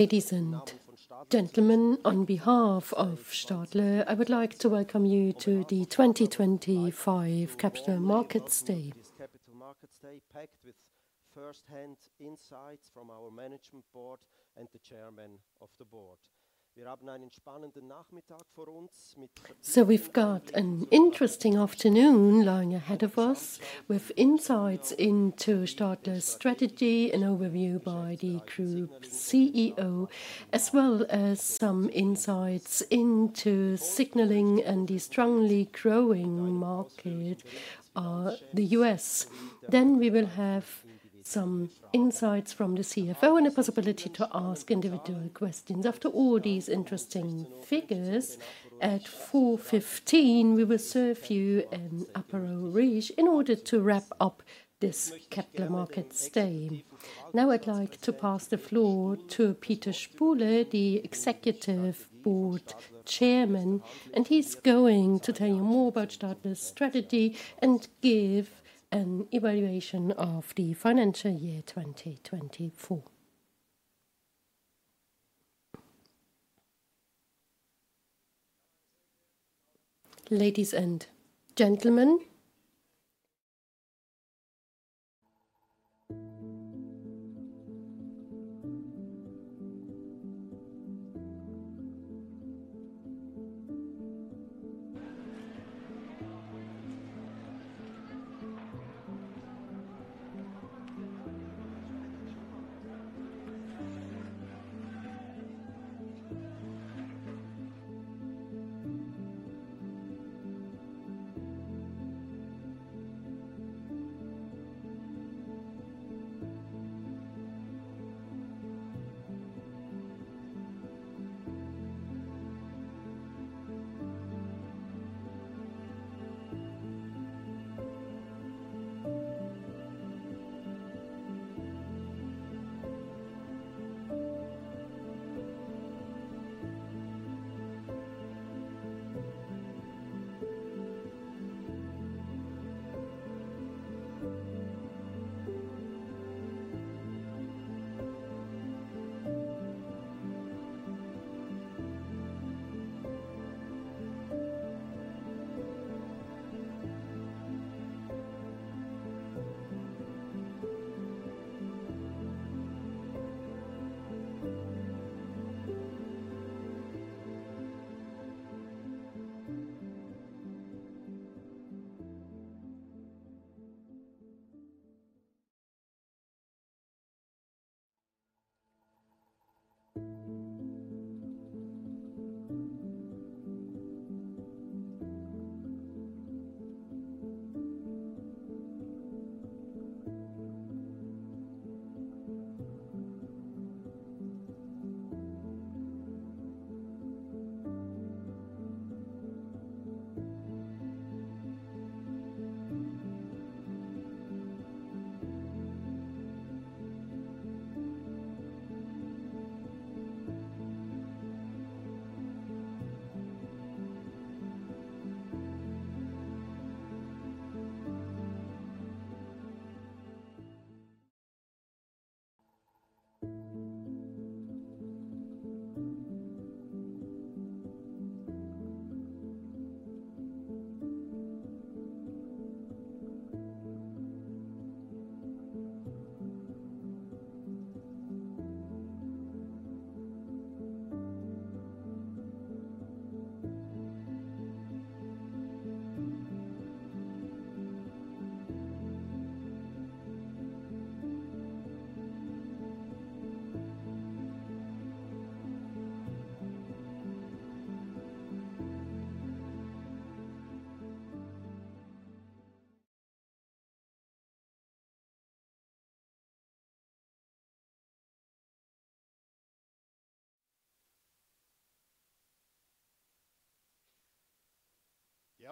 Ladies and gentlemen, on behalf of Stadler, I would like to welcome you to the 2025 Capital Markets Day. We have an interesting afternoon lying ahead of us, with insights into Stadler's strategy, an overview by the Group CEO, as well as some insights into Signalling and the strongly growing market, the U.S. We will have some insights from the CFO and a possibility to ask individual questions. After all these interesting figures, at 4:15 P.M., we will serve you an aperol range in order to wrap up this Capital Markets Day. Now I'd like to pass the floor to Peter Spuhler, the Executive Board Chairman, and he's going to tell you more about Stadler's strategy and give an evaluation of the financial year 2024. Ladies and gentlemen.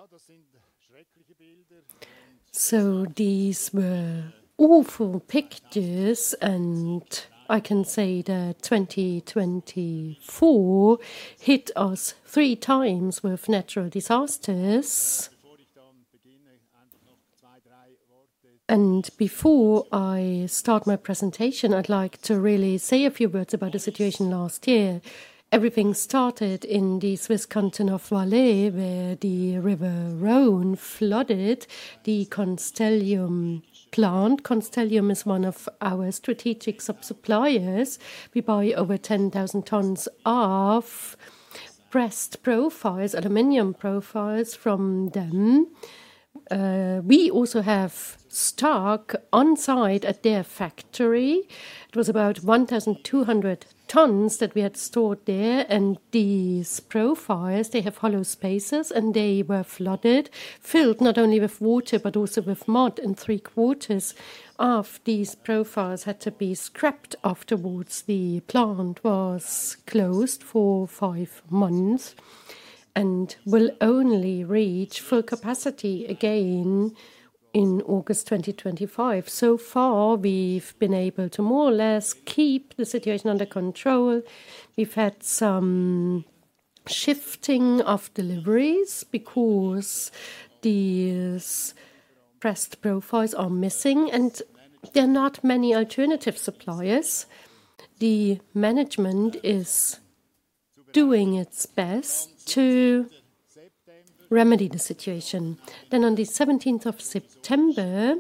Ja, das sind schreckliche Bilder. These were awful pictures, and I can say that 2024 hit us three times with natural disasters. Before I start my presentation, I'd like to really say a few words about the situation last year. Everything started in the Swiss canton of Valais, where the river Rhône flooded the Constellium plant. Constellium is one of our strategic suppliers. We buy over 10,000 tons of pressed profiles, aluminum profiles from them. We also have stock on site at their factory. It was about 1,200 tons that we had stored there. These profiles, they have hollow spaces, and they were flooded, filled not only with water but also with mud. Three quarters of these profiles had to be scrapped afterwards. The plant was closed for five months and will only reach full capacity again in August 2025. So far, we've been able to more or less keep the situation under control. We've had some shifting of deliveries because these pressed profiles are missing, and there are not many alternative suppliers. The management is doing its best to remedy the situation. On the 17th of September,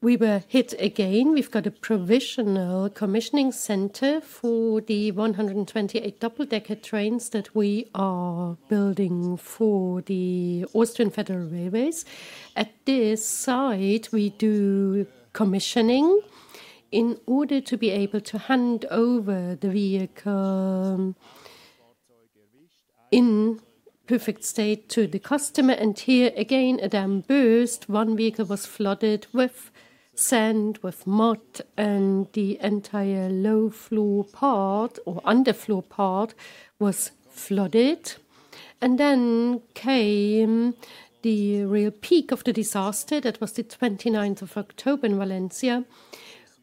we were hit again. We've got a provisional commissioning center for the 128 double-decker trains that we are building for the Austrian Federal Railways. At this site, we do commissioning in order to be able to hand over the vehicle in perfect state to the customer. Here again, a dam burst. One vehicle was flooded with sand, with mud, and the entire low floor part or underfloor part was flooded. Then came the real peak of the disaster. That was the 29th of October in Valencia,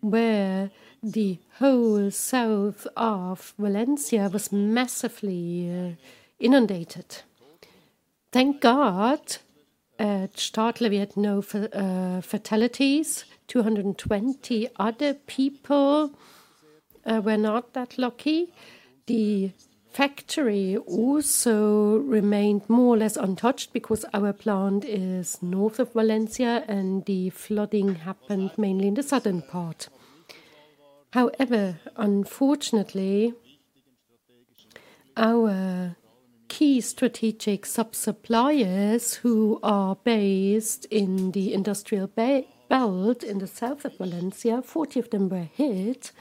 where the whole south of Valencia was massively inundated. Thank God at Stadler we had no fatalities. 220 other people were not that lucky. The factory also remained more or less untouched because our plant is north of Valencia, and the flooding happened mainly in the southern part. However, unfortunately, our key strategic sub-suppliers, who are based in the industrial belt in the south of Valencia, 40 of them were hit.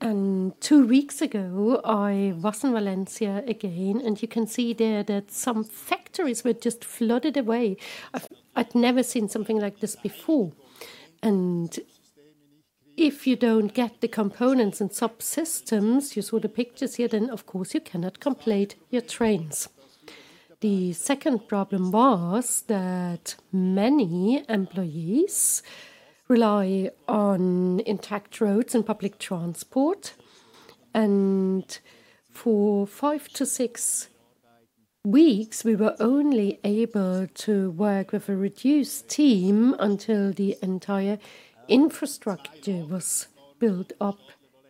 Two weeks ago, I was in Valencia again, and you can see there that some factories were just flooded away. I'd never seen something like this before. If you don't get the components and subsystems, you saw the pictures here, then of course you cannot complete your trains. The second problem was that many employees rely on intact roads and public transport. For five to six weeks, we were only able to work with a reduced team until the entire infrastructure was built up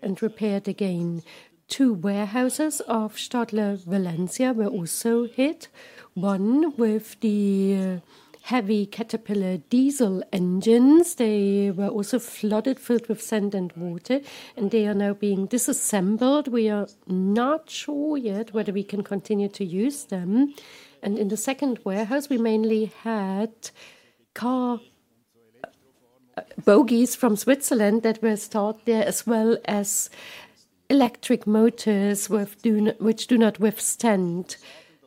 and repaired again. Two warehouses of Stadler Valencia were also hit, one with the heavy Caterpillar diesel engines. They were also flooded, filled with sand and water, and they are now being disassembled. We are not sure yet whether we can continue to use them. In the second warehouse, we mainly had car bogies from Switzerland that were stored there, as well as electric motors which do not withstand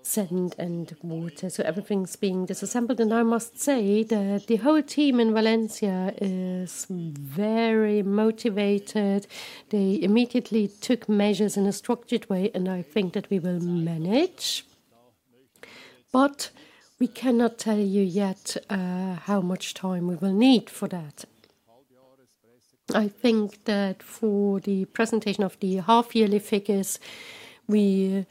sand and water. Everything's being disassembled. I must say that the whole team in Valencia is very motivated. They immediately took measures in a structured way, and I think that we will manage. We cannot tell you yet how much time we will need for that. I think that for the presentation of the half-yearly figures, we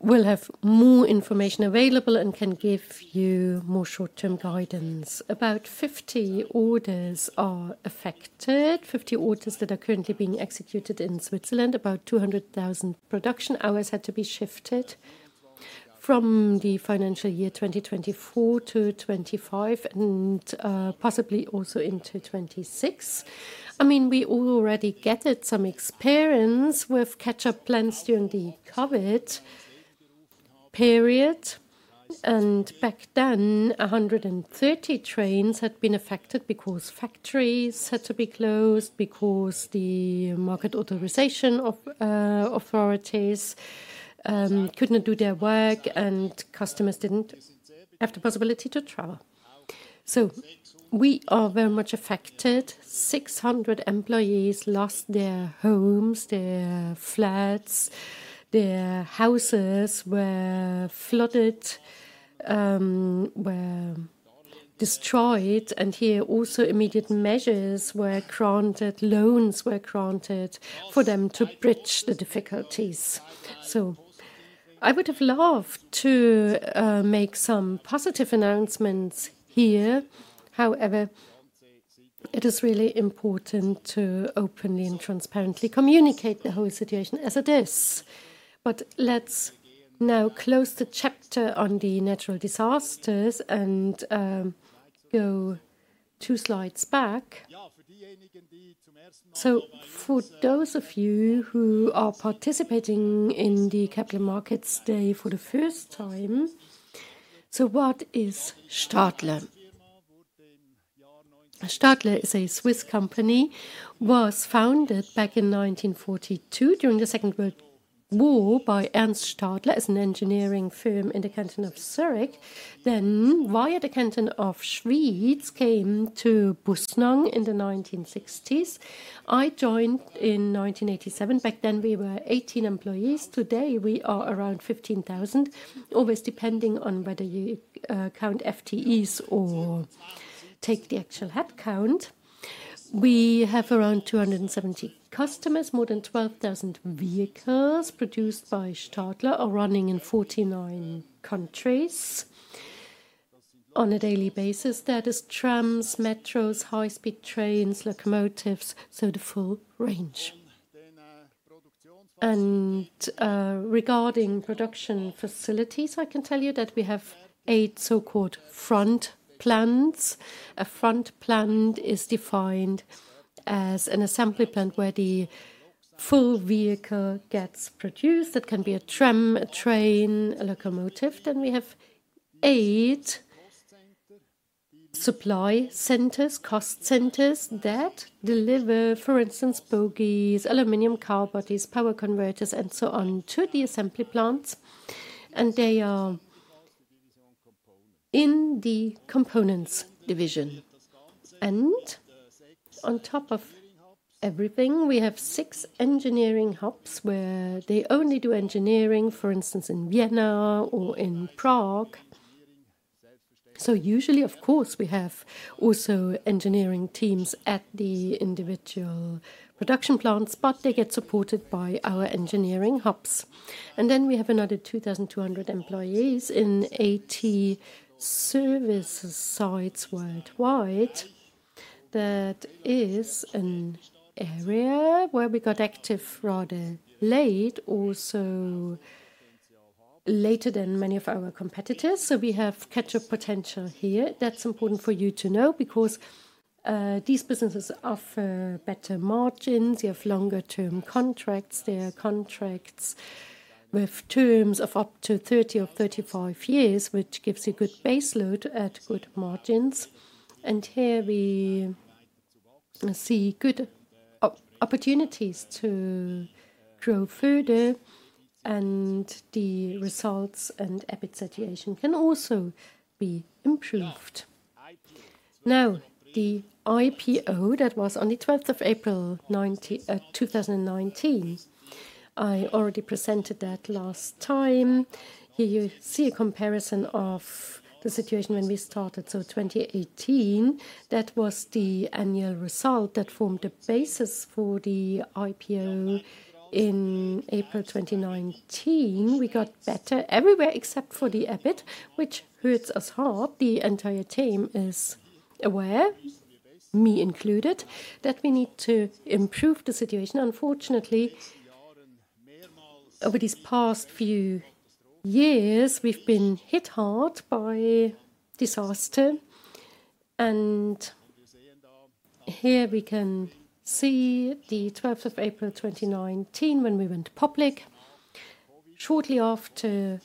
will have more information available and can give you more short-term guidance. About 50 orders are affected, 50 orders that are currently being executed in Switzerland. About 200,000 production hours had to be shifted from the financial year 2024-2025 and possibly also into 2026. I mean, we already gathered some experience with catch-up plans during the COVID period. Back then, 130 trains had been affected because factories had to be closed, because the market authorization authorities could not do their work, and customers did not have the possibility to travel. We are very much affected. 600 employees lost their homes, their flats, their houses were flooded, were destroyed. Here also, immediate measures were granted, loans were granted for them to bridge the difficulties. I would have loved to make some positive announcements here. However, it is really important to openly and transparently communicate the whole situation as it is. Let's now close the chapter on the natural disasters and go two slides back. For those of you who are participating in the Capital Markets Day for the first time, what is Stadler? Stadler is a Swiss company, was founded back in 1942 during the Second World War by Ernst Stadler as an engineering firm in the canton of Zurich. Via the canton of Schwyz, it came to Bussnang in the 1960s. I joined in 1987. Back then, we were 18 employees. Today, we are around 15,000, always depending on whether you count FTEs or take the actual headcount. We have around 270 customers, more than 12,000 vehicles produced by Stadler are running in 49 countries on a daily basis. That is trams, metros, high-speed trains, locomotives, so the full range. Regarding production facilities, I can tell you that we have eight so-called front plants. A front plant is defined as an assembly plant where the full vehicle gets produced. That can be a tram, a train, a locomotive. We have eight supply centers, cost centers that deliver, for instance, bogies, aluminum car bodies, power converters, and so on to the assembly plants. They are in the components division. On top of everything, we have six engineering hubs where they only do engineering, for instance, in Vienna or in Prague. Usually, of course, we have also engineering teams at the individual production plants, but they get supported by our engineering hubs. We have another 2,200 employees in 80 service sites worldwide. That is an area where we got active rather late, also later than many of our competitors. We have catch-up potential here. That's important for you to know because these businesses offer better margins. You have longer-term contracts. They are contracts with terms of up to 30 or 35 years, which gives you good base load at good margins. Here we see good opportunities to grow further, and the results and EBIT situation can also be improved. Now, the IPO that was on the 12th of April 2019, I already presented that last time. Here you see a comparison of the situation when we started. So 2018, that was the annual result that formed the basis for the IPO in April 2019. We got better everywhere except for the EBIT, which hurts us hard. The entire team is aware, me included, that we need to improve the situation. Unfortunately, over these past few years, we've been hit hard by disaster. Here we can see the 12th of April 2019 when we went public, shortly after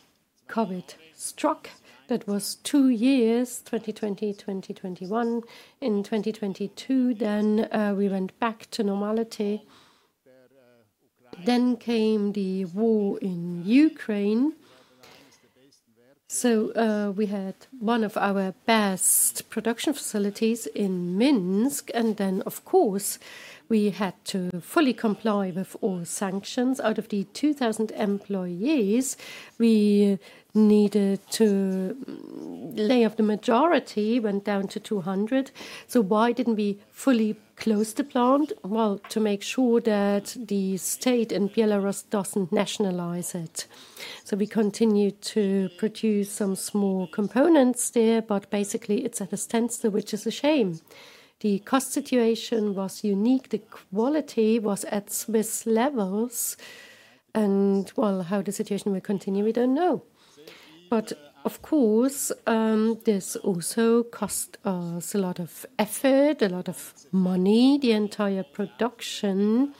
COVID struck. That was two years, 2020, 2021. In 2022, we went back to normality. Came the war in Ukraine. We had one of our best production facilities in Minsk. Of course, we had to fully comply with all sanctions. Out of the 2,000 employees, we needed to lay off the majority, went down to 200. Why didn't we fully close the plant? To make sure that the state in Belarus doesn't nationalize it. We continued to produce some small components there, but basically it's at a standstill, which is a shame. The cost situation was unique. The quality was at Swiss levels. How the situation will continue, we don't know. Of course, this also cost us a lot of effort, a lot of money. The entire production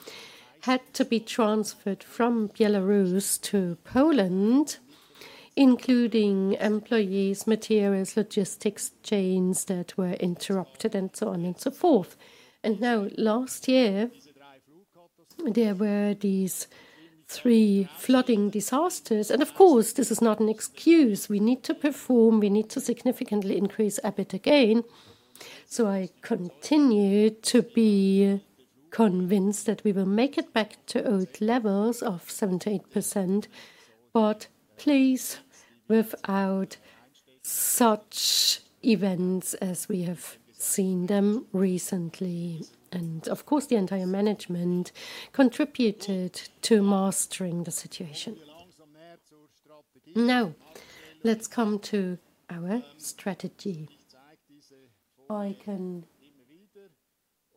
had to be transferred from Minsk to Poland, including employees, materials, logistics chains that were interrupted, and so on and so forth. Last year, there were these three flooding disasters. This is not an excuse. We need to perform. We need to significantly increase EBIT again. I continue to be convinced that we will make it back to old levels of 7%-8%. Please, without such events as we have seen them recently. The entire management contributed to mastering the situation. Now, let's come to our strategy. I can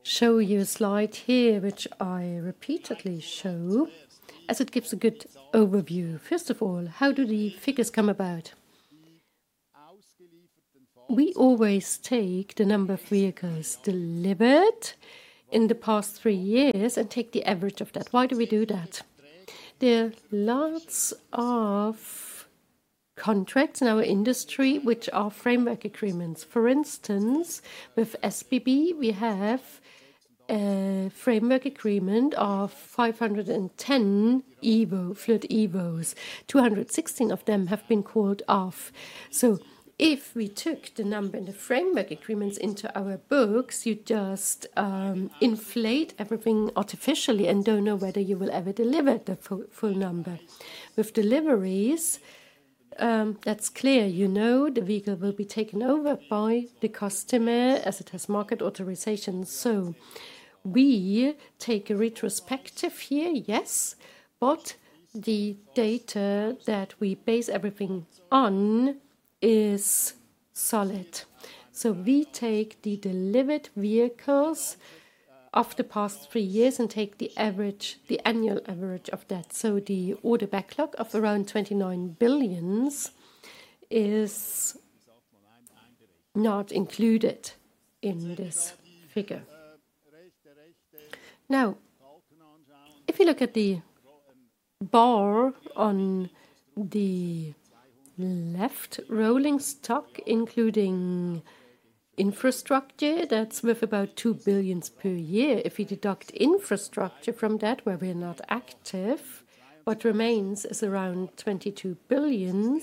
show you a slide here, which I repeatedly show as it gives a good overview. First of all, how do the figures come about? We always take the number of vehicles delivered in the past three years and take the average of that. Why do we do that? There are lots of contracts in our industry which are framework agreements. For instance, with SBB, we have a framework agreement of 510 Evo, FLIRT Evo's. 216 of them have been called off. If we took the number in the framework agreements into our books, you just inflate everything artificially and don't know whether you will ever deliver the full number. With deliveries, that's clear. You know the vehicle will be taken over by the customer as it has market authorization. We take a retrospective here, yes. The data that we base everything on is solid. We take the delivered vehicles of the past three years and take the average, the annual average of that. The order backlog of around 29 billion is not included in this figure. Now, if you look at the bar on the left, rolling stock including infrastructure, that's worth about 2 billion per year. If you deduct infrastructure from that, where we are not active, what remains is around 22 billion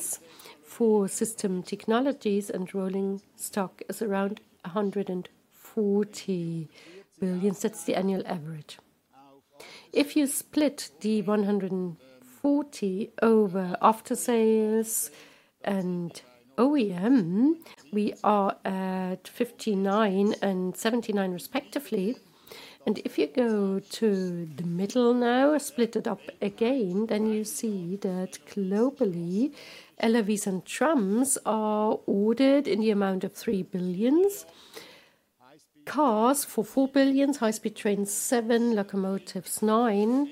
for system technologies, and rolling stock is around 140 billion. That's the annual average. If you split the 140 over after-sales and OEM, we are at 59 and 79 respectively. If you go to the middle now, split it up again, then you see that globally, LRVs and trams are ordered in the amount of 3 billion. Cars for 4 billion, high-speed trains 7 billion, locomotives 9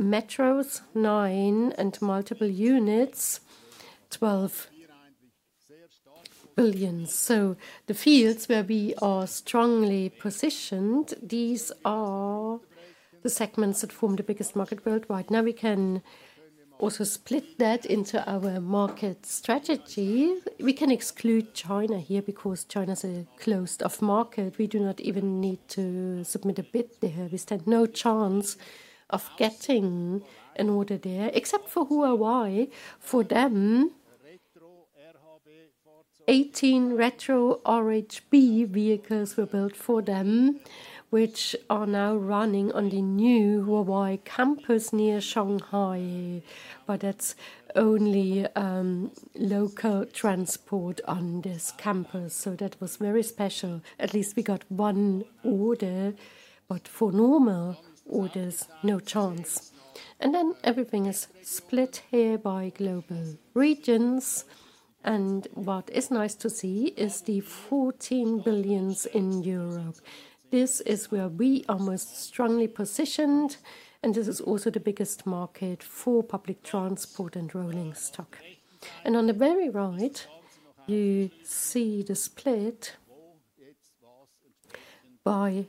billion, metros 9 billion, and multiple units 12 billion. The fields where we are strongly positioned, these are the segments that form the biggest market worldwide. Now, we can also split that into our market strategy. We can exclude China here because China is a closed-off market. We do not even need to submit a bid there. We stand no chance of getting an order there, except for Huawei. For them, 18 retro RhB vehicles were built for them, which are now running on the new Huawei campus near Shanghai. That is only local transport on this campus. That was very special. At least we got one order. For normal orders, no chance. Everything is split here by global regions. What is nice to see is the 14 billion in Europe. This is where we are most strongly positioned. This is also the biggest market for public transport and rolling stock. On the very right, you see the split by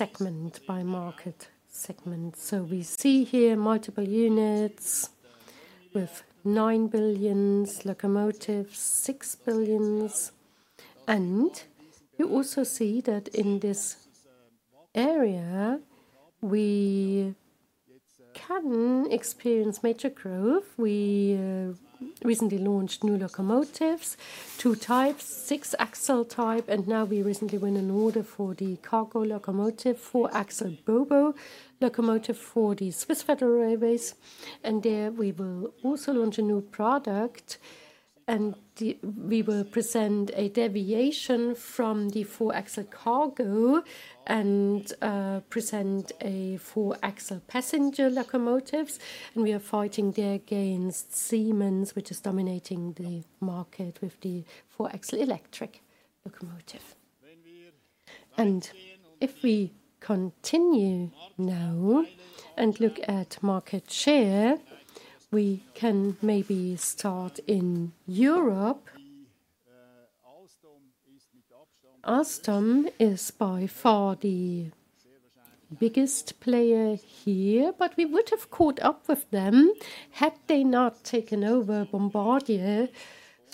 segment, by market segment. We see here multiple units with 9 billion, locomotives, 6 billion. You also see that in this area, we can experience major growth. We recently launched new locomotives, two types, six-axle type. We recently won an order for the cargo locomotive, four-axle Bo’Bo’ locomotive for the Swiss Federal Railways. There we will also launch a new product. We will present a deviation from the four-axle cargo and present a four-axle passenger locomotive. We are fighting there against Siemens, which is dominating the market with the four-axle electric locomotive. If we continue now and look at market share, we can maybe start in Europe. Alstom is by far the biggest player here, but we would have caught up with them had they not taken over Bombardier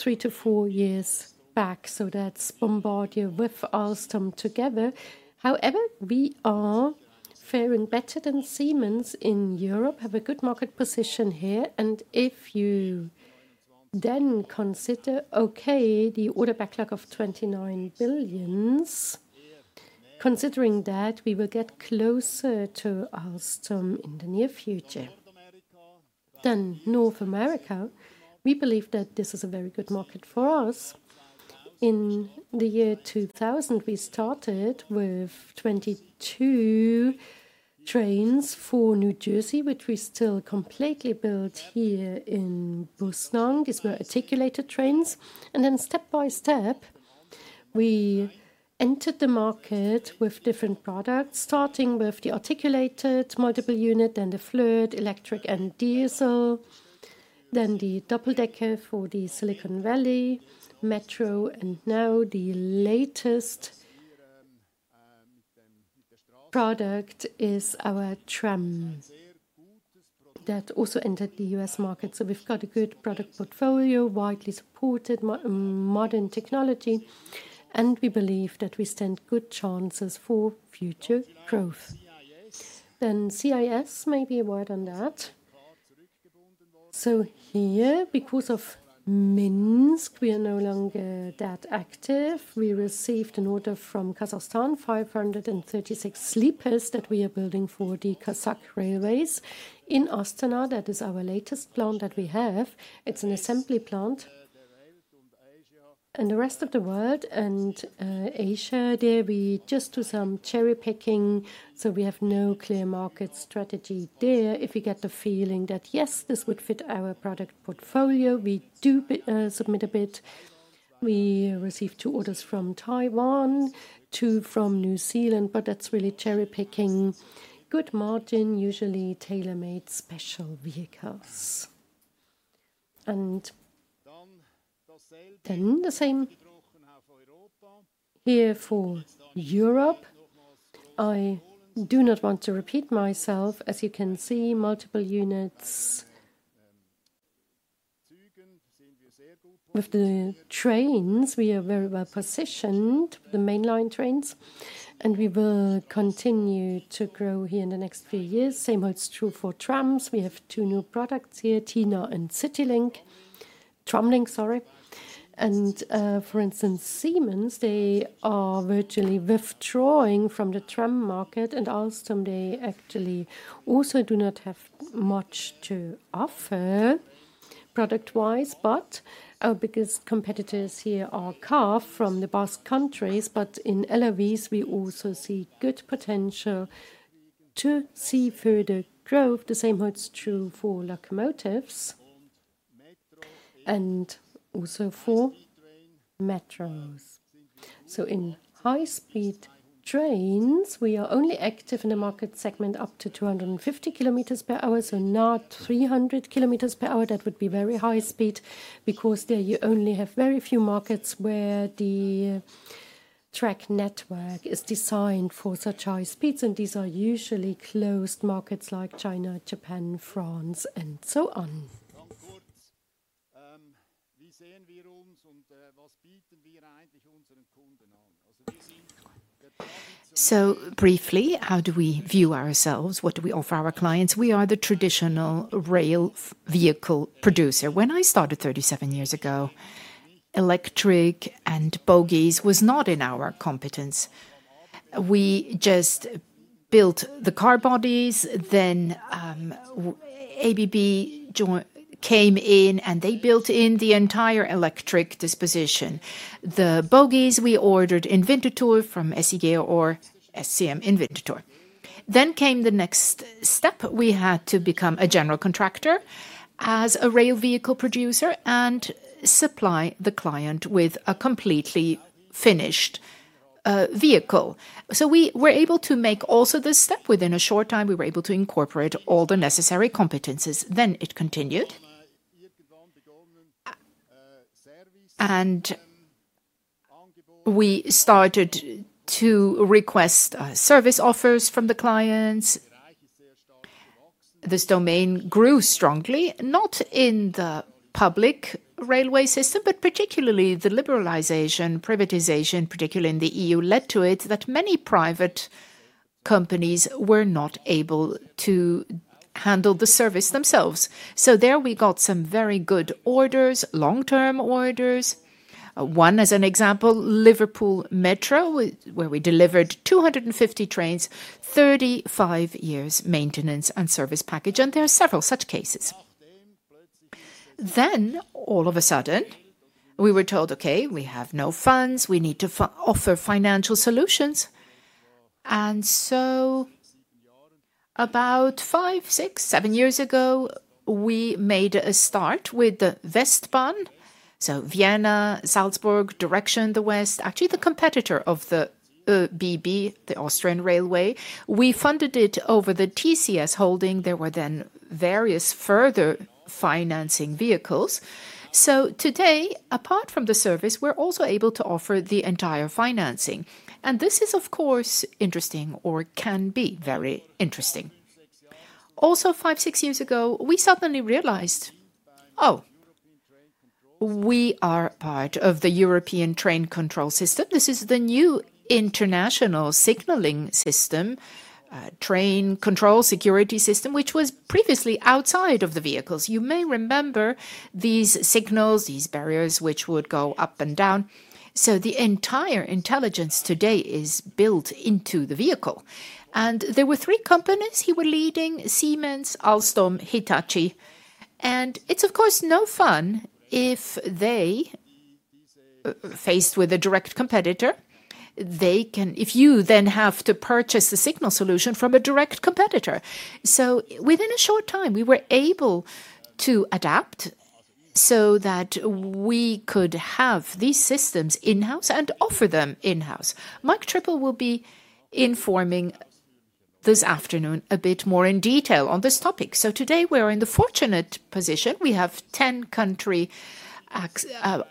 three to four years back. That is Bombardier with Alstom together. However, we are faring better than Siemens in Europe, have a good market position here. If you then consider, okay, the order backlog of 29 billion, considering that we will get closer to Alstom in the near future. North America, we believe that this is a very good market for us. In the year 2000, we started with 22 trains for New Jersey, which we still completely built here in Bussnang. These were articulated trains. Step by step, we entered the market with different products, starting with the articulated multiple unit and the FLIRT electric and diesel, then the double-decker for the Silicon Valley metro. Now the latest product is our tram that also entered the U.S. market. We have got a good product portfolio, widely supported modern technology. We believe that we stand good chances for future growth. CIS, maybe a word on that. Here, because of Minsk, we are no longer that active. We received an order from Kazakhstan, 536 sleepers that we are building for the Kazakh railways in Astana. That is our latest plant that we have. It's an assembly plant. The rest of the world and Asia, there we just do some cherry picking. We have no clear market strategy there. If you get the feeling that, yes, this would fit our product portfolio, we do submit a bit. We received two orders from Taiwan, two from New Zealand, but that's really cherry picking, good margin, usually tailor-made special vehicles. The same here for Europe. I do not want to repeat myself. As you can see, multiple units with the trains, we are very well positioned, the mainline trains. We will continue to grow here in the next few years. The same holds true for trams. We have two new products here, TINA and CITYLINK, TRAMLINK, sorry. For instance, Siemens, they are virtually withdrawing from the tram market. Alstom, they actually also do not have much to offer product-wise, because competitors here are CAF from the Basque countries. In LRVs, we also see good potential to see further growth. The same holds true for locomotives and also for metros. In high-speed trains, we are only active in a market segment up to 250 km per hour, not 300 km per hour. That would be very high speed, because there you only have very few markets where the track network is designed for such high speeds. These are usually closed markets like China, Japan, France, and so on. Briefly, how do we view ourselves? What do we offer our clients? We are the traditional rail vehicle producer. When I started 37 years ago, electric and bogies was not in our competence. We just built the car bodies. Then ABB came in and they built in the entire electric disposition. The bogies we ordered in Winterthur from SEG or SCM in Winterthur. The next step came. We had to become a general contractor as a rail vehicle producer and supply the client with a completely finished vehicle. We were able to make also this step within a short time. We were able to incorporate all the necessary competencies. It continued. We started to request service offers from the clients. This domain grew strongly, not in the public railway system, but particularly the liberalization, privatization, particularly in the EU led to it that many private companies were not able to handle the service themselves. There we got some very good orders, long-term orders. One as an example, Liverpool Metro, where we delivered 250 trains, 35 years maintenance and service package. There are several such cases. All of a sudden, we were told, okay, we have no funds. We need to offer financial solutions. About five, six, seven years ago, we made a start with the WESTbahn. Vienna, Salzburg, direction the west, actually the competitor of the ÖBB, the Austrian Railway. We funded it over the TCS holding. There were then various further financing vehicles. Today, apart from the service, we're also able to offer the entire financing. This is, of course, interesting or can be very interesting. Also, five, six years ago, we suddenly realized, oh, we are part of the European Train Control System. This is the new international signalling system, train control security system, which was previously outside of the vehicles. You may remember these signals, these barriers which would go up and down. The entire intelligence today is built into the vehicle. There were three companies who were leading: Siemens, Alstom, Hitachi. It is, of course, no fun if they are faced with a direct competitor. They can, if you then have to purchase the signalling solution from a direct competitor. Within a short time, we were able to adapt so that we could have these systems in-house and offer them in-house. Marc Trippel will be informing this afternoon a bit more in detail on this topic. Today, we're in the fortunate position. We have 10 country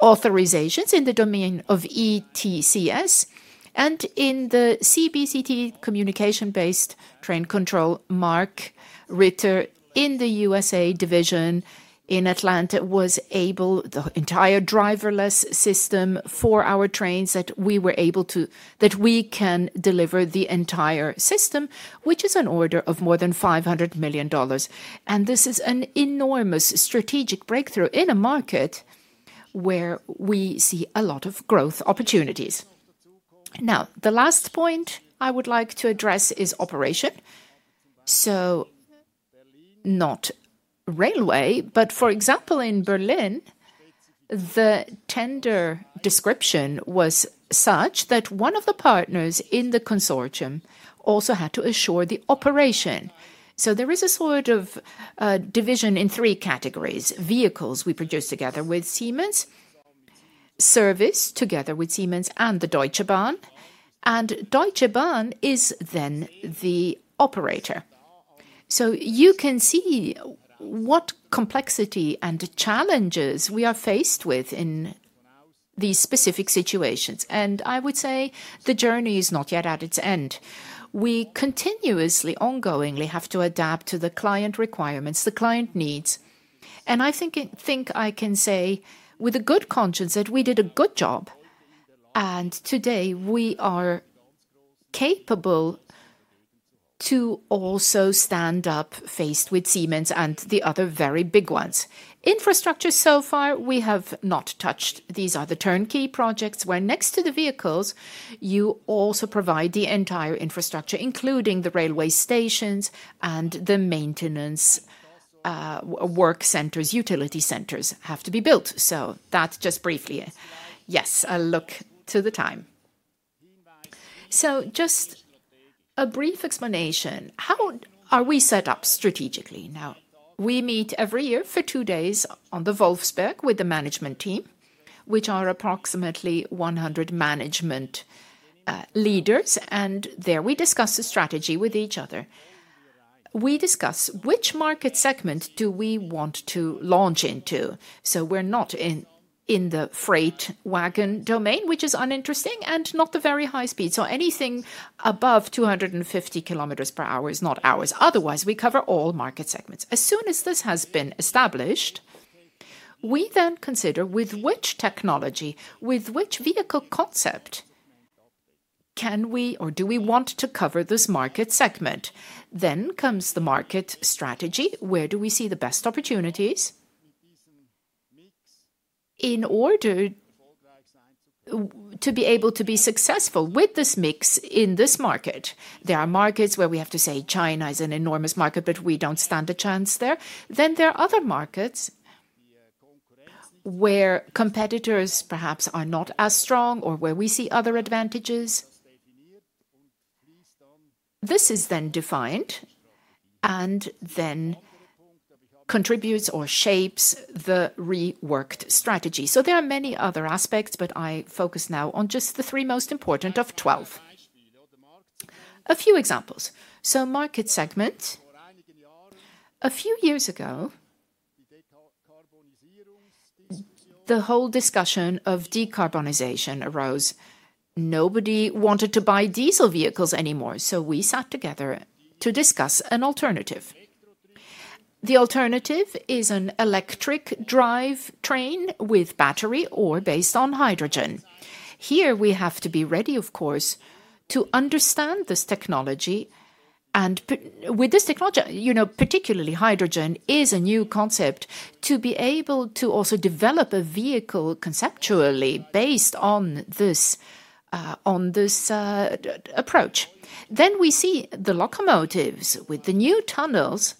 authorizations in the domain of ETCS and in the CBTC communication-based train control market. Ritter in the USA division in Atlanta was able, the entire driverless system for our trains that we were able to, that we can deliver the entire system, which is an order of more than $500 million. This is an enormous strategic breakthrough in a market where we see a lot of growth opportunities. The last point I would like to address is operation. Not railway, but for example, in Berlin, the tender description was such that one of the partners in the consortium also had to assure the operation. There is a sort of division in three categories: vehicles we produce together with Siemens, service together with Siemens and the Deutsche Bahn, and Deutsche Bahn is then the operator. You can see what complexity and challenges we are faced with in these specific situations. I would say the journey is not yet at its end. We continuously, ongoingly have to adapt to the client requirements, the client needs. I think I can say with a good conscience that we did a good job. Today, we are capable to also stand up faced with Siemens and the other very big ones. Infrastructure so far, we have not touched. These are the turnkey projects where next to the vehicles, you also provide the entire infrastructure, including the railway stations and the maintenance work centers, utility centers have to be built. That just briefly, yes, a look to the time. Just a brief explanation. How are we set up strategically? Now, we meet every year for two days on the Wolfsberg with the management team, which are approximately 100 management leaders. There we discuss the strategy with each other. We discuss which market segment do we want to launch into. We are not in the freight wagon domain, which is uninteresting and not the very high speed. Anything above 250 km per hour is not ours. Otherwise, we cover all market segments. As soon as this has been established, we then consider with which technology, with which vehicle concept can we or do we want to cover this market segment. Next comes the market strategy. Where do we see the best opportunities in order to be able to be successful with this mix in this market? There are markets where we have to say China is an enormous market, but we do not stand a chance there. There are other markets where competitors perhaps are not as strong or where we see other advantages. This is then defined and then contributes or shapes the reworked strategy. There are many other aspects, but I focus now on just the three most important of 12. A few examples. Market segment. A few years ago, the whole discussion of decarbonization arose. Nobody wanted to buy diesel vehicles anymore. We sat together to discuss an alternative. The alternative is an electric drive train with battery or based on hydrogen. Here we have to be ready, of course, to understand this technology. And with this technology, you know, particularly hydrogen is a new concept to be able to also develop a vehicle conceptually based on this approach. We see the locomotives with the new tunnels,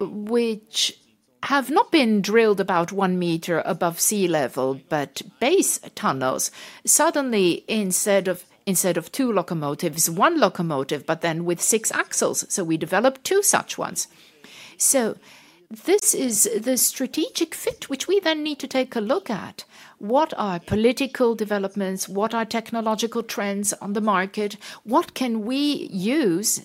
which have not been drilled about 1 meter above sea level, but base tunnels. Suddenly, instead of two locomotives, one locomotive, but then with six axles. We developed two such ones. This is the strategic fit, which we then need to take a look at. What are political developments? What are technological trends on the market? What can we use?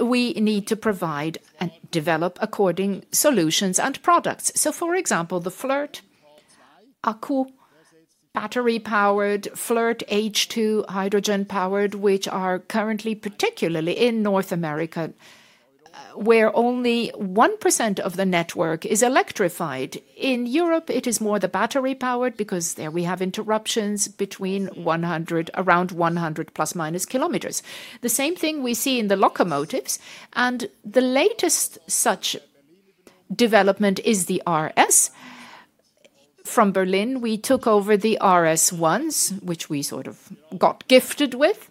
We need to provide and develop according solutions and products. For example, the FLIRT Akku battery-powered, FLIRT H2 hydrogen-powered, which are currently particularly in North America, where only 1% of the network is electrified. In Europe, it is more the battery-powered because there we have interruptions between 100, around 100 plus minus km. The same thing we see in the locomotives. The latest such development is the RS from Berlin. We took over the RS once, which we sort of got gifted with.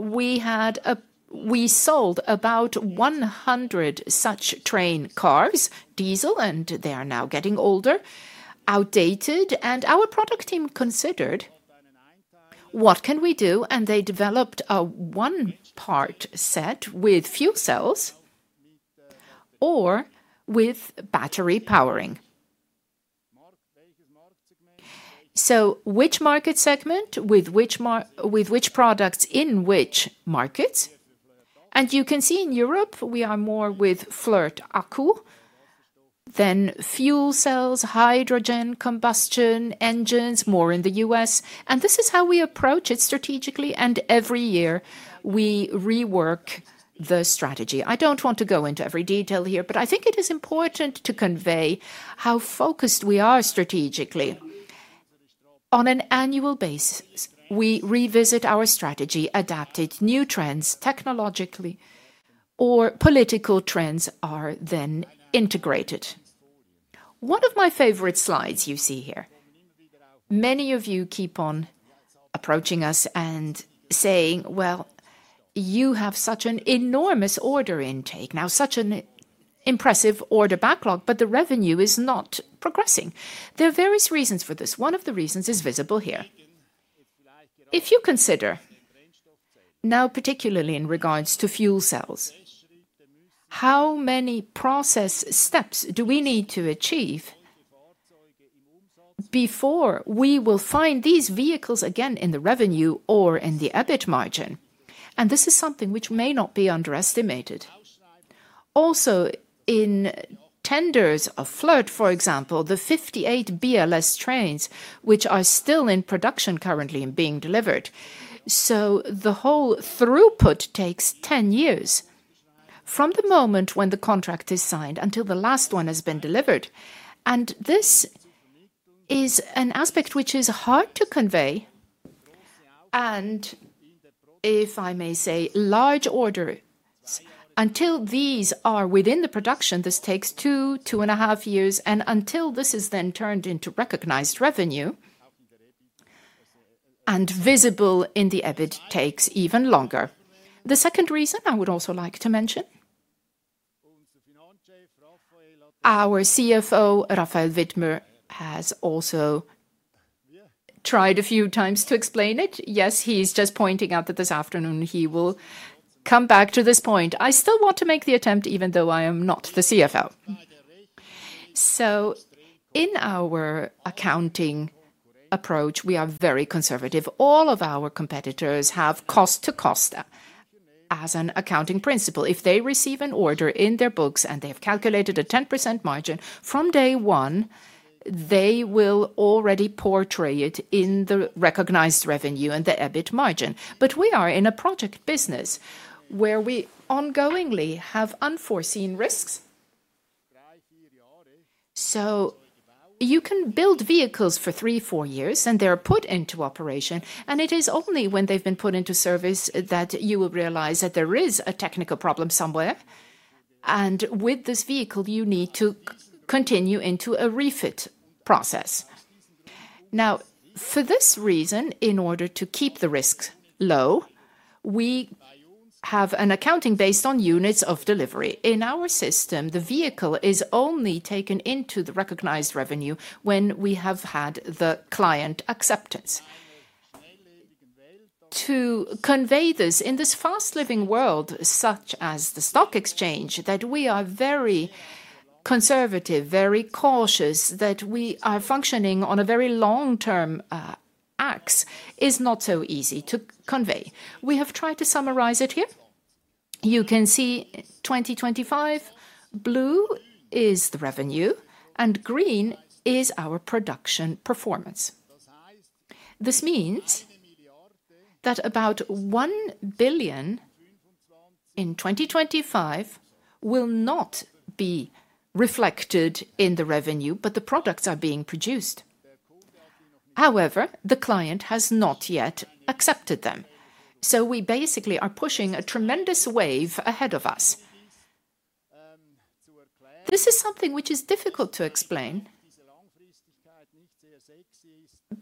We had a, we sold about 100 such train cars, diesel, and they are now getting older, outdated. Our product team considered what can we do? They developed a one-part set with fuel cells or with battery powering. Which market segment with which products in which markets? You can see in Europe, we are more with FLIRT Akku than fuel cells, hydrogen combustion engines, more in the U.S. This is how we approach it strategically. Every year we rework the strategy. I do not want to go into every detail here, but I think it is important to convey how focused we are strategically. On an annual basis, we revisit our strategy, adapted new trends technologically or political trends are then integrated. One of my favorite slides you see here. Many of you keep on approaching us and saying, well, you have such an enormous order intake, now such an impressive order backlog, but the revenue is not progressing. There are various reasons for this. One of the reasons is visible here. If you consider now, particularly in regards to fuel cells, how many process steps do we need to achieve before we will find these vehicles again in the revenue or in the EBIT margin? This is something which may not be underestimated. Also in tenders of FLIRT, for example, the 58 BLS trains, which are still in production currently and being delivered. The whole throughput takes 10 years from the moment when the contract is signed until the last one has been delivered. This is an aspect which is hard to convey. If I may say, large orders, until these are within the production, this takes two, two and a half years. Until this is then turned into recognized revenue and visible in the EBIT, it takes even longer. The second reason I would also like to mention, our CFO, Raphael Widmer, has also tried a few times to explain it. Yes, he's just pointing out that this afternoon he will come back to this point. I still want to make the attempt, even though I am not the CFO. In our accounting approach, we are very conservative. All of our competitors have cost to cost as an accounting principle. If they receive an order in their books and they have calculated a 10% margin from day one, they will already portray it in the recognized revenue and the EBIT margin. We are in a project business where we ongoingly have unforeseen risks. You can build vehicles for three, four years, and they're put into operation. It is only when they've been put into service that you will realize that there is a technical problem somewhere. With this vehicle, you need to continue into a refit process. For this reason, in order to keep the risk low, we have an accounting based on units of delivery. In our system, the vehicle is only taken into the recognized revenue when we have had the client acceptance. To convey this in this fast living world, such as the stock exchange, that we are very conservative, very cautious, that we are functioning on a very long-term axis is not so easy to convey. We have tried to summarize it here. You can see 2025, blue is the revenue and green is our production performance. This means that about 1 billion in 2025 will not be reflected in the revenue, but the products are being produced. However, the client has not yet accepted them. We basically are pushing a tremendous wave ahead of us. This is something which is difficult to explain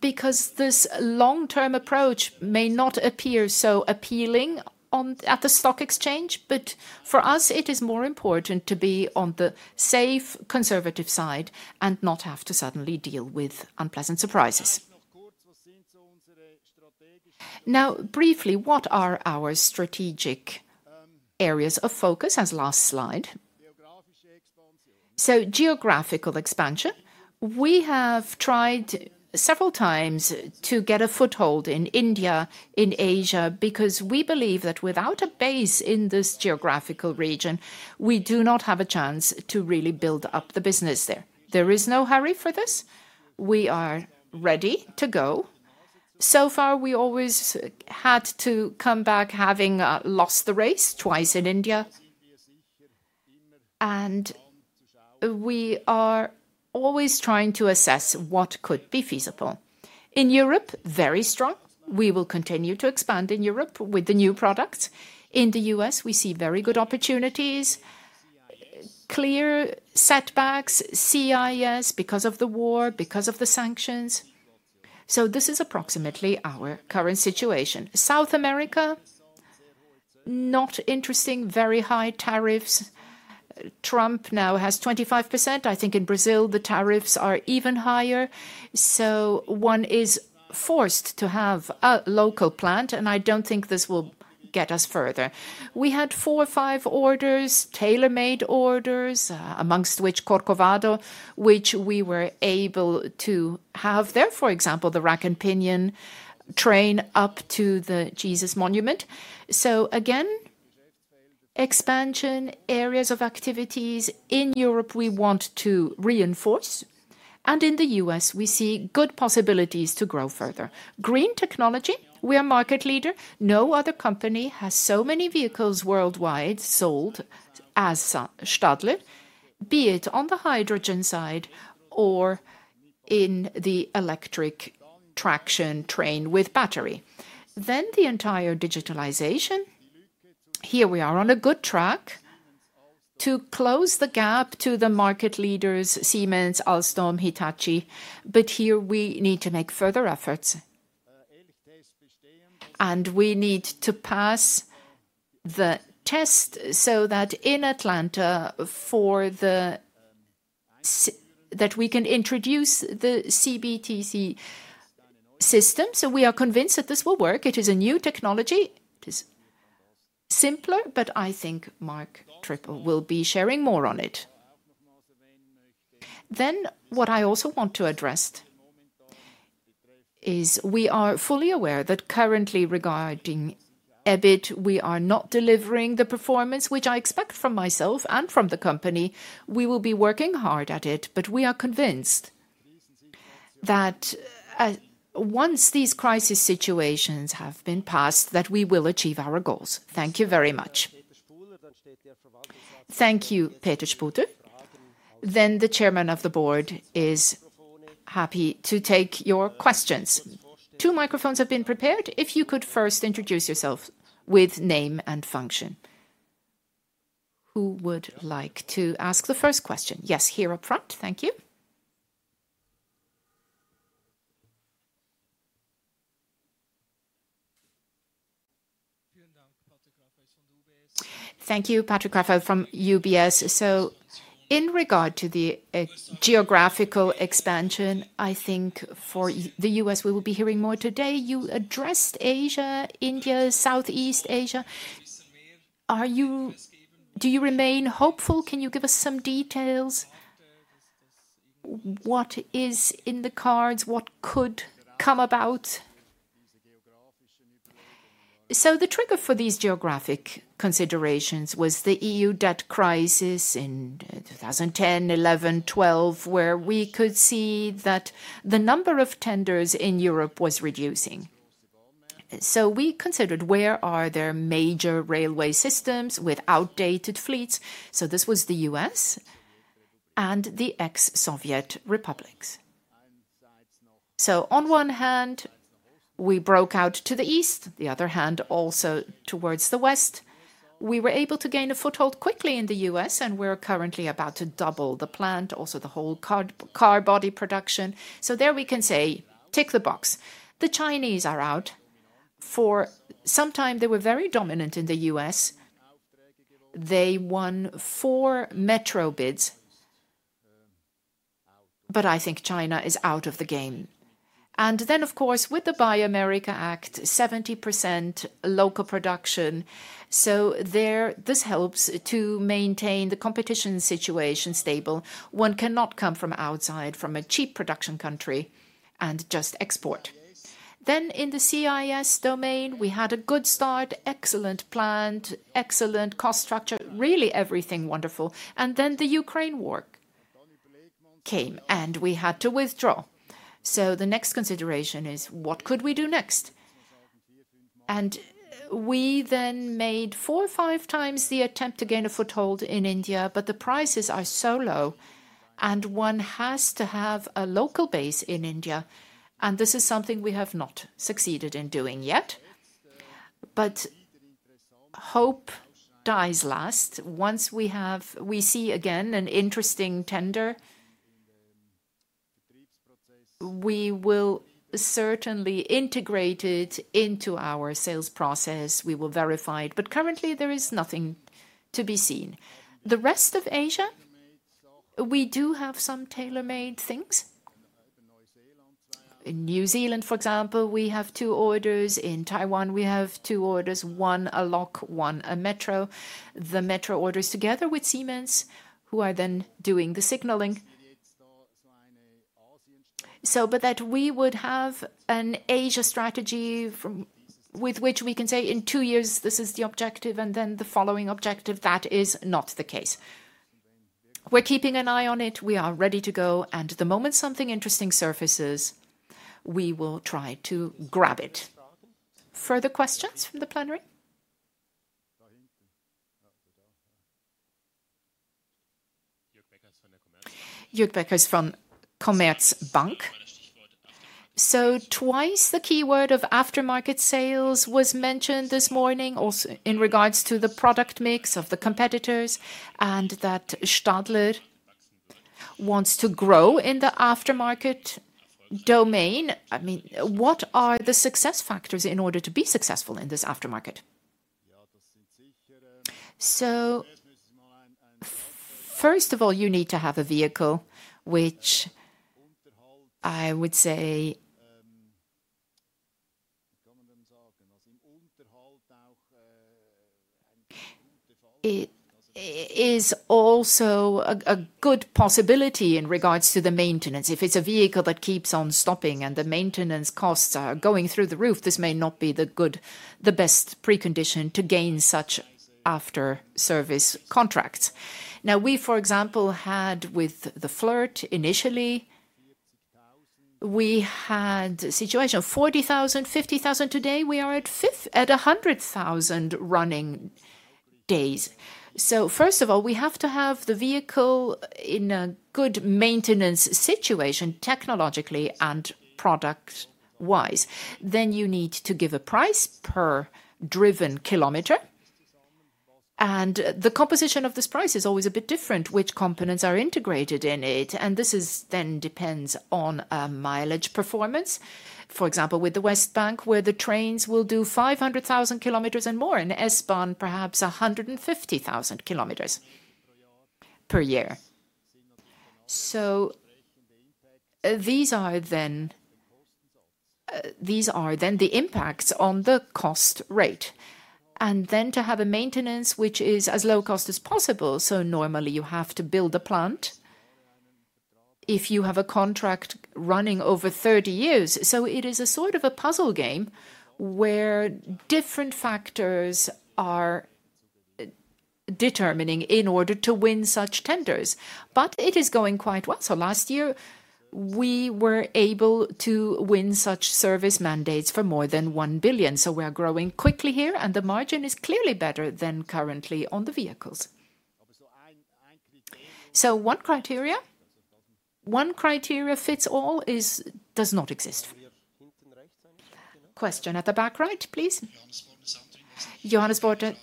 because this long-term approach may not appear so appealing at the stock exchange, but for us, it is more important to be on the safe, conservative side and not have to suddenly deal with unpleasant surprises. Now, briefly, what are our strategic areas of focus as last slide? Geographical expansion. We have tried several times to get a foothold in India, in Asia, because we believe that without a base in this geographical region, we do not have a chance to really build up the business there. There is no hurry for this. We are ready to go. So far, we always had to come back having lost the race twice in India. We are always trying to assess what could be feasible. In Europe, very strong. We will continue to expand in Europe with the new products. In the U.S., we see very good opportunities, clear setbacks, CIS because of the war, because of the sanctions. This is approximately our current situation. South America, not interesting, very high tariffs. Trump now has 25%. I think in Brazil, the tariffs are even higher. One is forced to have a local plant, and I don't think this will get us further. We had four or five orders, tailor-made orders, amongst which Corcovado, which we were able to have there, for example, the rack and pinion train up to the Jesus monument. Again, expansion, areas of activities in Europe we want to reinforce. In the U.S., we see good possibilities to grow further. Green technology, we are market leader. No other company has so many vehicles worldwide sold as Stadler, be it on the hydrogen side or in the electric traction train with battery. Then the entire digitalization. Here we are on a good track to close the gap to the market leaders, Siemens, Alstom, Hitachi. Here we need to make further efforts. We need to pass the test so that in Atlanta for the, that we can introduce the CBTC system. We are convinced that this will work. It is a new technology. It is simpler, but I think Marc Trippel will be sharing more on it. What I also want to address is we are fully aware that currently regarding EBIT, we are not delivering the performance which I expect from myself and from the company. We will be working hard at it, but we are convinced that once these crisis situations have been passed, we will achieve our goals. Thank you very much. Thank you, Peter Spuhler. The Chairman of the Board is happy to take your questions. Two microphones have been prepared. If you could first introduce yourself with name and function. Who would like to ask the first question? Yes, here up front. Thank you. Thank you, Patrick Rafaisz from UBS. In regard to the geographical expansion, I think for the U.S., we will be hearing more today. You addressed Asia, India, Southeast Asia. Do you remain hopeful? Can you give us some details? What is in the cards? What could come about? The trigger for these geographic considerations was the EU debt crisis in 2010, 2011, 2012, where we could see that the number of tenders in Europe was reducing. We considered where are there major railway systems with outdated fleets. This was the U.S. and the ex-Soviet republics. On one hand, we broke out to the east. On the other hand, also towards the west, we were able to gain a foothold quickly in the U.S. and we're currently about to double the plant, also the whole car body production. There we can say, tick the box. The Chinese are out for some time. They were very dominant in the U.S. They won four METRO bids, but I think China is out of the game. Of course, with the Buy America Act, 70% local production. This helps to maintain the competition situation stable. One cannot come from outside from a cheap production country and just export. In the CIS domain, we had a good start, excellent plant. Excellent cost structure, really everything wonderful. Then the Ukraine war came and we had to withdraw. The next consideration is what could we do next? We then made four or five times the attempt to gain a foothold in India, but the prices are so low and one has to have a local base in India. This is something we have not succeeded in doing yet. Hope dies last. Once we have, we see again an interesting tender, we will certainly integrate it into our sales process. We will verify it. Currently, there is nothing to be seen. The rest of Asia, we do have some tailor-made things. In New Zealand, for example, we have two orders. In Taiwan, we have two orders, one a loco, one a METRO. The METRO orders together with Siemens, who are then doing the signalling. That we would have an Asia strategy with which we can say in two years, this is the objective and then the following objective. That is not the case. We're keeping an eye on it. We are ready to go. The moment something interesting surfaces, we will try to grab it. Further questions from the plenary? Jörg Beckers from Commerzbank. Twice the keyword of aftermarket sales was mentioned this morning also in regards to the product mix of the competitors and that Stadler wants to grow in the aftermarket domain. I mean, what are the success factors in order to be successful in this aftermarket? First of all, you need to have a vehicle, which I would say is also a good possibility in regards to the maintenance. If it's a vehicle that keeps on stopping and the maintenance costs are going through the roof, this may not be the good, the best precondition to gain such after-service contracts. Now, we, for example, had with the FLIRT initially, we had a situation of 40,000, 50,000 today. We are at 100,000 running days. First of all, we have to have the vehicle in a good maintenance situation technologically and product-wise. You need to give a price per driven km. The composition of this price is always a bit different, which components are integrated in it. This then depends on mileage performance. For example, with the WESTbahn, where the trains will do 500,000 km and more and S-Bahn perhaps 150,000 km per year. These are then the impacts on the cost rate. To have a maintenance, which is as low cost as possible. Normally you have to build a plant if you have a contract running over 30 years. It is a sort of a puzzle game where different factors are determining in order to win such tenders. It is going quite well. Last year, we were able to win such service mandates for more than 1 billion. We are growing quickly here and the margin is clearly better than currently on the vehicles. One criteria, one criteria fits all does not exist. Question at the back right, please. Johannes Bordten,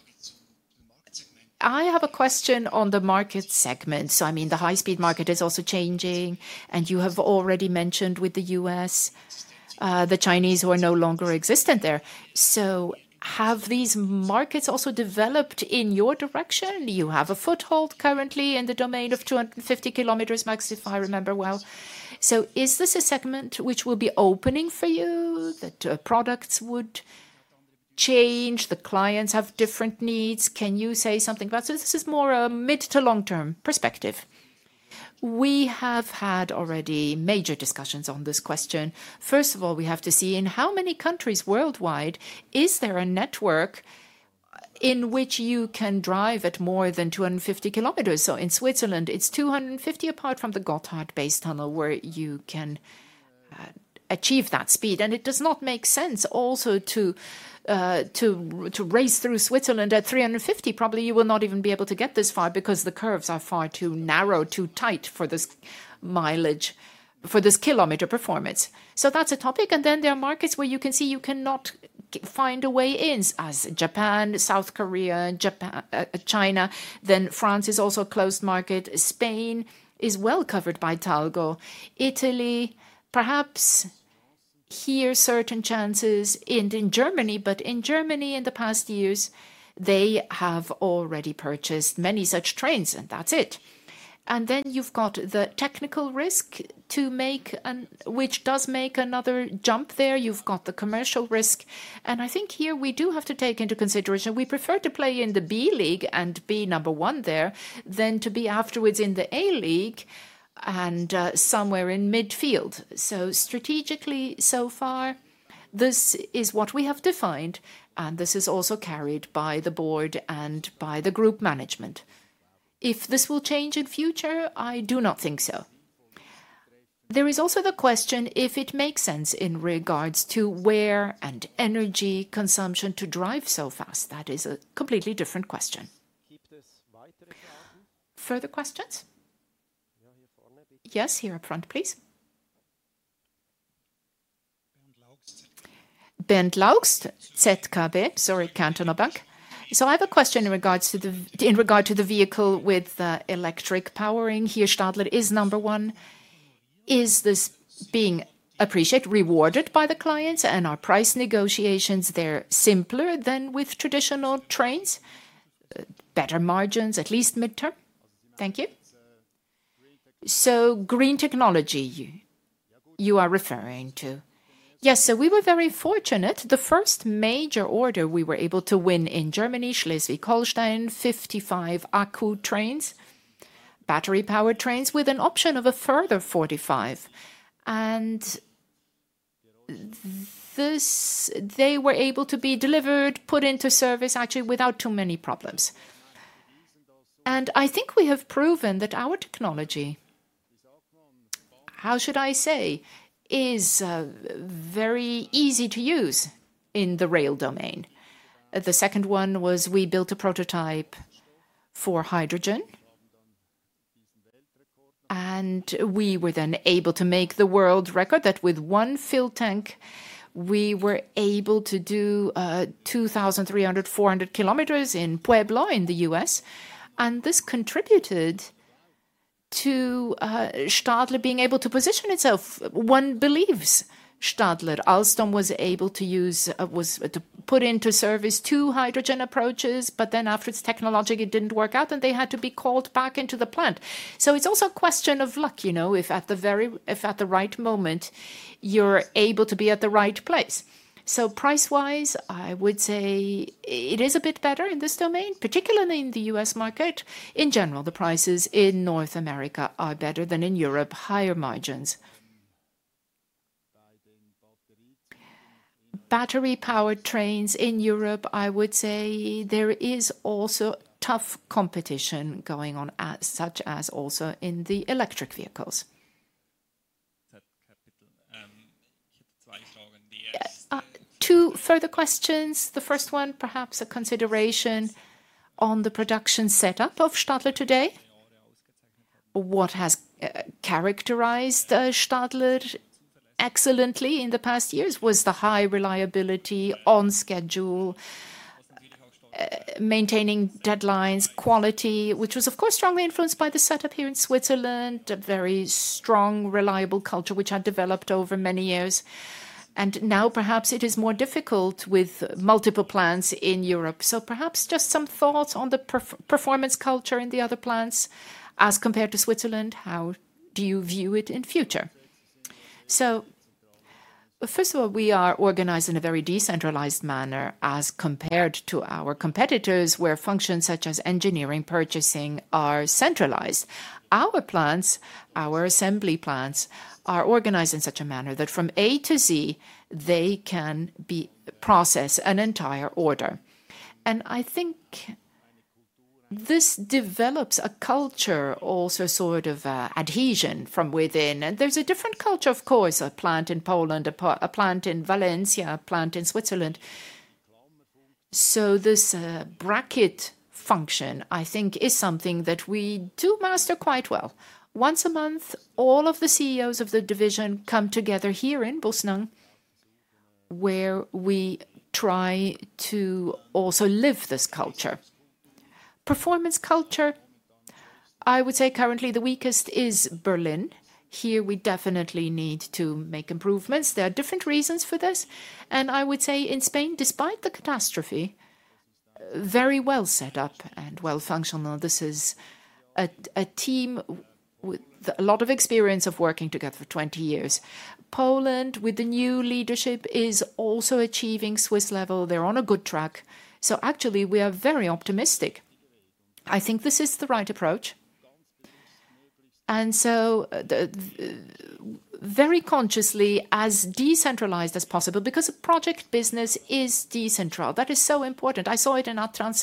I have a question on the market segments. I mean, the high-speed market is also changing and you have already mentioned with the U.S., the Chinese who are no longer existent there. Have these markets also developed in your direction? You have a foothold currently in the domain of 250 km, max if I remember well. Is this a segment which will be opening for you? The products would change, the clients have different needs. Can you say something about this? This is more a mid to long-term perspective. We have had already major discussions on this question. First of all, we have to see in how many countries worldwide is there a network in which you can drive at more than 250 km? In Switzerland, it is 250 apart from the Gotthard base tunnel where you can achieve that speed. It does not make sense also to race through Switzerland at 350. Probably you will not even be able to get this far because the curves are far too narrow, too tight for this mileage, for this km performance. That is a topic. There are markets where you can see you cannot find a way in as Japan, South Korea, China. France is also a closed market. Spain is well covered by Talgo. Italy, perhaps here certain chances in Germany, but in Germany in the past years, they have already purchased many such trains and that's it. You have the technical risk to make, which does make another jump there. You have the commercial risk. I think here we do have to take into consideration we prefer to play in the B League and be number one there than to be afterwards in the A League and somewhere in midfield. Strategically so far, this is what we have defined and this is also carried by the board and by the group management. If this will change in future, I do not think so. There is also the question if it makes sense in regards to where and energy consumption to drive so fast. That is a completely different question. Further questions? Yes, here up front, please. Bent Laust, ZKB, sorry, Kantonalbank. I have a question in regards to the vehicle with electric powering. Here Stadler is number one. Is this being appreciated, rewarded by the clients? And are price negotiations there simpler than with traditional trains? Better margins, at least midterm? Thank you. Green technology, you are referring to. Yes, we were very fortunate. The first major order we were able to win in Germany, Schleswig-Holstein, 55 Akku trains, battery-powered trains with an option of a further 45. They were able to be delivered, put into service actually without too many problems. I think we have proven that our technology, how should I say, is very easy to use in the rail domain. The second one was we built a prototype for hydrogen. We were then able to make the world record that with one fuel tank, we were able to do 2,300, 400 km in Pueblo in the U.S. This contributed to Stadler being able to position itself. One believes Stadler, Alstom was able to use, was to put into service two hydrogen approaches, but then after its technologic, it did not work out and they had to be called back into the plant. It's also a question of luck, you know, if at the very, if at the right moment, you're able to be at the right place. Price-wise, I would say it is a bit better in this domain, particularly in the U.S. market. In general, the prices in North America are better than in Europe, higher margins. Battery-powered trains in Europe, I would say there is also tough competition going on, such as also in the electric vehicles. Two further questions. The first one, perhaps a consideration on the production setup of Stadler today. What has characterized Stadler excellently in the past years was the high reliability on schedule, maintaining deadlines, quality, which was of course strongly influenced by the setup here in Switzerland, a very strong, reliable culture which had developed over many years. Now perhaps it is more difficult with multiple plants in Europe. Perhaps just some thoughts on the performance culture in the other plants as compared to Switzerland. How do you view it in future? First of all, we are organized in a very decentralized manner as compared to our competitors where functions such as engineering, purchasing are centralized. Our plants, our assembly plants are organized in such a manner that from A to Z, they can process an entire order. I think this develops a culture, also sort of adhesion from within. There is a different culture, of course, a plant in Poland, a plant in Valencia, a plant in Switzerland. This bracket function, I think, is something that we do master quite well. Once a month, all of the CEOs of the division come together here in Bussnang, where we try to also live this culture. Performance culture, I would say currently the weakest is Berlin. Here we definitely need to make improvements. There are different reasons for this. I would say in Spain, despite the catastrophe, very well set up and well functional. This is a team with a lot of experience of working together for 20 years. Poland with the new leadership is also achieving Swiss level. They're on a good track. Actually we are very optimistic. I think this is the right approach. Very consciously as decentralized as possible because a project business is decentralized. That is so important. I saw it in A-Train,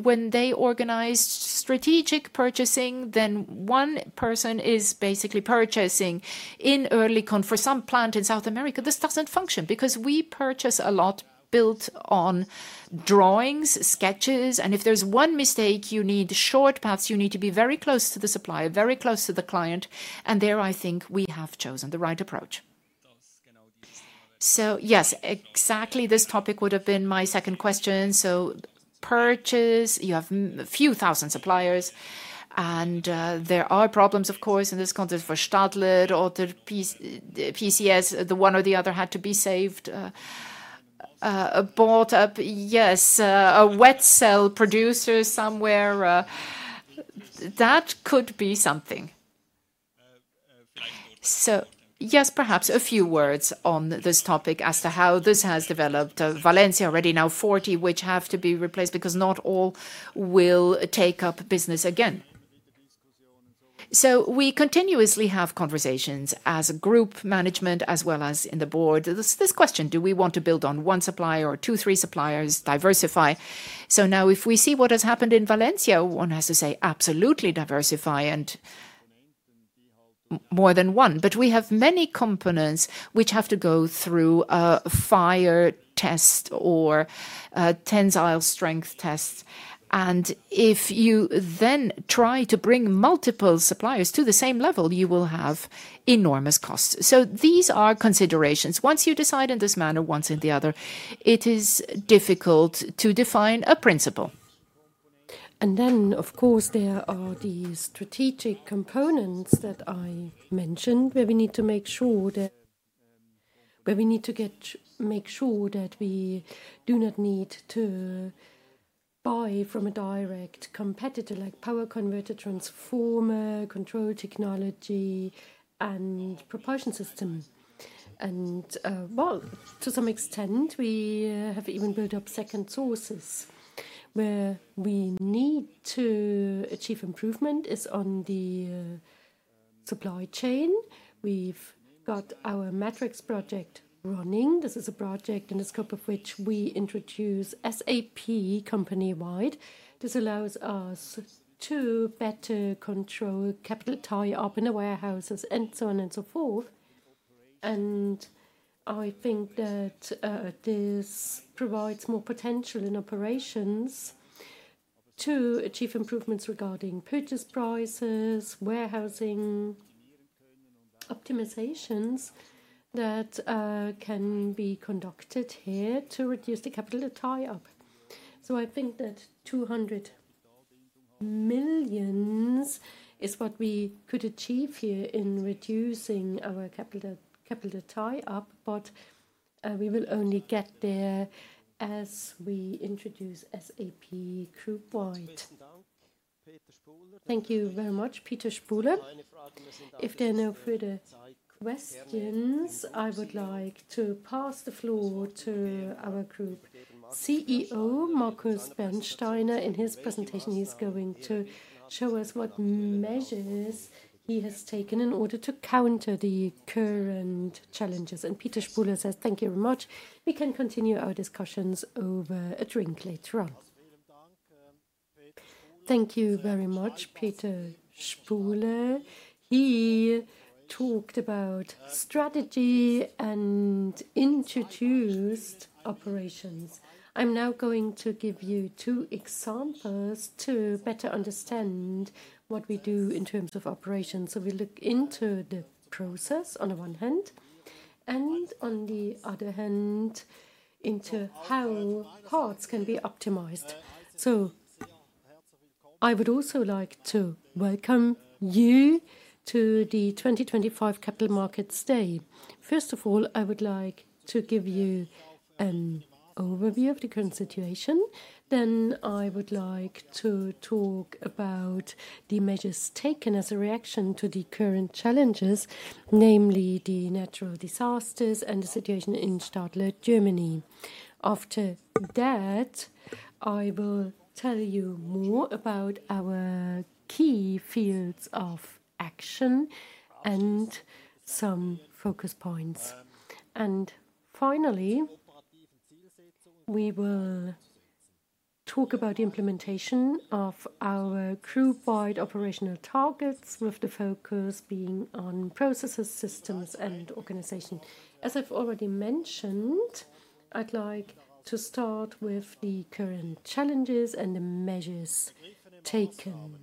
when they organized strategic purchasing, then one person is basically purchasing in early for some plant in South America. This doesn't function because we purchase a lot built on drawings, sketches. If there's one mistake, you need short paths, you need to be very close to the supplier, very close to the client. I think we have chosen the right approach. Yes, exactly this topic would have been my second question. Purchase, you have a few thousand suppliers and there are problems, of course, in this context for Stadler, PCS, the one or the other had to be saved, bought up, yes, a wet cell producer somewhere. That could be something. Yes, perhaps a few words on this topic as to how this has developed. Valencia already now 40, which have to be replaced because not all will take up business again. We continuously have conversations as a group management as well as in the board. This question, do we want to build on one supplier or two, three suppliers, diversify? If we see what has happened in Valencia, one has to say absolutely diversify and more than one. We have many components which have to go through a fire test or tensile strength tests. If you then try to bring multiple suppliers to the same level, you will have enormous costs. These are considerations. Once you decide in this manner, once in the other, it is difficult to define a principle. Of course there are the strategic components that I mentioned where we need to make sure that we do not need to buy from a direct competitor like power converter, transformer, control technology and propulsion system. To some extent, we have even built up second sources. Where we need to achieve improvement is on the supply chain. We've got our metrics project running. This is a project in the scope of which we introduce SAP company-wide. This allows us to better control capital tie-up in the warehouses and so on and so forth. I think that this provides more potential in operations to achieve improvements regarding purchase prices, warehousing optimizations that can be conducted here to reduce the capital tie-up. I think that 200 million is what we could achieve here in reducing our capital tie-up, but we will only get there as we introduce SAP group-wide. Thank you very much, Peter Spuhler. If there are no further questions, I would like to pass the floor to our Group CEO Markus Bernsteiner in his presentation. He's going to show us what measures he has taken in order to counter the current challenges. Peter Spuhler says, thank you very much. We can continue our discussions over a drink later on. Thank you very much, Peter Spuhler. He talked about strategy and introduced operations. I'm now going to give you two examples to better understand what we do in terms of operations. We look into the process on the one hand and on the other hand into how parts can be optimized. I would also like to welcome you to the 2025 Capital Markets Day. First of all, I would like to give you an overview of the current situation. I would like to talk about the measures taken as a reaction to the current challenges, namely the natural disasters and the situation in Stadler, Germany. After that, I will tell you more about our key fields of action and some focus points. Finally, we will talk about the implementation of our group-wide operational targets with the focus being on processes, systems, and organization. As I've already mentioned, I'd like to start with the current challenges and the measures taken.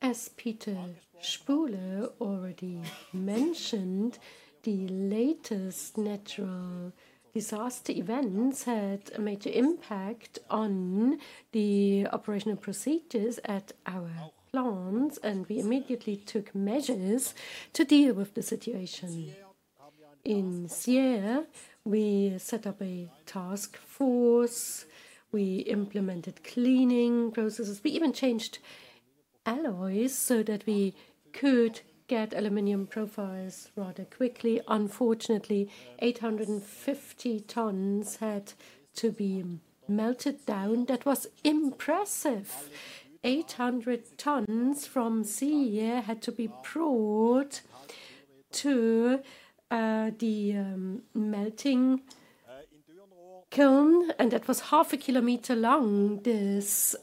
As Peter Spuhler already mentioned, the latest natural disaster events had a major impact on the operational procedures at our plants, and we immediately took measures to deal with the situation. In Sierre, we set up a task force. We implemented cleaning processes. We even changed alloys so that we could get aluminum profiles rather quickly. Unfortunately, 850 tons had to be melted down. That was impressive. 800 tons from Sierre had to be brought to the melting kiln, and that was half a km long, this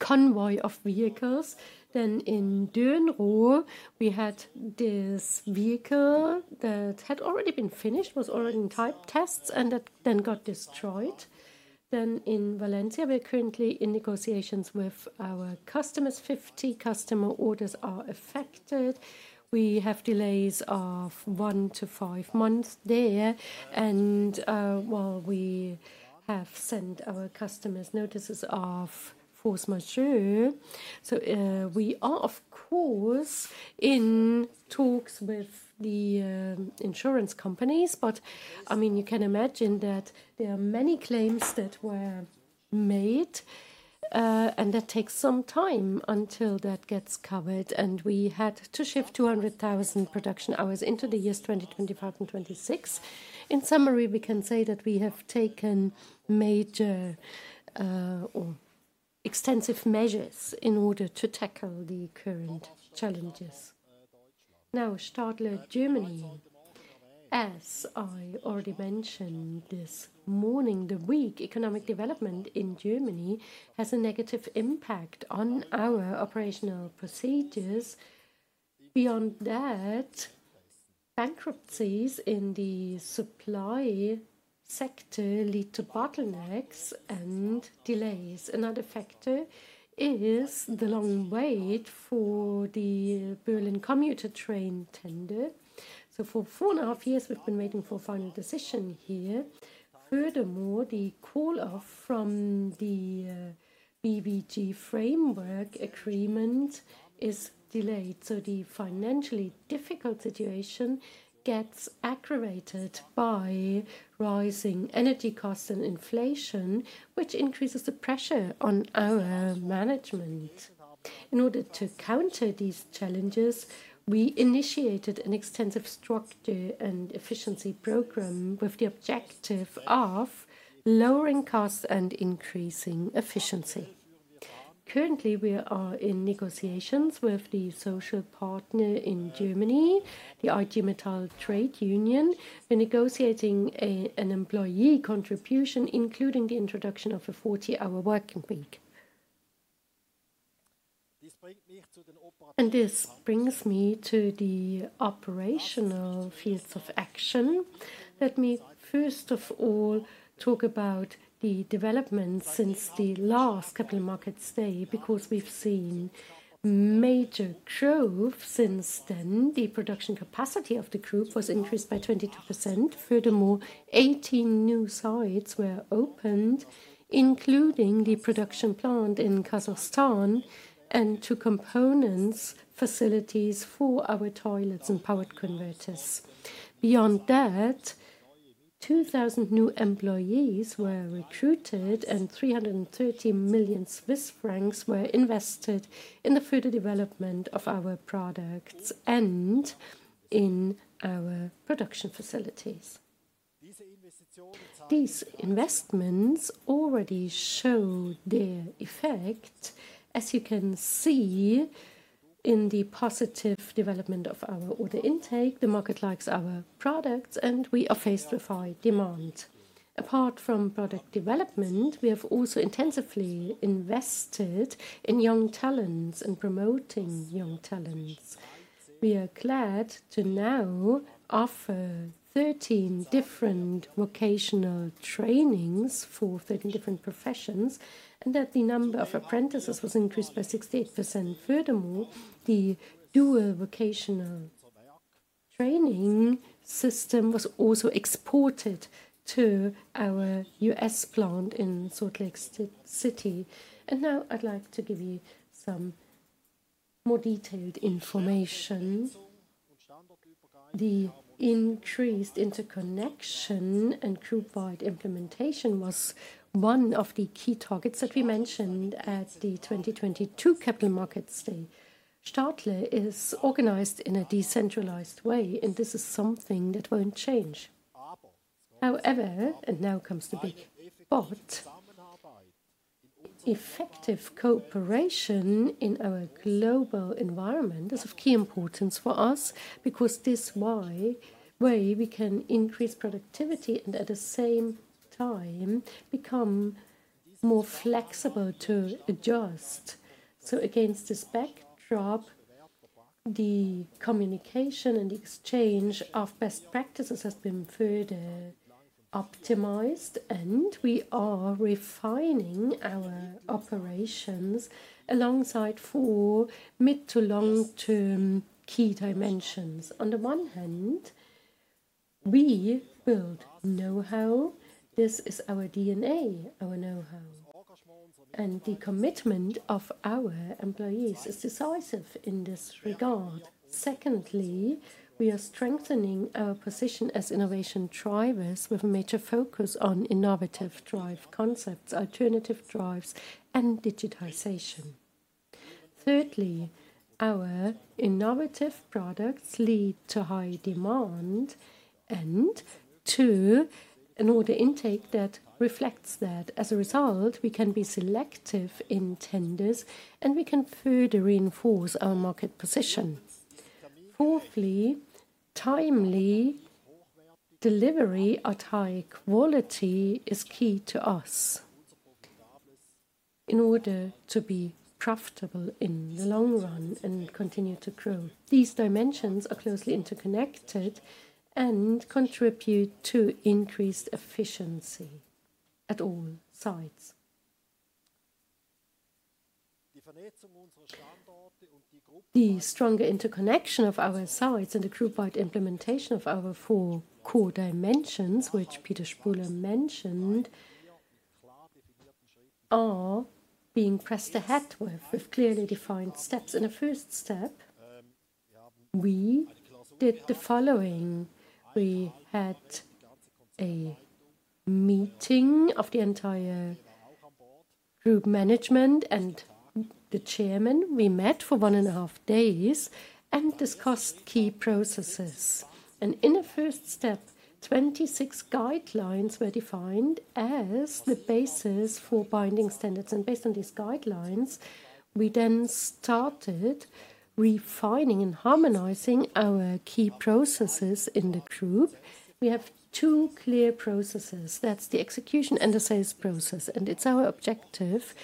convoy of vehicles. In Dürenroth, we had this vehicle that had already been finished, was already in type tests, and that then got destroyed. In Valencia, we're currently in negotiations with our customers. 50 customer orders are affected. We have delays of one to five months there. While we have sent our customers notices of force majeure, we are, of course, in talks with the insurance companies. I mean, you can imagine that there are many claims that were made, and that takes some time until that gets covered. We had to shift 200,000 production hours into the years 2025 and 2026. In summary, we can say that we have taken major or extensive measures in order to tackle the current challenges. Now, Stadler Germany, as I already mentioned this morning, the weak economic development in Germany has a negative impact on our operational procedures. Beyond that, bankruptcies in the supply sector lead to bottlenecks and delays. Another factor is the long wait for the Berlin commuter train tender. For four and a half years, we've been waiting for a final decision here. Furthermore, the call-off from the BBG framework agreement is delayed. The financially difficult situation gets aggravated by rising energy costs and inflation, which increases the pressure on our management. In order to counter these challenges, we initiated an extensive structure and efficiency program with the objective of lowering costs and increasing efficiency. Currently, we are in negotiations with the social partner in Germany, the IG Metall trade union. We're negotiating an employee contribution, including the introduction of a 40-hour working week. This brings me to the operational fields of action. Let me first of all talk about the developments since the last Capital Markets Day, because we've seen major growth since then. The production capacity of the group was increased by 22%. Furthermore, 18 new sites were opened, including the production plant in Kazakhstan and two components facilities for our toilets and power converters. Beyond that, 2,000 new employees were recruited and 330 million Swiss francs were invested in the further development of our products and in our production facilities. These investments already show their effect, as you can see in the positive development of our order intake. The market likes our products, and we are faced with high demand. Apart from product development, we have also intensively invested in young talents and promoting young talents. We are glad to now offer 13 different vocational trainings for 13 different professions, and that the number of apprentices was increased by 68%. Furthermore, the dual vocational training system was also exported to our U.S. plant in Salt Lake City. Now I'd like to give you some more detailed information. The increased interconnection and group-wide implementation was one of the key targets that we mentioned at the 2022 Capital Markets Day. Stadler is organized in a decentralized way, and this is something that will not change. However, effective cooperation in our global environment is of key importance for us because this way we can increase productivity and at the same time become more flexible to adjust. Against this backdrop, the communication and the exchange of best practices has been further optimized, and we are refining our operations alongside four mid- to long-term key dimensions. On the one hand, we build know-how. This is our DNA, our know-how. The commitment of our employees is decisive in this regard. Secondly, we are strengthening our position as innovation drivers with a major focus on innovative drive concepts, alternative drives, and digitization. Thirdly, our innovative products lead to high demand and to an order intake that reflects that. As a result, we can be selective in tenders, and we can further reinforce our market position. Fourthly, timely delivery or high quality is key to us in order to be profitable in the long run and continue to grow. These dimensions are closely interconnected and contribute to increased efficiency at all sides. The stronger interconnection of our sites and the group-wide implementation of our four core dimensions, which Peter Spuhler mentioned, are being pressed ahead with clearly defined steps. The first step, we did the following. We had a meeting of the entire group management and the Chairman. We met for one and a half days and discussed key processes. In the first step, 26 guidelines were defined as the basis for binding standards. Based on these guidelines, we then started refining and harmonizing our key processes in the group. We have two clear processes. That's the execution and the sales process. It's our objective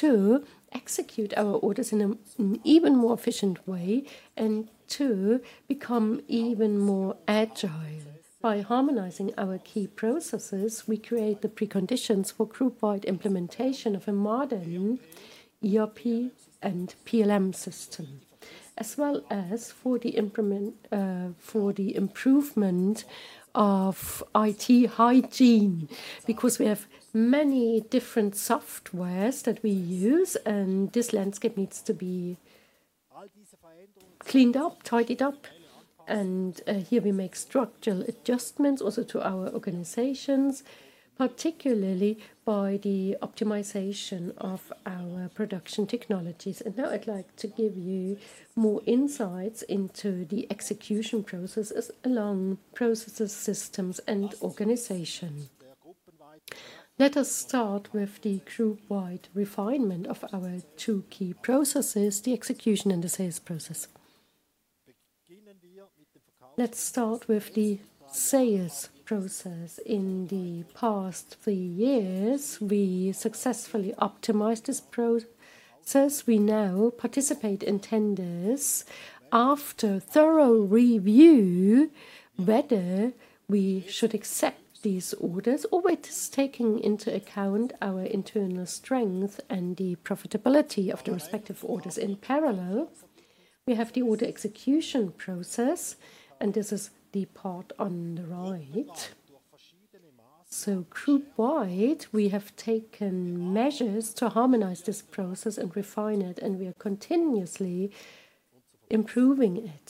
to execute our orders in an even more efficient way and to become even more agile. By harmonizing our key processes, we create the preconditions for group-wide implementation of a modern ERP and PLM system, as well as for the improvement of IT hygiene, because we have many different softwares that we use, and this landscape needs to be cleaned up, tidied up. We make structural adjustments also to our organizations, particularly by the optimization of our production technologies. Now I'd like to give you more insights into the execution processes along processes, systems, and organization. Let us start with the group-wide refinement of our two key processes, the execution and the sales process. Let's start with the sales process. In the past three years, we successfully optimized this process. We now participate in tenders after thorough review whether we should accept these orders or whether it is taking into account our internal strength and the profitability of the respective orders. In parallel, we have the order execution process, and this is the part on the right. Group-wide, we have taken measures to harmonize this process and refine it, and we are continuously improving it.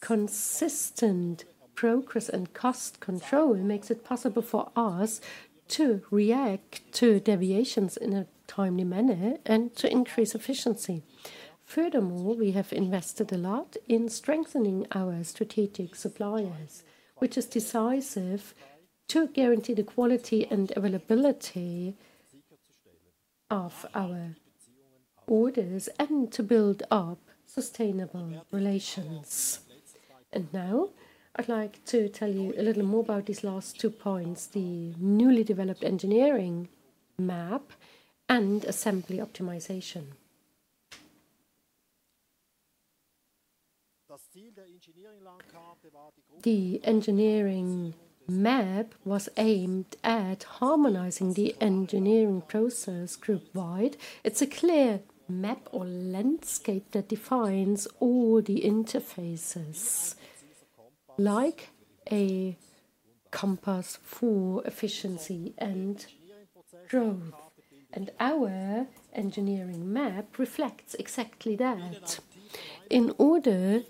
Consistent progress and cost control makes it possible for us to react to deviations in a timely manner and to increase efficiency. Furthermore, we have invested a lot in strengthening our strategic suppliers, which is decisive to guarantee the quality and availability of our orders and to build up sustainable relations. Now I'd like to tell you a little more about these last two points: the newly developed engineering map and assembly optimization. The engineering map was aimed at harmonizing the engineering process group-wide. It is a clear map or landscape that defines all the interfaces, like a compass for efficiency and growth. Our engineering map reflects exactly that. In order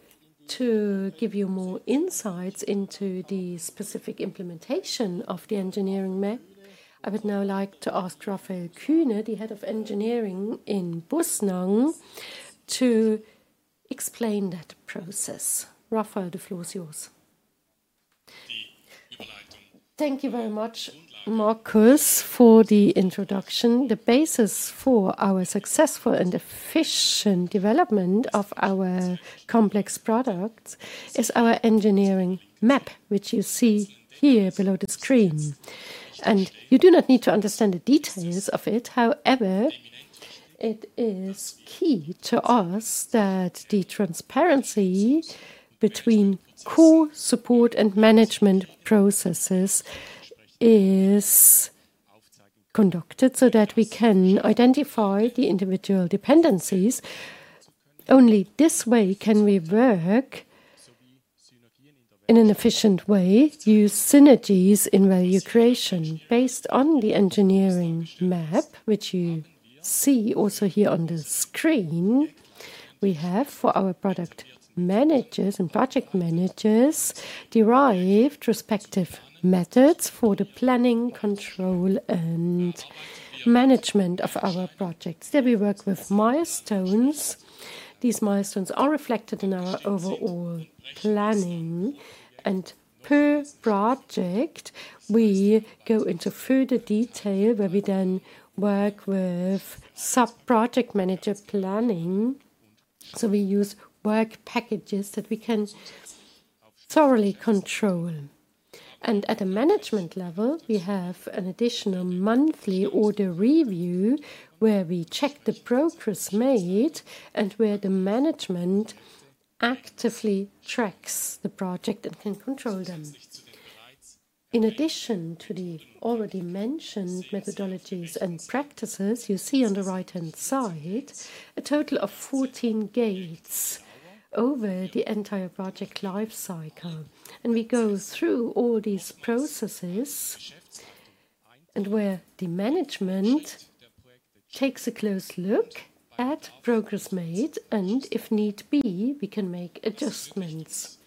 to give you more insights into the specific implementation of the engineering map, I would now like to ask Raffael Kühne, the Head of Engineering in Bussnang, to explain that process. Raffael, the floor is yours. Thank you very much, Markus, for the introduction. The basis for our successful and efficient development of our complex products is our engineering map, which you see here below the screen. You do not need to understand the details of it. However, it is key to us that the transparency between core support and management processes is conducted so that we can identify the individual dependencies. Only this way can we work in an efficient way, use synergies in value creation. Based on the engineering map, which you see also here on the screen, we have for our product managers and project managers derived respective methods for the planning, control, and management of our projects. There we work with milestones. These milestones are reflected in our overall planning. Per project, we go into further detail where we then work with sub-project manager planning. We use work packages that we can thoroughly control. At the management level, we have an additional monthly order review where we check the progress made and where the management actively tracks the project and can control them. In addition to the already mentioned methodologies and practices you see on the right-hand side, a total of 14 gates over the entire project lifecycle. We go through all these processes where the management takes a close look at progress made and, if need be, we can make adjustments.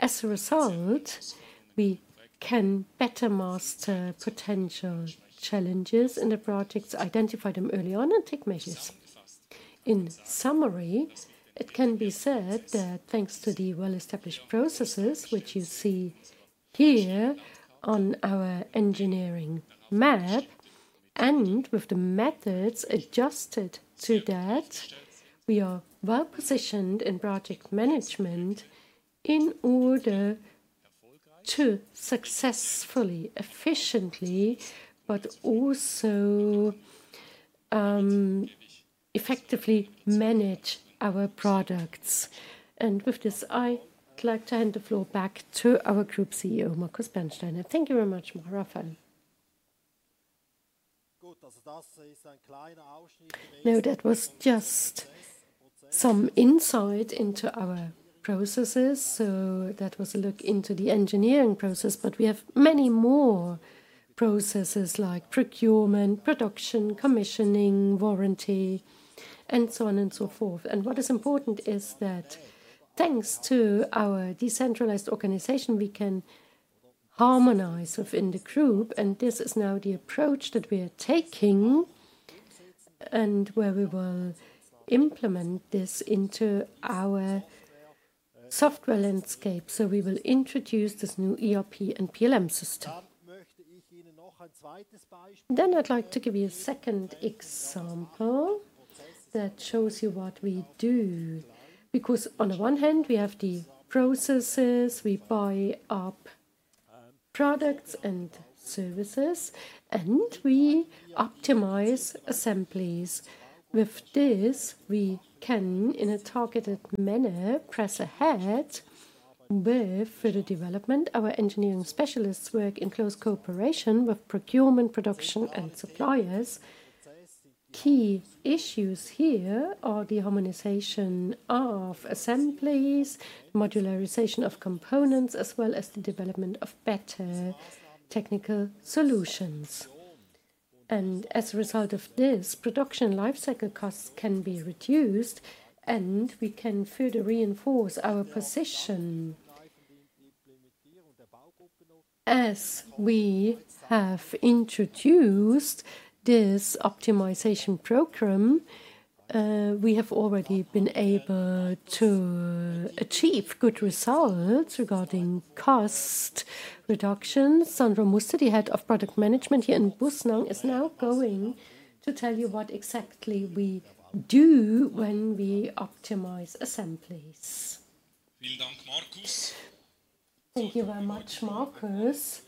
As a result, we can better master potential challenges in the projects, identify them early on, and take measures. In summary, it can be said that thanks to the well-established processes, which you see here on our engineering map, and with the methods adjusted to that, we are well positioned in project management in order to successfully, efficiently, but also effectively manage our products. With this, I'd like to hand the floor back to our Group CEO, Markus Bernsteiner. Thank you very much, Raffael. That was just some insight into our processes. That was a look into the engineering process, but we have many more processes like procurement, production, commissioning, warranty, and so on and so forth. What is important is that thanks to our decentralized organization, we can harmonize within the group. This is now the approach that we are taking and where we will implement this into our software landscape. We will introduce this new ERP and PLM system. I would like to give you a second example that shows you what we do, because on the one hand, we have the processes, we buy up products and services, and we optimize assemblies. With this, we can, in a targeted manner, press ahead with further development. Our engineering specialists work in close cooperation with procurement, production, and suppliers. Key issues here are the harmonization of assemblies, the modularization of components, as well as the development of better technical solutions. As a result of this, production lifecycle costs can be reduced, and we can further reinforce our position. As we have introduced this optimization program, we have already been able to achieve good results regarding cost reduction. Sandro Muster, the Head of Product Management here in Bussnang, is now going to tell you what exactly we do when we optimize assemblies. Thank you very much, Markus.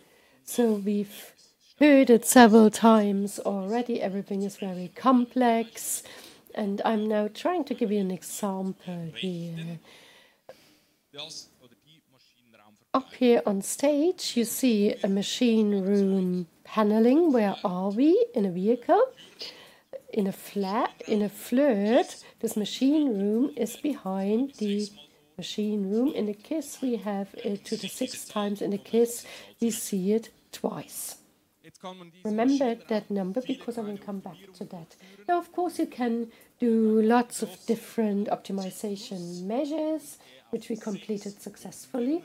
We have heard it several times already. Everything is very complex. I am now trying to give you an example here. Up here on stage, you see a machine room paneling. Where are we? In a vehicle, in a flat, in a flood. This machine room is behind the machine room. In the case, we have it two to six times. In the case, we see it twice. Remember that number because I will come back to that. Now, of course, you can do lots of different optimization measures, which we completed successfully.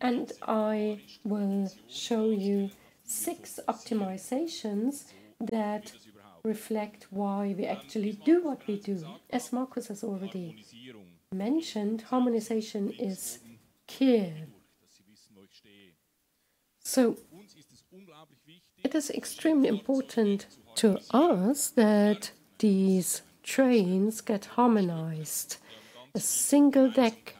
I will show you six optimizations that reflect why we actually do what we do. As Markus has already mentioned, harmonization is key. It is extremely important to us that these trains get harmonized. A single decker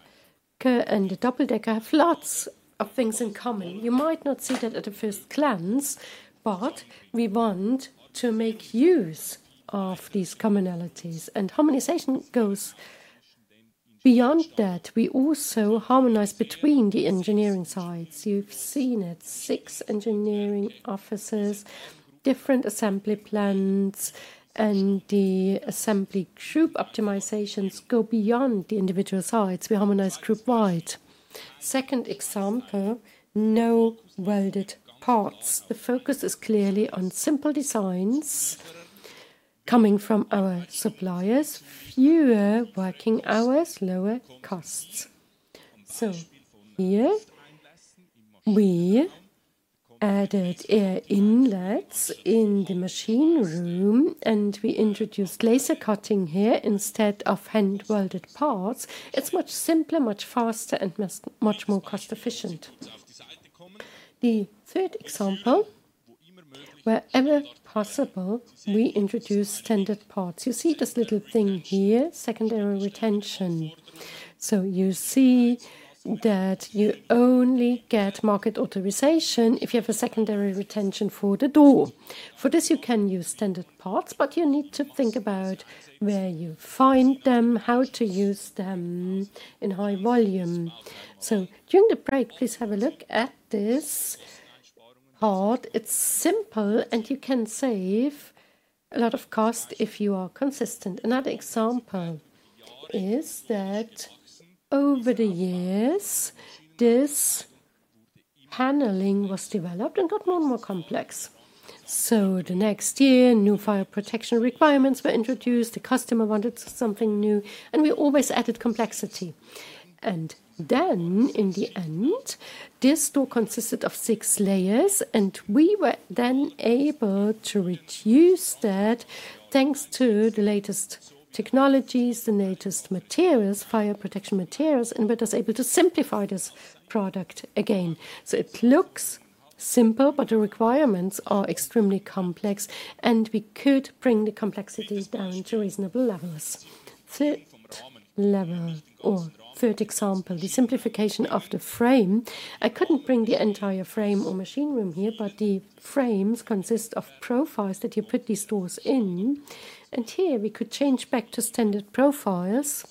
and a double decker have lots of things in common. You might not see that at a first glance, but we want to make use of these commonalities. Harmonization goes beyond that. We also harmonize between the engineering sides. You have seen it: six engineering offices, different assembly plants, and the assembly group optimizations go beyond the individual sites. We harmonize group-wide. Second example: no welded parts. The focus is clearly on simple designs coming from our suppliers, fewer working hours, lower costs. Here we added air inlets in the machine room, and we introduced laser cutting here instead of hand-welded parts. It's much simpler, much faster, and much more cost-efficient. The third example: wherever possible, we introduce standard parts. You see this little thing here, secondary retention. You see that you only get market authorization if you have a secondary retention for the door. For this, you can use standard parts, but you need to think about where you find them, how to use them in high volume. During the break, please have a look at this part. It's simple, and you can save a lot of cost if you are consistent. Another example is that over the years, this paneling was developed and got more and more complex. The next year, new fire protection requirements were introduced. The customer wanted something new, and we always added complexity. In the end, this door consisted of six layers, and we were then able to reduce that thanks to the latest technologies, the latest materials, fire protection materials, and were able to simplify this product again. It looks simple, but the requirements are extremely complex, and we could bring the complexity down to reasonable levels. Third level or third example: the simplification of the frame. I could not bring the entire frame or machine room here, but the frames consist of profiles that you put these doors in. Here we could change back to standard profiles,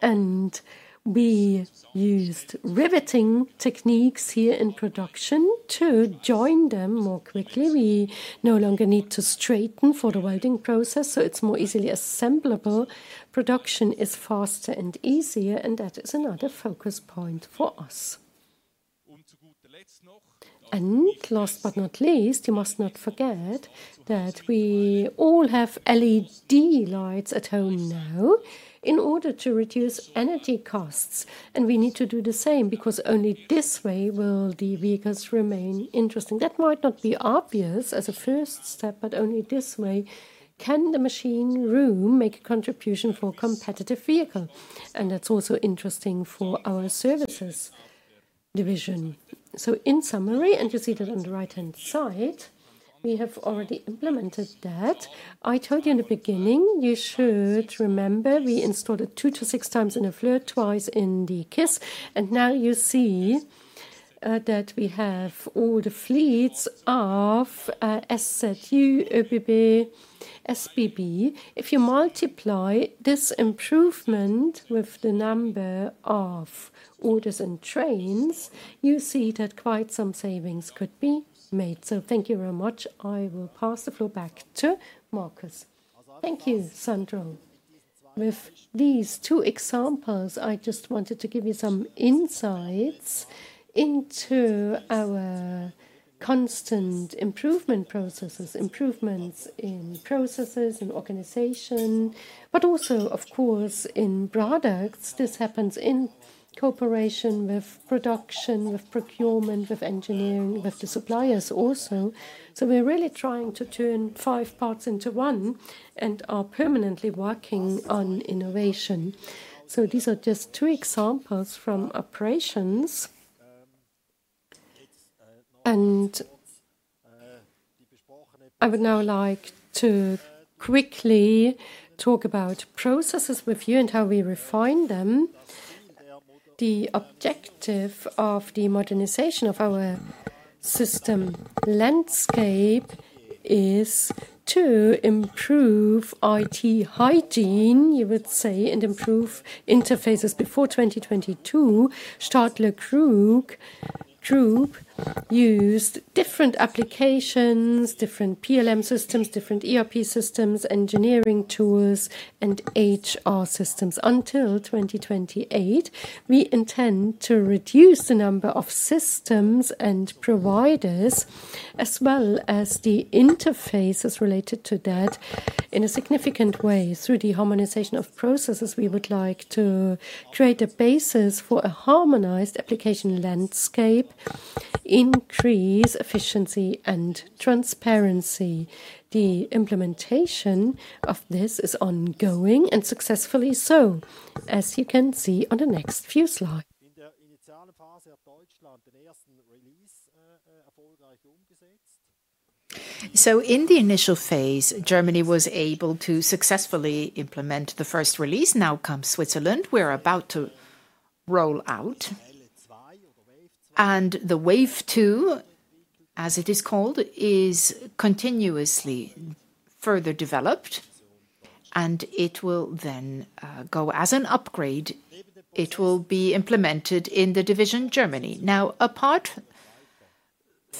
and we used riveting techniques here in production to join them more quickly. We no longer need to straighten for the welding process, so it is more easily assemblable. Production is faster and easier, and that is another focus point for us. Last but not least, you must not forget that we all have LED lights at home now in order to reduce energy costs. We need to do the same because only this way will the vehicles remain interesting. That might not be obvious as a first step, but only this way can the machine room make a contribution for a competitive vehicle. That is also interesting for our services division. In summary, and you see that on the right-hand side, we have already implemented that. I told you in the beginning you should remember we installed it two to six times in a flood, twice in the case. Now you see that we have all the fleets of SZU, ÖBB, SBB. If you multiply this improvement with the number of orders and trains, you see that quite some savings could be made. Thank you very much. I will pass the floor back to Markus. Thank you, Sandro. With these two examples, I just wanted to give you some insights into our constant improvement processes, improvements in processes and organization, but also, of course, in products. This happens in cooperation with production, with procurement, with engineering, with the suppliers also. We are really trying to turn five parts into one and are permanently working on innovation. These are just two examples from operations. I would now like to quickly talk about processes with you and how we refine them. The objective of the modernization of our system landscape is to improve IT hygiene, you would say, and improve interfaces. Before 2022, Stadler Group used different applications, different PLM systems, different ERP systems, engineering tools, and HR systems. Until 2028, we intend to reduce the number of systems and providers, as well as the interfaces related to that, in a significant way. Through the harmonization of processes, we would like to create a basis for a harmonized application landscape, increase efficiency and transparency. The implementation of this is ongoing and successfully so, as you can see on the next few slides. In the initial phase, Germany was able to successfully implement the first release. Now comes Switzerland. We're about to roll out. The Wave 2, as it is called, is continuously further developed, and it will then go as an upgrade. It will be implemented in the division Germany. Apart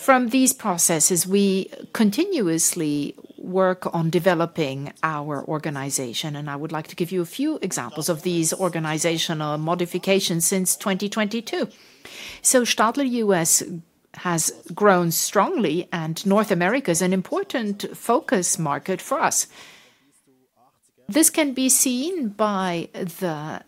from these processes, we continuously work on developing our organization, and I would like to give you a few examples of these organizational modifications since 2022. Stadler U.S. has grown strongly, and North America is an important focus market for us. This can be seen by the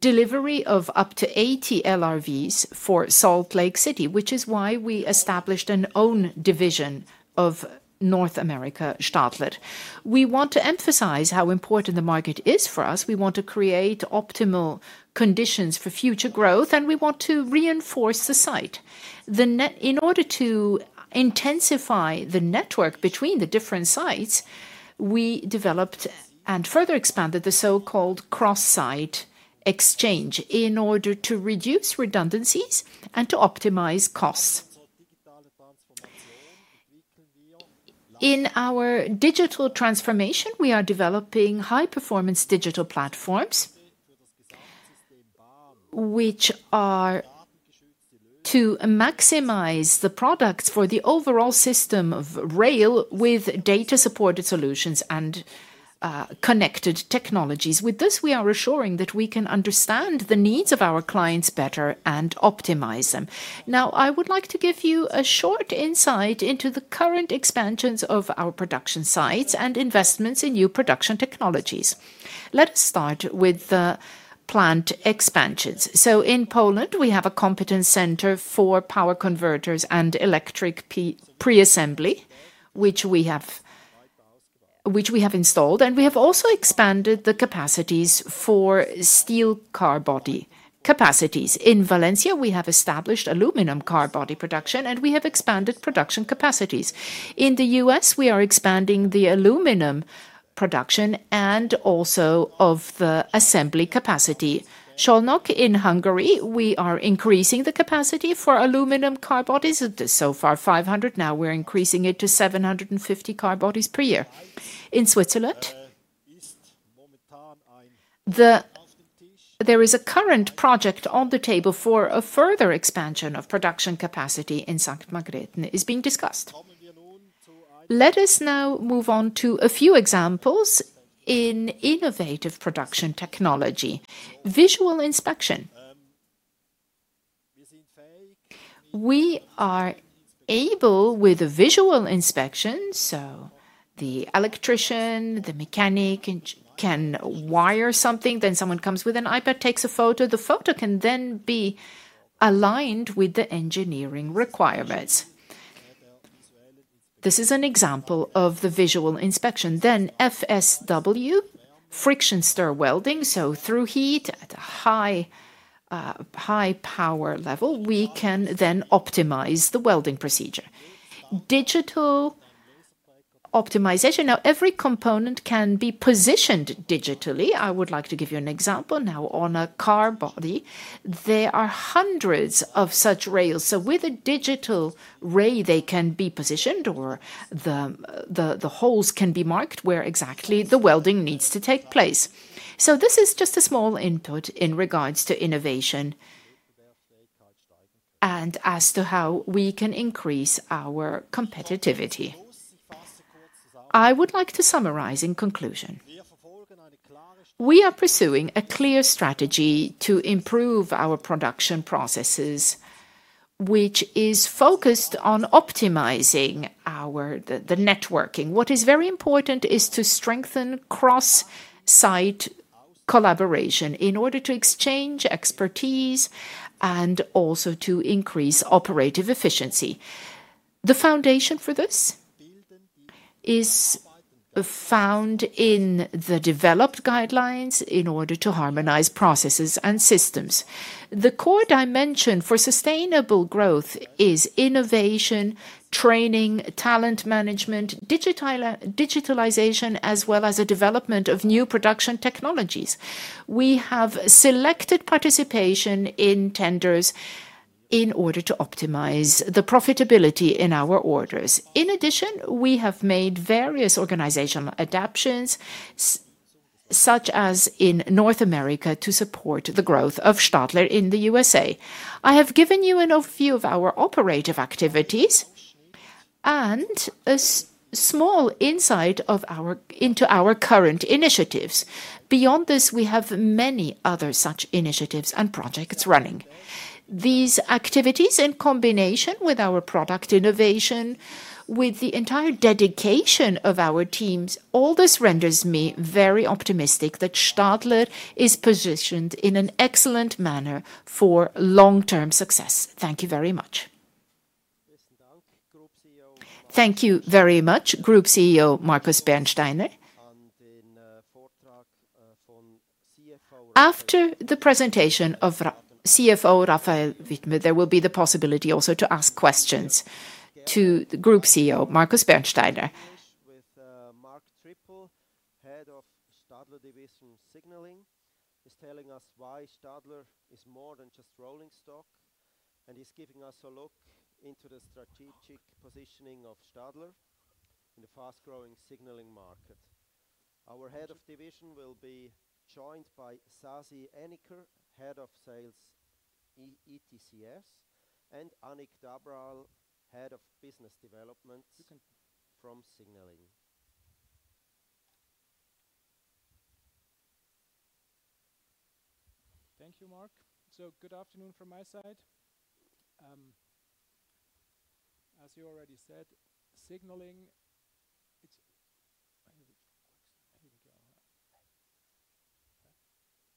delivery of up to 80 LRVs for Salt Lake City, which is why we established an own division of North America Stadler. We want to emphasize how important the market is for us. We want to create optimal conditions for future growth, and we want to reinforce the site. In order to intensify the network between the different sites, we developed and further expanded the so-called cross-site exchange in order to reduce redundancies and to optimize costs. In our digital transformation, we are developing high-performance digital platforms, which are to maximize the products for the overall system of rail with data-supported solutions and connected technologies. With this, we are assuring that we can understand the needs of our clients better and optimize them. Now, I would like to give you a short insight into the current expansions of our production sites and investments in new production technologies. Let us start with the plant expansions. In Poland, we have a competence center for power converters and electric pre-assembly, which we have installed, and we have also expanded the capacities for steel car body capacities. In Valencia, we have established aluminum car body production, and we have expanded production capacities. In the U.S., we are expanding the aluminum production and also the assembly capacity. In Szolnok in Hungary, we are increasing the capacity for aluminum car bodies. It is so far 500. Now we're increasing it to 750 car bodies per year. In Switzerland, there is a current project on the table for a further expansion of production capacity in Sankt Margarethen. It is being discussed. Let us now move on to a few examples in innovative production technology. Visual inspection. We are able with a visual inspection, so the electrician, the mechanic can wire something, then someone comes with an iPad, takes a photo. The photo can then be aligned with the engineering requirements. This is an example of the visual inspection. FSW, friction stir welding, so through heat at a high power level, we can then optimize the welding procedure. Digital optimization. Now, every component can be positioned digitally. I would like to give you an example. On a car body, there are hundreds of such rails. With a digital ray, they can be positioned, or the holes can be marked where exactly the welding needs to take place. This is just a small input in regards to innovation and as to how we can increase our competitivity. I would like to summarize in conclusion. We are pursuing a clear strategy to improve our production processes, which is focused on optimizing our networking. What is very important is to strengthen cross-site collaboration in order to exchange expertise and also to increase operative efficiency. The foundation for this is found in the developed guidelines in order to harmonize processes and systems. The core dimension for sustainable growth is innovation, training, talent management, digitalization, as well as the development of new production technologies. We have selected participation in tenders in order to optimize the profitability in our orders. In addition, we have made various organizational adaptations, such as in North America, to support the growth of Stadler in the USA. I have given you an overview of our operative activities and a small insight into our current initiatives. Beyond this, we have many other such initiatives and projects running. These activities, in combination with our product innovation, with the entire dedication of our teams, all this renders me very optimistic that Stadler is positioned in an excellent manner for long-term success. Thank you very much. Thank you very much, Group CEO Markus Bernsteiner. After the presentation of CFO Raphael Widmer, there will be the possibility also to ask questions to the Group CEO Markus Bernsteiner. Marc Trippel, head of Stadler division Signalling, is telling us why Stadler is more than just rolling stock, and he's giving us a look into the strategic positioning of Stadler in the fast-growing signalling market. Our head of division will be joined by Sazi Enicker, Head of Sales ETCS, and Ankit Dabral, Head of Business Development from signalling. Thank you, Marc. Good afternoon from my side. As you already said, Signalling, it's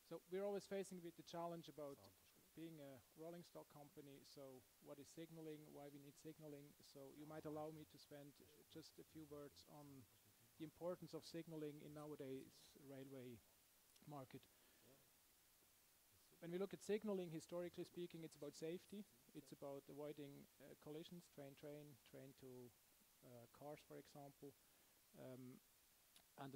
so we're always facing with the challenge about being a rolling stock company. What is signalling? Why do we need signalling? You might allow me to spend just a few words on the importance of signalling in nowadays' railway market. When we look at signalling, historically speaking, it's about safety. It's about avoiding collisions, train, train, train to cars, for example, and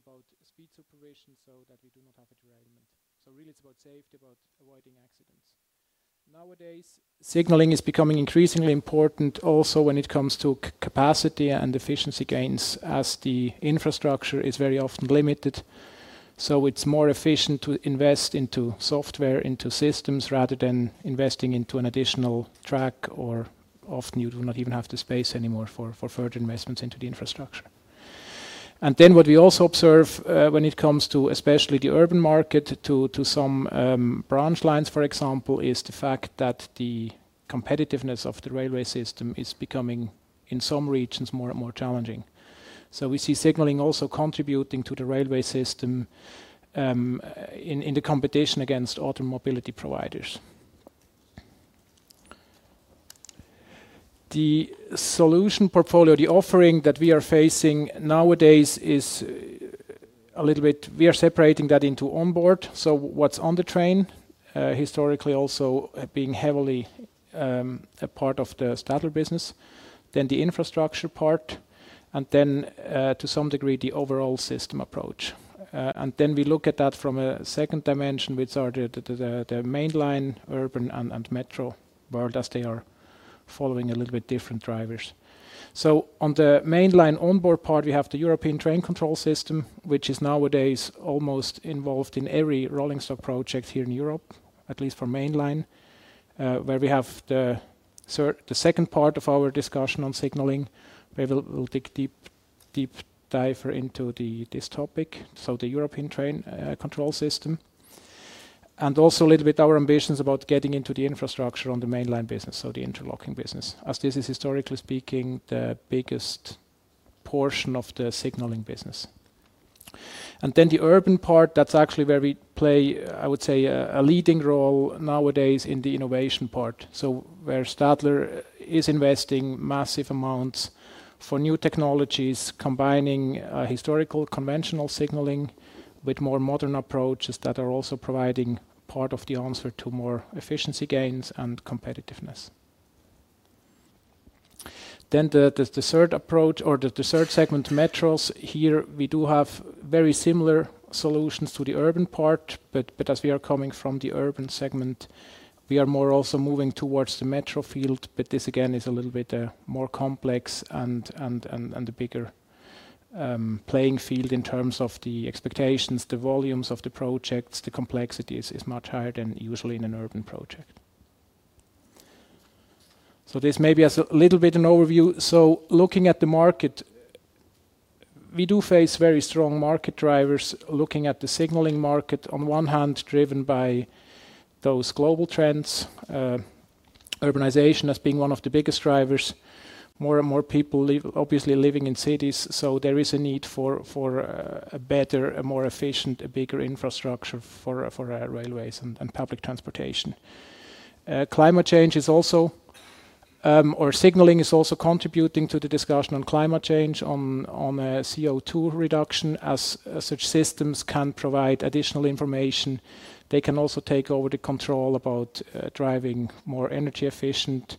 about speed supervision so that we do not have a derailment. Really, it's about safety, about avoiding accidents. Nowadays, signalling is becoming increasingly important also when it comes to capacity and efficiency gains, as the infrastructure is very often limited. It's more efficient to invest into software, into systems, rather than investing into an additional track, or often you do not even have the space anymore for further investments into the infrastructure. What we also observe when it comes to especially the urban market, to some branch lines, for example, is the fact that the competitiveness of the railway system is becoming, in some regions, more and more challenging. We see signalling also contributing to the railway system in the competition against automobility providers. The solution portfolio, the offering that we are facing nowadays is a little bit we are separating that into onboard. What is on the train, historically also being heavily a part of the Stadler business, then the infrastructure part, and then to some degree the overall system approach. We look at that from a second dimension, which are the mainline, urban, and metro world, as they are following a little bit different drivers. On the mainline onboard part, we have the European Train Control System, which is nowadays almost involved in every rolling stock project here in Europe, at least for mainline, where we have the second part of our discussion on signalling. We will dig deep, deep diver into this topic, so the European Train Control System, and also a little bit our ambitions about getting into the infrastructure on the mainline business, so the interlocking business, as this is historically speaking the biggest portion of the signalling business. The urban part, that's actually where we play, I would say, a leading role nowadays in the innovation part, so where Stadler is investing massive amounts for new technologies, combining historical conventional signalling with more modern approaches that are also providing part of the answer to more efficiency gains and competitiveness. The third approach or the third segment, metros. Here we do have very similar solutions to the urban part, but as we are coming from the urban segment, we are more also moving towards the metro field. This again is a little bit more complex and a bigger playing field in terms of the expectations, the volumes of the projects. The complexity is much higher than usually in an urban project. This may be a little bit an overview. Looking at the market, we do face very strong market drivers looking at the signalling market, on one hand driven by those global trends, urbanization as being one of the biggest drivers. More and more people obviously living in cities, so there is a need for a better, a more efficient, a bigger infrastructure for railways and public transportation. Climate change is also, or signalling is also contributing to the discussion on climate change, on CO2 reduction. As such systems can provide additional information, they can also take over the control about driving more energy efficient.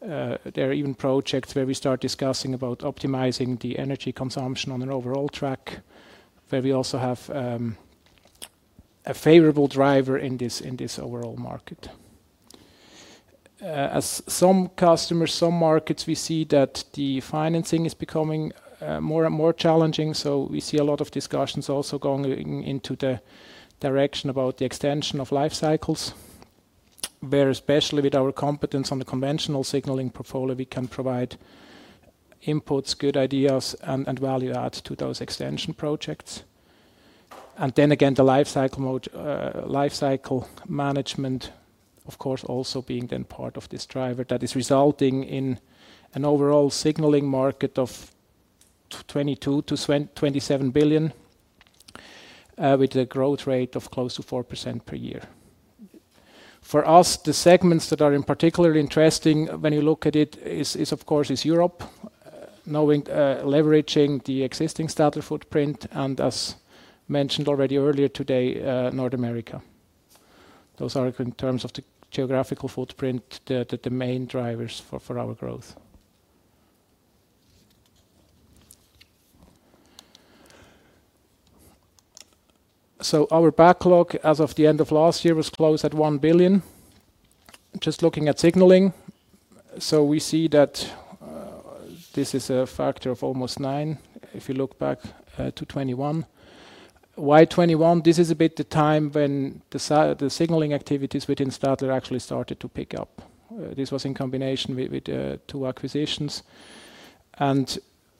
There are even projects where we start discussing about optimizing the energy consumption on an overall track, where we also have a favorable driver in this overall market. As some customers, some markets, we see that the financing is becoming more and more challenging, so we see a lot of discussions also going into the direction about the extension of life cycles, where especially with our competence on the conventional signalling portfolio, we can provide inputs, good ideas, and value add to those extension projects. Then again, the life cycle management, of course, also being then part of this driver that is resulting in an overall signalling market of $22 billion-$27 billion, with a growth rate of close to 4% per year. For us, the segments that are in particular interesting when you look at it is, of course, is Europe, leveraging the existing Stadler footprint, and as mentioned already earlier today, North America. Those are in terms of the geographical footprint, the main drivers for our growth. Our backlog as of the end of last year was closed at $1 billion. Just looking at signalling, we see that this is a factor of almost nine if you look back to 2021. Why 2021? This is a bit the time when the signalling activities within Stadler actually started to pick up. This was in combination with two acquisitions.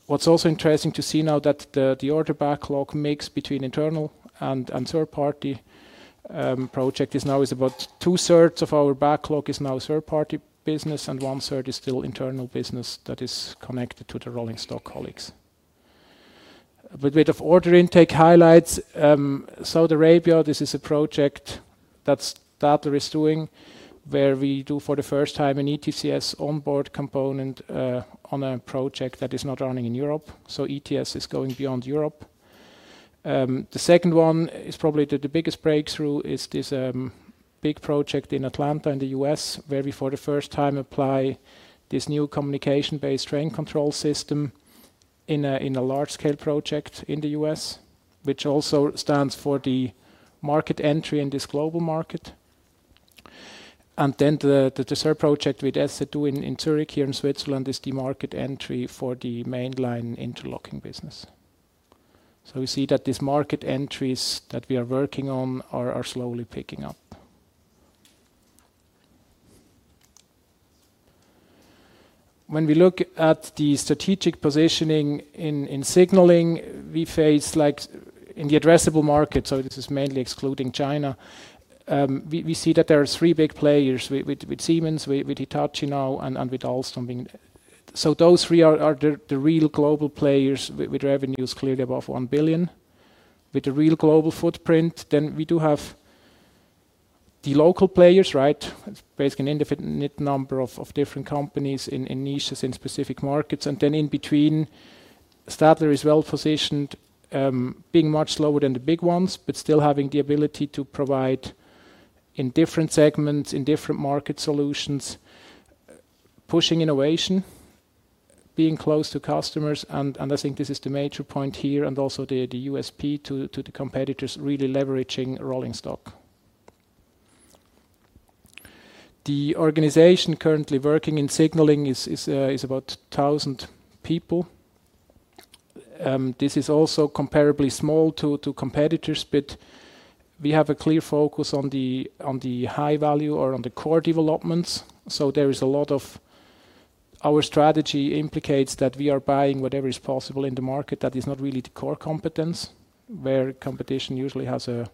What's also interesting to see now is that the order backlog mix between internal and third-party projects is now about two-thirds of our backlog as third-party business, and one-third is still internal business that is connected to the rolling stock colleagues. A bit of order intake highlights. Saudi Arabia, this is a project that Stadler is doing where we do for the first time an ETCS onboard component on a project that is not running in Europe. So ETCS is going beyond Europe. The second one is probably the biggest breakthrough, this big project in Atlanta in the U.S., where we for the first time apply this new communication-based train control system in a large-scale project in the U.S., which also stands for the market entry in this global market. The third project with SA2 in Zurich here in Switzerland is the market entry for the mainline interlocking business. We see that these market entries that we are working on are slowly picking up. When we look at the strategic positioning in signalling, we face in the addressable market, so this is mainly excluding China, we see that there are three big players with Siemens, with Hitachi now, and with Alstom. Those three are the real global players with revenues clearly above $1 billion, with a real global footprint. We do have the local players, right? Basically an indefinite number of different companies in niches in specific markets. In between, Stadler is well positioned, being much smaller than the big ones, but still having the ability to provide in different segments, in different market solutions, pushing innovation, being close to customers. I think this is the major point here and also the USP to the competitors really leveraging rolling stock. The organization currently working in signalling is about 1,000 people. This is also comparably small to competitors, but we have a clear focus on the high value or on the core developments. There is a lot of our strategy implicates that we are buying whatever is possible in the market that is not really the core competence, where competition usually has a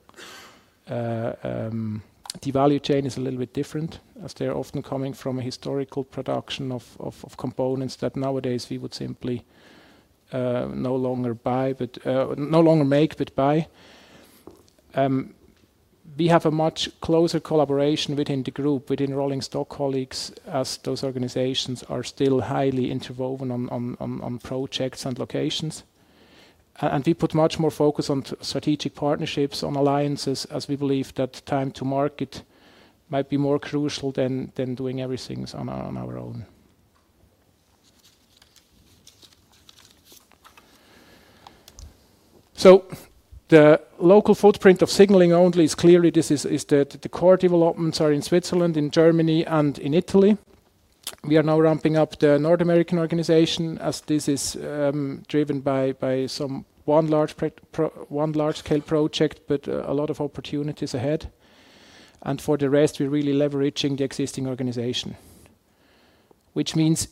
the value chain is a little bit different, as they're often coming from a historical production of components that nowadays we would simply no longer make, but buy. We have a much closer collaboration within the group, within rolling stock colleagues, as those organizations are still highly interwoven on projects and locations. We put much more focus on strategic partnerships, on alliances, as we believe that time to market might be more crucial than doing everything on our own. The local footprint of signalling only is clearly this is the core developments are in Switzerland, in Germany, and in Italy. We are now ramping up the North American organization, as this is driven by some one large-scale project, but a lot of opportunities ahead. For the rest, we're really leveraging the existing organization, which means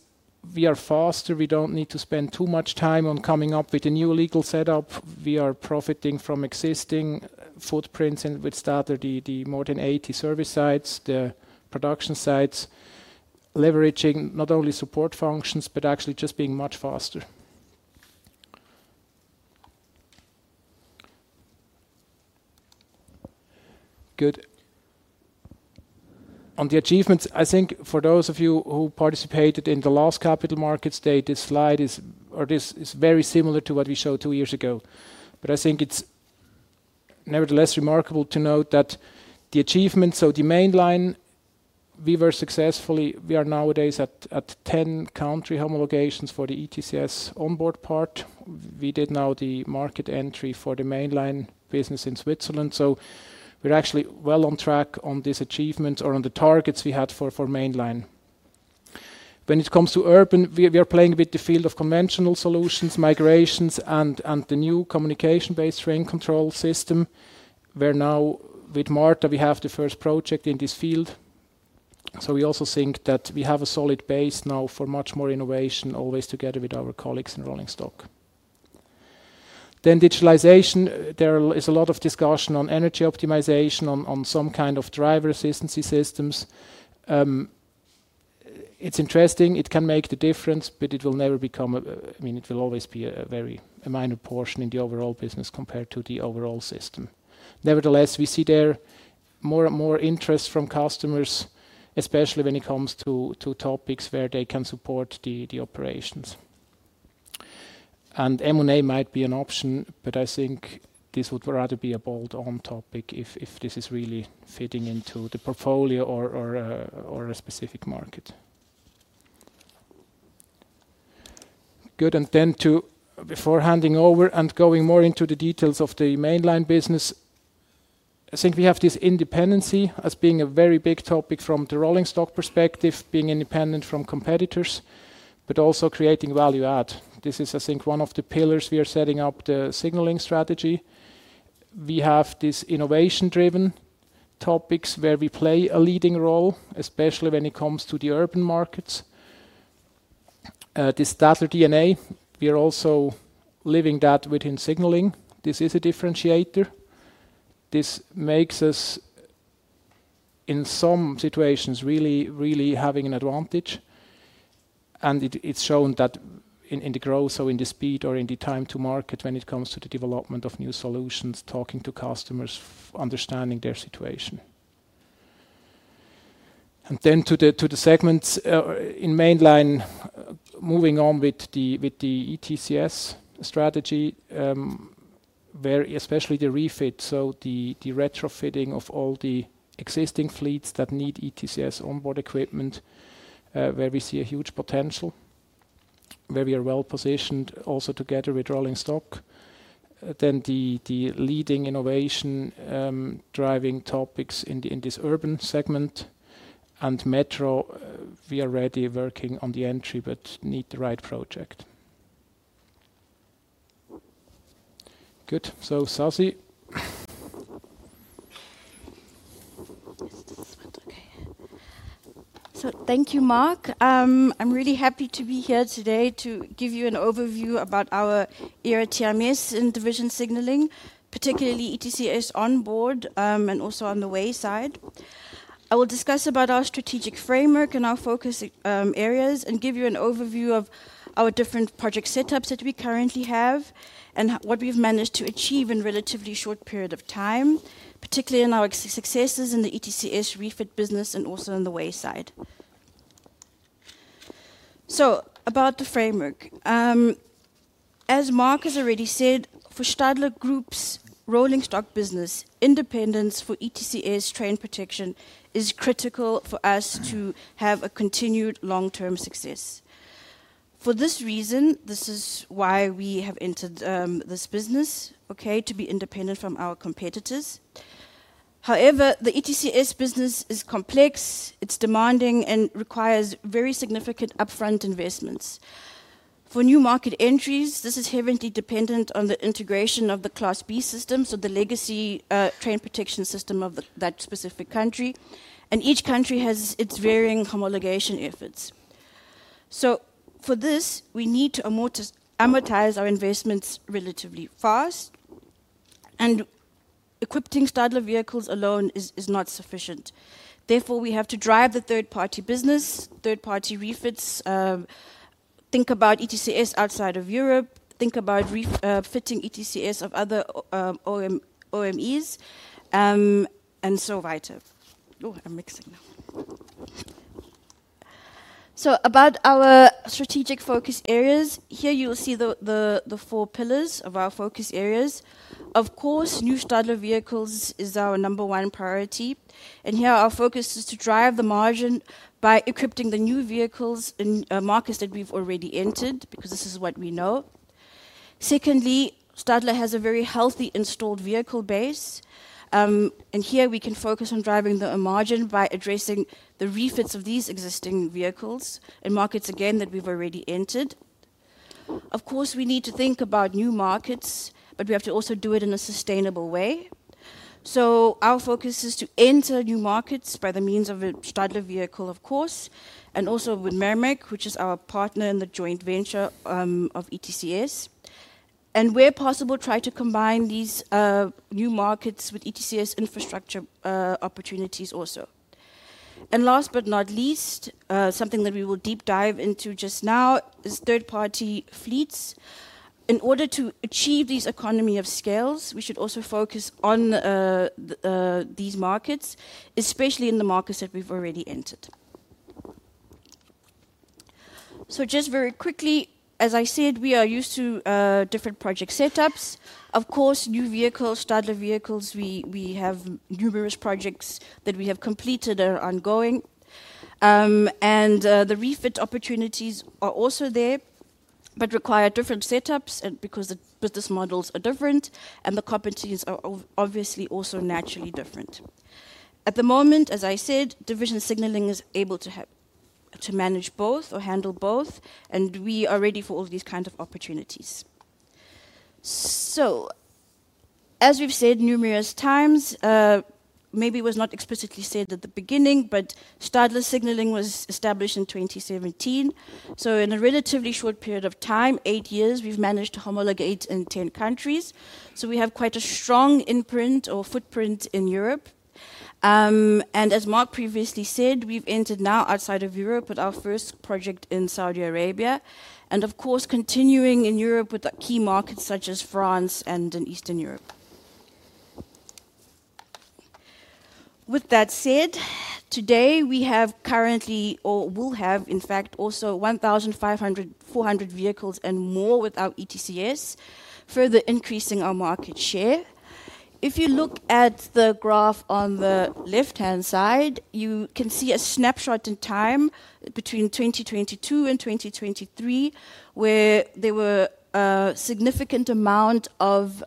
we are faster. We don't need to spend too much time on coming up with a new legal setup. We are profiting from existing footprints with Stadler, the more than 80 service sites, the production sites, leveraging not only support functions, but actually just being much faster. Good. On the achievements, I think for those of you who participated in the last capital markets date, this slide is very similar to what we showed two years ago. I think it's nevertheless remarkable to note that the achievements, so the mainline, we were successfully, we are nowadays at 10 country homologations for the ETCS onboard part. We did now the market entry for the mainline business in Switzerland. We are actually well on track on these achievements or on the targets we had for mainline. When it comes to urban, we are playing with the field of conventional solutions, migrations, and the new communication-based train control system. Where now with MARTA, we have the first project in this field. We also think that we have a solid base now for much more innovation, always together with our colleagues in rolling stock. Digitalization, there is a lot of discussion on energy optimization, on some kind of driver assistance systems. It's interesting. It can make the difference, but it will never become a, I mean, it will always be a very minor portion in the overall business compared to the overall system. Nevertheless, we see there more and more interest from customers, especially when it comes to topics where they can support the operations. M&A might be an option, but I think this would rather be a bolt-on topic if this is really fitting into the portfolio or a specific market. Good. Before handing over and going more into the details of the mainline business, I think we have this independency as being a very big topic from the rolling stock perspective, being independent from competitors, but also creating value add. This is, I think, one of the pillars we are setting up the signalling strategy. We have these innovation-driven topics where we play a leading role, especially when it comes to the urban markets. This Stadler DNA, we are also living that within signalling. This is a differentiator. This makes us, in some situations, really, really having an advantage. It is shown in the growth, in the speed or in the time to market when it comes to the development of new solutions, talking to customers, understanding their situation. To the segments in mainline, moving on with the ETCS strategy, where especially the refit, the retrofitting of all the existing fleets that need ETCS onboard equipment, we see a huge potential, where we are well positioned also together with rolling stock. The leading innovation driving topics in this urban segment and metro, we are already working on the entry, but need the right project. Good. Sazi. Thank you, Mark. I'm really happy to be here today to give you an overview about our area TRMS in division Signalling, particularly ETCS onboard and also on the wayside. I will discuss our strategic framework and our focus areas and give you an overview of our different project setups that we currently have and what we've managed to achieve in a relatively short period of time, particularly in our successes in the ETCS refit business and also in the wayside. About the framework. As Marc has already said, for Stadler Group's rolling stock business, independence for ETCS train protection is critical for us to have a continued long-term success. For this reason, this is why we have entered this business, okay, to be independent from our competitors. However, the ETCS business is complex, it's demanding, and requires very significant upfront investments. For new market entries, this is heavily dependent on the integration of the Class B system, so the legacy train protection system of that specific country. Each country has its varying homologation efforts. For this, we need to amortize our investments relatively fast. Equipping Stadler vehicles alone is not sufficient. Therefore, we have to drive the third-party business, third-party refits, think about ETCS outside of Europe, think about fitting ETCS of other OEMs, and so vital. Oh, I'm mixing now. About our strategic focus areas, here you'll see the four pillars of our focus areas. Of course, new Stadler vehicles is our number one priority. Our focus is to drive the margin by equipping the new vehicles in markets that we've already entered, because this is what we know. Secondly, Stadler has a very healthy installed vehicle base. Here we can focus on driving the margin by addressing the refits of these existing vehicles in markets, again, that we've already entered. Of course, we need to think about new markets, but we have to also do it in a sustainable way. Our focus is to enter new markets by the means of a Stadler vehicle, of course, and also with Mermec, which is our partner in the joint venture of ETCS. Where possible, try to combine these new markets with ETCS infrastructure opportunities also. Last but not least, something that we will deep dive into just now is third-party fleets. In order to achieve these economies of scale, we should also focus on these markets, especially in the markets that we've already entered. Just very quickly, as I said, we are used to different project setups. Of course, new vehicles, Stadler vehicles, we have numerous projects that we have completed that are ongoing. The refit opportunities are also there, but require different setups because the business models are different and the competencies are obviously also naturally different. At the moment, as I said, division Signalling is able to manage both or handle both, and we are ready for all these kinds of opportunities. As we've said numerous times, maybe it was not explicitly said at the beginning, but Stadler Signalling was established in 2017. In a relatively short period of time, eight years, we've managed to homologate in 10 countries. We have quite a strong imprint or footprint in Europe. As Marc previously said, we've entered now outside of Europe with our first project in Saudi Arabia. Of course, continuing in Europe with key markets such as France and in Eastern Europe. With that said, today we have currently, or will have, in fact, also 1,500, 400 vehicles and more without ETCS, further increasing our market share. If you look at the graph on the left-hand side, you can see a snapshot in time between 2022 and 2023, where there were a significant amount of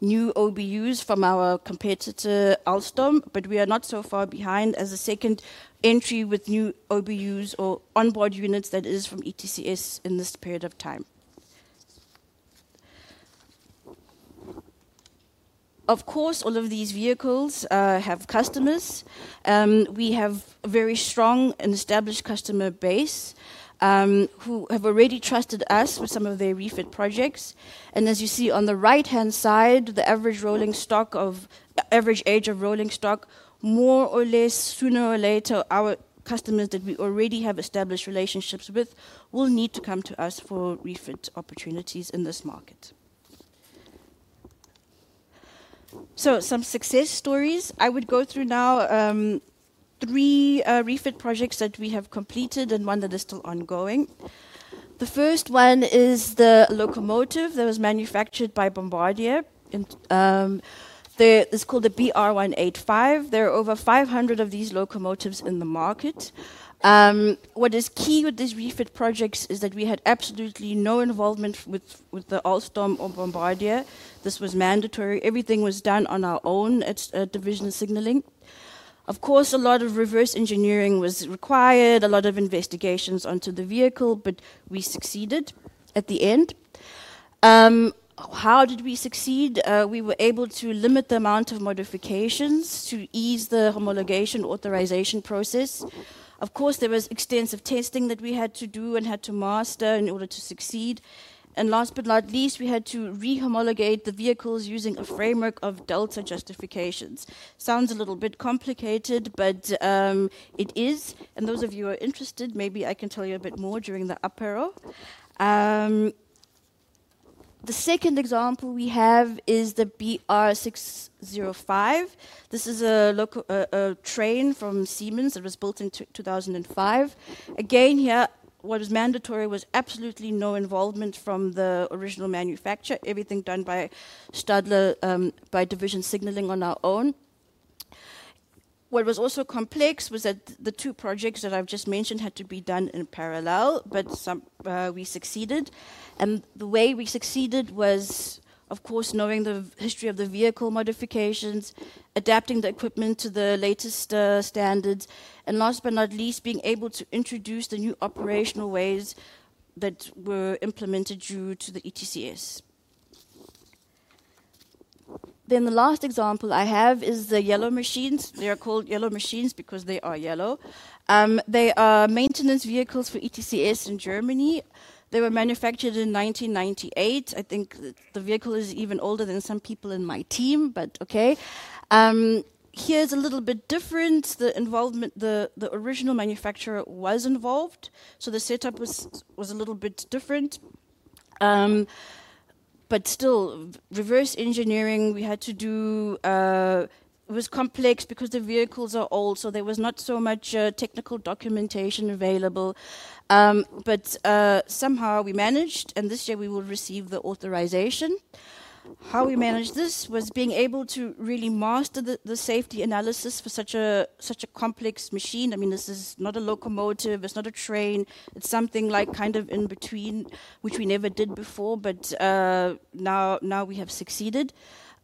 new OBUs from our competitor Alstom, but we are not so far behind as a second entry with new OBUs or onboard units that is from ETCS in this period of time. Of course, all of these vehicles have customers. We have a very strong and established customer base who have already trusted us with some of their refit projects. As you see on the right-hand side, the average age of rolling stock, more or less, sooner or later, our customers that we already have established relationships with will need to come to us for refit opportunities in this market. Some success stories. I would go through now three refit projects that we have completed and one that is still ongoing. The first one is the locomotive that was manufactured by Bombardier. It's called the BR 185. There are over 500 of these locomotives in the market. What is key with these refit projects is that we had absolutely no involvement with Alstom or Bombardier. This was mandatory. Everything was done on our own at division Signalling. Of course, a lot of reverse engineering was required, a lot of investigations onto the vehicle, but we succeeded at the end. How did we succeed? We were able to limit the amount of modifications to ease the homologation authorization process. Of course, there was extensive testing that we had to do and had to master in order to succeed. Last but not least, we had to re-homologate the vehicles using a framework of Delta justifications. Sounds a little bit complicated, but it is. Those of you who are interested, maybe I can tell you a bit more during the apero. The second example we have is the BR 605. This is a train from Siemens that was built in 2005. Again, here, what was mandatory was absolutely no involvement from the original manufacturer. Everything done by Stadler, by division Signalling on our own. What was also complex was that the two projects that I've just mentioned had to be done in parallel, but we succeeded. The way we succeeded was, of course, knowing the history of the vehicle modifications, adapting the equipment to the latest standards, and last but not least, being able to introduce the new operational ways that were implemented due to the ETCS. The last example I have is the yellow machines. They are called yellow machines because they are yellow. They are maintenance vehicles for ETCS in Germany. They were manufactured in 1998. I think the vehicle is even older than some people in my team, but okay. Here's a little bit different. The original manufacturer was involved, so the setup was a little bit different. Still, reverse engineering we had to do, it was complex because the vehicles are old, so there was not so much technical documentation available. Somehow we managed, and this year we will receive the authorization. How we managed this was being able to really master the safety analysis for such a complex machine. I mean, this is not a locomotive, it's not a train. It's something like kind of in between, which we never did before, but now we have succeeded.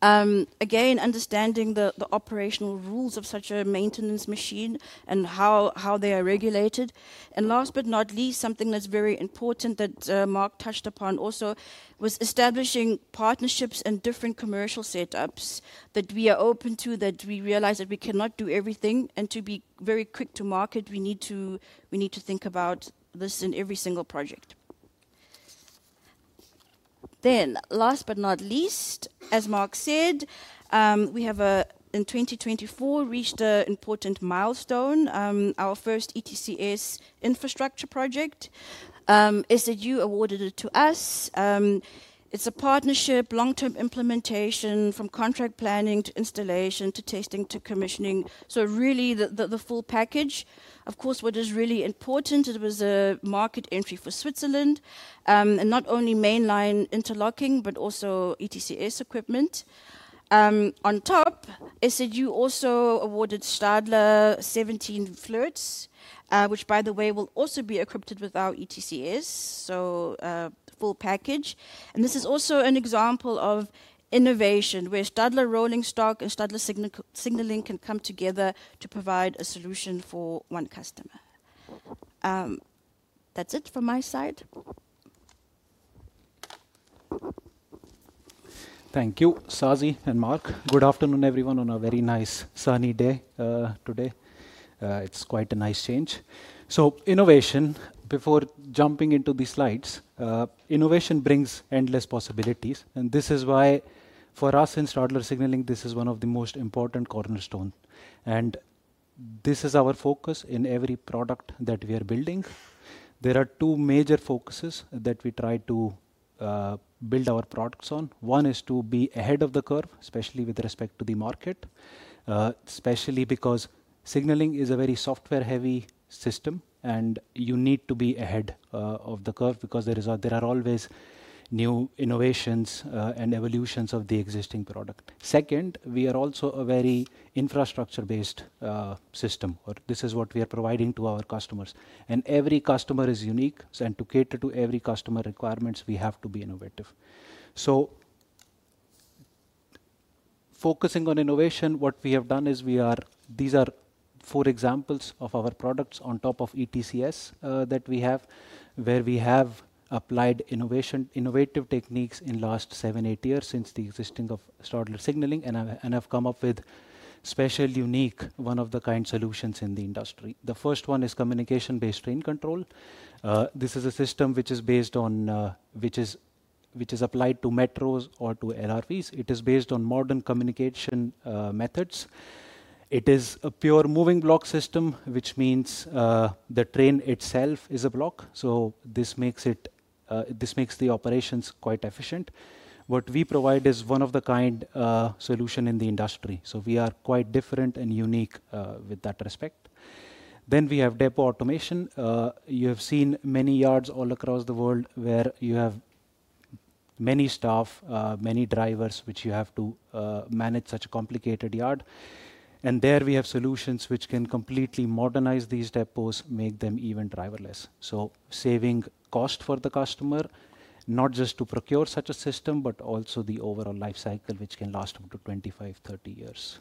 Again, understanding the operational rules of such a maintenance machine and how they are regulated. Last but not least, something that's very important that Marc touched upon also was establishing partnerships and different commercial setups that we are open to, that we realize that we cannot do everything. To be very quick to market, we need to think about this in every single project. Last but not least, as Marc said, we have in 2024 reached an important milestone. Our first ETCS infrastructure project is that you awarded it to us. It is a partnership, long-term implementation from contract planning to installation to testing to commissioning. Really the full package. Of course, what is really important, it was a market entry for Switzerland, and not only mainline interlocking, but also ETCS equipment. On top, SBB also awarded Stadler 17 FLIRTs, which by the way will also be equipped with our ETCS, so full package. This is also an example of innovation where Stadler rolling stock and Stadler Signalling can come together to provide a solution for one customer. That is it from my side. Thank you, Sazi and Marc. Good afternoon, everyone, on a very nice sunny day today. It is quite a nice change. Innovation, before jumping into the slides, innovation brings endless possibilities. This is why for us in Stadler Signalling, this is one of the most important cornerstones. This is our focus in every product that we are building. There are two major focuses that we try to build our products on. One is to be ahead of the curve, especially with respect to the market, especially because Signalling is a very software-heavy system, and you need to be ahead of the curve because there are always new innovations and evolutions of the existing product. Second, we are also a very infrastructure-based system, or this is what we are providing to our customers. Every customer is unique, and to cater to every customer requirements, we have to be innovative. Focusing on innovation, what we have done is we are, these are four examples of our products on top of ETCS that we have, where we have applied innovative techniques in the last seven, eight years since the existing of Stadler Signalling, and have come up with special, unique, one of the kind solutions in the industry. The first one is communication-based train control. This is a system which is based on, which is applied to metros or to LRVs. It is based on modern communication methods. It is a pure moving block system, which means the train itself is a block. This makes the operations quite efficient. What we provide is one of the kind solutions in the industry. We are quite different and unique with that respect. We have depot automation. You have seen many yards all across the world where you have many staff, many drivers, which you have to manage such a complicated yard. There we have solutions which can completely modernize these depots, make them even driverless. Saving cost for the customer, not just to procure such a system, but also the overall lifecycle, which can last up to 25-30 years.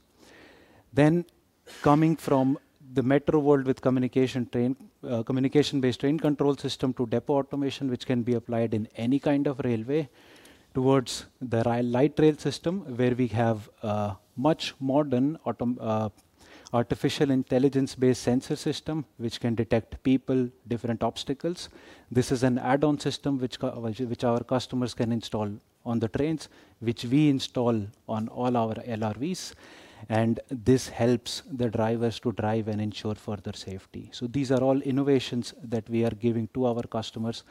Coming from the metro world with communication-based train control system to depot automation, which can be applied in any kind of railway towards the light rail system, where we have much modern artificial intelligence-based sensor systems, which can detect people, different obstacles. This is an add-on system which our customers can install on the trains, which we install on all our LRVs. This helps the drivers to drive and ensure further safety. These are all innovations that we are giving to our customers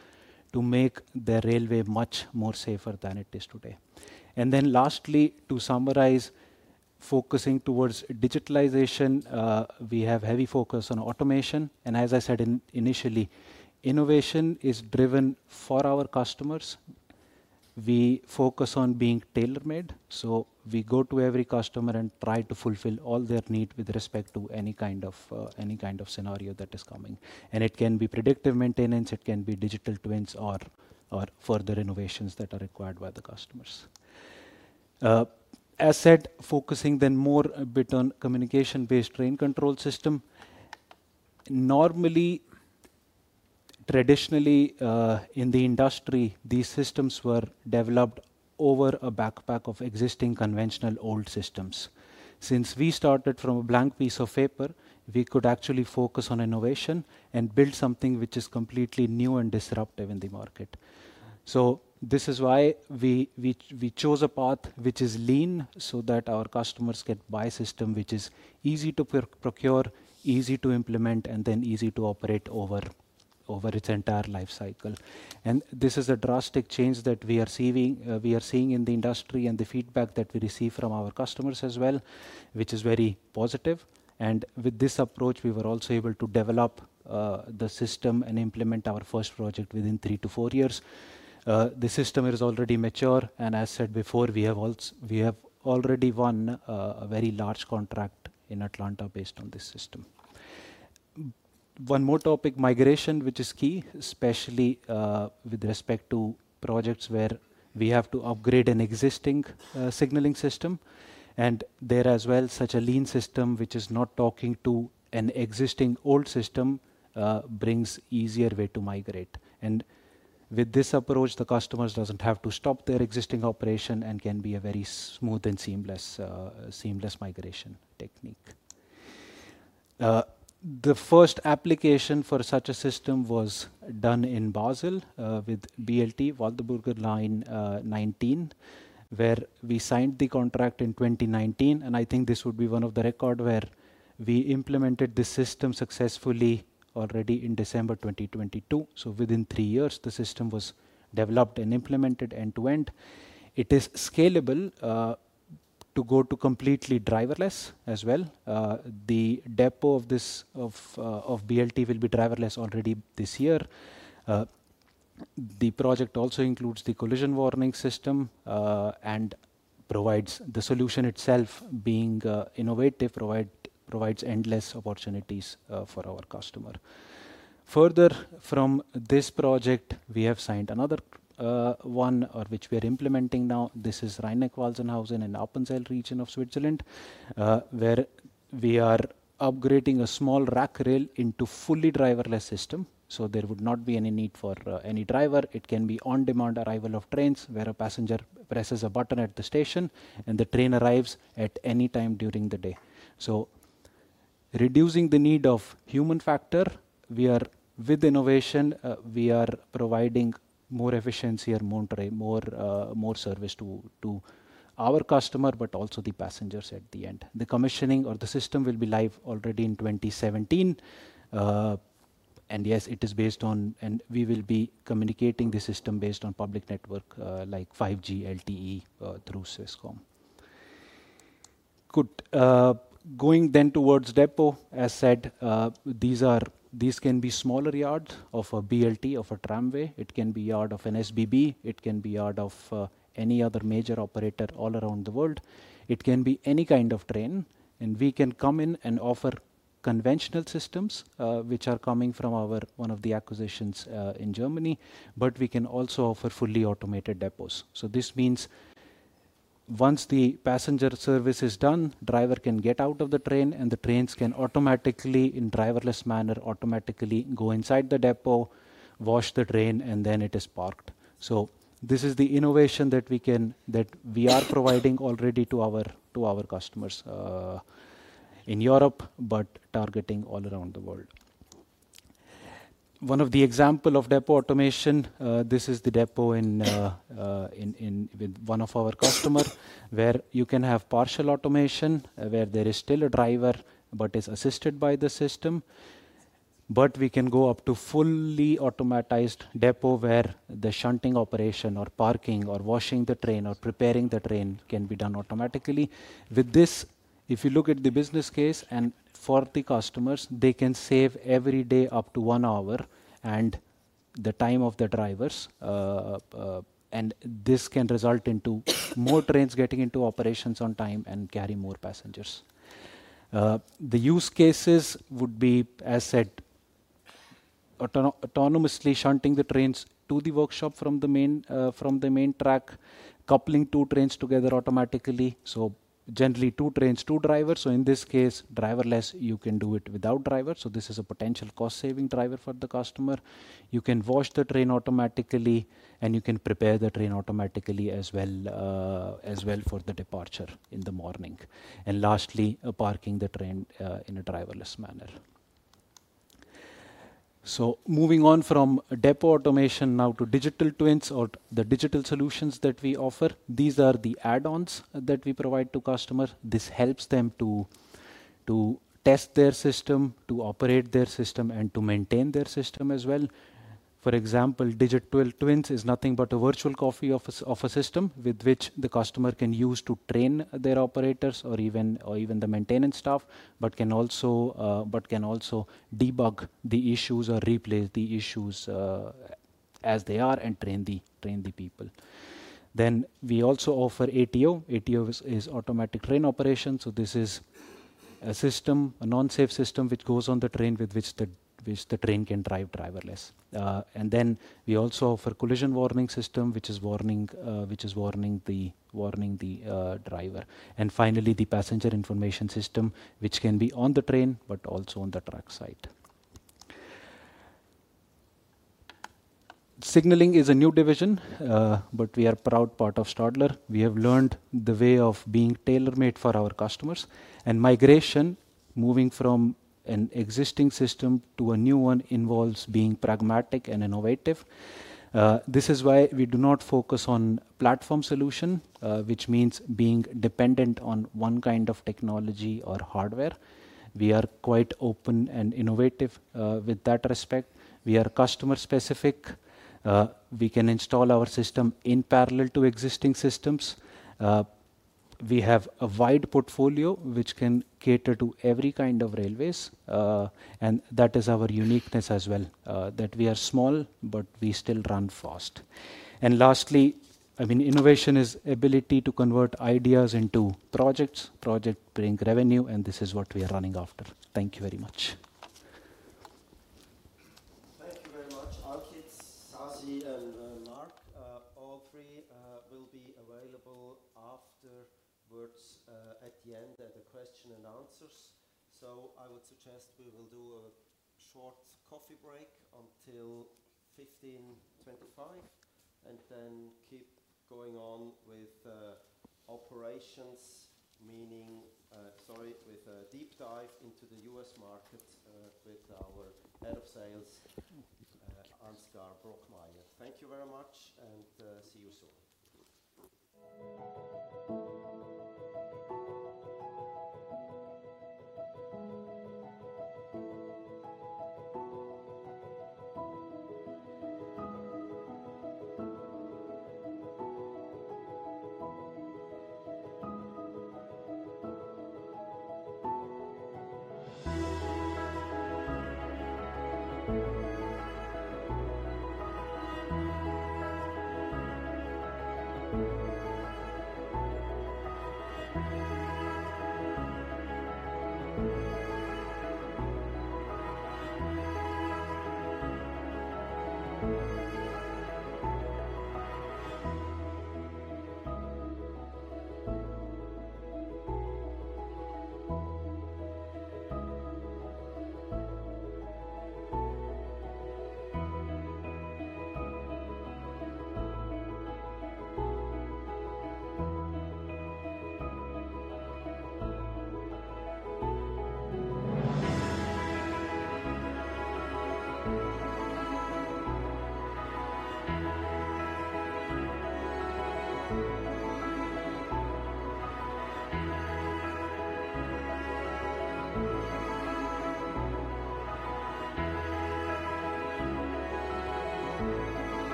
to make the railway much more safe than it is today. Lastly, to summarize, focusing towards digitalization, we have heavy focus on automation. As I said initially, innovation is driven for our customers. We focus on being tailor-made. We go to every customer and try to fulfill all their needs with respect to any kind of scenario that is coming. It can be predictive maintenance, it can be digital twins, or further innovations that are required by the customers. As said, focusing then more a bit on communication-based train control system. Normally, traditionally in the industry, these systems were developed over a backpack of existing conventional old systems. Since we started from a blank piece of paper, we could actually focus on innovation and build something which is completely new and disruptive in the market. This is why we chose a path which is lean so that our customers get a system which is easy to procure, easy to implement, and then easy to operate over its entire lifecycle. This is a drastic change that we are seeing in the industry and the feedback that we receive from our customers as well, which is very positive. With this approach, we were also able to develop the system and implement our first project within three to four years. The system is already mature, and as said before, we have already won a very large contract in Atlanta based on this system. One more topic, migration, which is key, especially with respect to projects where we have to upgrade an existing Signalling system. There as well, such a lean system which is not talking to an existing old system brings an easier way to migrate. With this approach, the customers don't have to stop their existing operation and can be a very smooth and seamless migration technique. The first application for such a system was done in Basell with BLT, Waldeburger Line 19, where we signed the contract in 2019. I think this would be one of the records where we implemented the system successfully already in December 2022. Within three years, the system was developed and implemented end-to-end. It is scalable to go to completely driverless as well. The depot of BLT will be driverless already this year. The project also includes the collision warning system and provides the solution itself being innovative, provides endless opportunities for our customer. Further from this project, we have signed another one which we are implementing now. This is Rheineck–Walzenhausen in the Appenzell region of Switzerland, where we are upgrading a small rack rail into a fully driverless system. There would not be any need for any driver. It can be on-demand arrival of trains where a passenger presses a button at the station and the train arrives at any time during the day. Reducing the need of human factor, we are with innovation, we are providing more efficiency and more service to our customer, but also the passengers at the end. The commissioning of the system will be live already in 2017. Yes, it is based on, and we will be communicating the system based on public network like 5G LTE through Swisscom. Good. Going then towards depot, as said, these can be smaller yards of a BLT, of a tramway. It can be a yard of an SBB. It can be a yard of any other major operator all around the world. It can be any kind of train. We can come in and offer conventional systems, which are coming from one of the acquisitions in Germany, but we can also offer fully automated depots. This means once the passenger service is done, the driver can get out of the train and the trains can automatically, in driverless manner, automatically go inside the depot, wash the train, and then it is parked. This is the innovation that we are providing already to our customers in Europe, but targeting all around the world. One of the examples of depot automation, this is the depot with one of our customers where you can have partial automation where there is still a driver, but it's assisted by the system. We can go up to fully automatized depot where the shunting operation or parking or washing the train or preparing the train can be done automatically. With this, if you look at the business case and for the customers, they can save every day up to one hour and the time of the drivers. This can result in more trains getting into operations on time and carrying more passengers. The use cases would be, as said, autonomously shunting the trains to the workshop from the main track, coupling two trains together automatically. Generally, two trains, two drivers. In this case, driverless, you can do it without drivers. This is a potential cost-saving driver for the customer. You can wash the train automatically, and you can prepare the train automatically as well for the departure in the morning. Lastly, parking the train in a driverless manner. Moving on from depot automation now to digital twins or the digital solutions that we offer, these are the add-ons that we provide to customers. This helps them to test their system, to operate their system, and to maintain their system as well. For example, digital twins is nothing but a virtual copy of a system with which the customer can use to train their operators or even the maintenance staff, but can also debug the issues or replace the issues as they are and train the people. We also offer ATO. ATO is Automatic Train Operation. This is a system, a non-safe system which goes on the train with which the train can drive driverless. We also offer a collision warning system, which is warning the driver. Finally, the passenger information system, which can be on the train, but also on the track side. Signalling is a new division, but we are a proud part of Stadler. We have learned the way of being tailor-made for our customers. Migration, moving from an existing system to a new one, involves being pragmatic and innovative. This is why we do not focus on platform solution, which means being dependent on one kind of technology or hardware. We are quite open and innovative with that respect. We are customer-specific. We can install our system in parallel to existing systems. We have a wide portfolio which can cater to every kind of railways. That is our uniqueness as well, that we are small, but we still run fast. Lastly, I mean, innovation is the ability to convert ideas into projects. Projects bring revenue, and this is what we are running after. Thank you very much. Thank you very much. Our kids, Sazi and Marc, all three will be available afterwards at the end at the question and answers. I would suggest we will do a short coffee break until 3:25 P.M. and then keep going on with operations, meaning, sorry, with a deep dive into the U.S. market with our Head of Sales, Ansgar Brockmeyer. Thank you very much, and see you soon.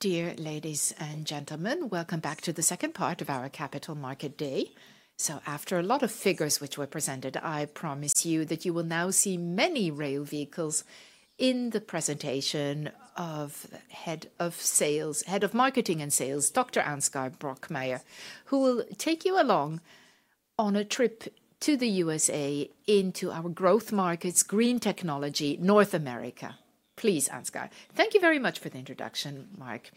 Dear ladies and gentlemen, welcome back to the second part of our Capital Market Day. After a lot of figures which were presented, I promise you that you will now see many rail vehicles in the presentation of Head of Sales, Head of Marketing and Sales, Dr. Ansgar Brockmeyer, who will take you along on a trip to the USA into our growth markets, green technology, North America. Please, Ansgar. Thank you very much for the introduction, Marc.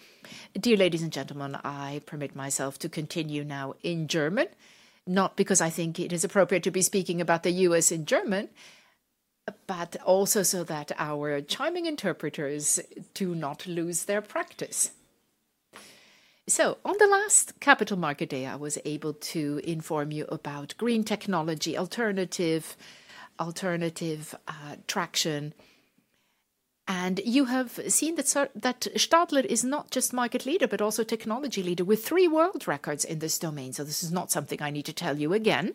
Dear ladies and gentlemen, I permit myself to continue now in German, not because I think it is appropriate to be speaking about the U.S. in German, but also so that our charming interpreters do not lose their practice. On the last Capital Market Day, I was able to inform you about green technology, alternative traction, and you have seen that Stadler is not just market leader, but also technology leader with three world records in this domain. This is not something I need to tell you again.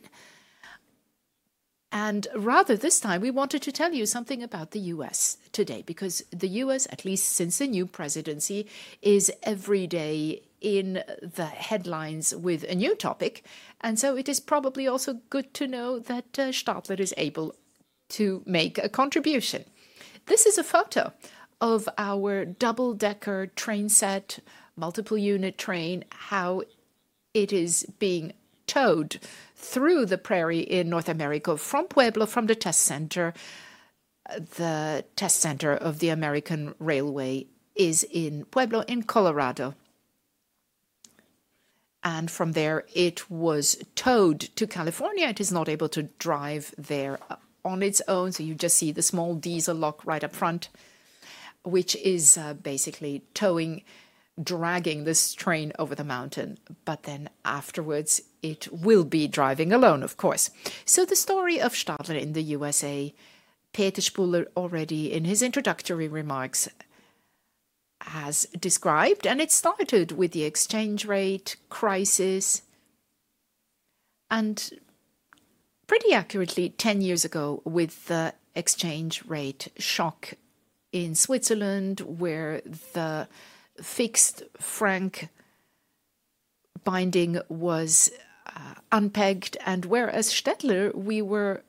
Rather, this time we wanted to tell you something about the U.S. today, because the U.S, at least since the new presidency, is every day in the headlines with a new topic. It is probably also good to know that Stadler is able to make a contribution. This is a photo of our double-decker train set, multiple unit train, how it is being towed through the prairie in North America from Pueblo, from the test center. The test center of the American Railway is in Pueblo in Colorado. From there, it was towed to California. It is not able to drive there on its own. You just see the small diesel lock right up front, which is basically towing, dragging this train over the mountain. Then afterwards, it will be driving alone, of course. The story of Stadler in the USA., Peter Spuhler already in his introductory remarks has described, and it started with the exchange rate crisis. Pretty accurately, 10 years ago, with the exchange rate shock in Switzerland, where the fixed franc binding was unpegged, and whereas Stadler, we were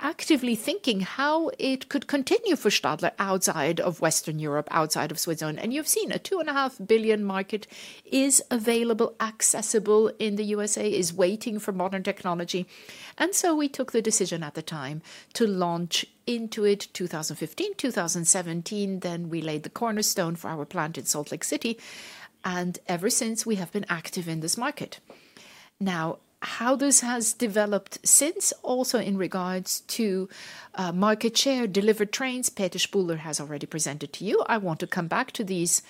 actively thinking how it could continue for Stadler outside of Western Europe, outside of Switzerland. You have seen a $2.5 billion market is available, accessible in the USA, is waiting for modern technology. We took the decision at the time to launch into it 2015, 2017. We laid the cornerstone for our plant in Salt Lake City, and ever since we have been active in this market. Now, how this has developed since, also in regards to market share, delivered trains, Peter Spuhler has already presented to you. I want to come back to these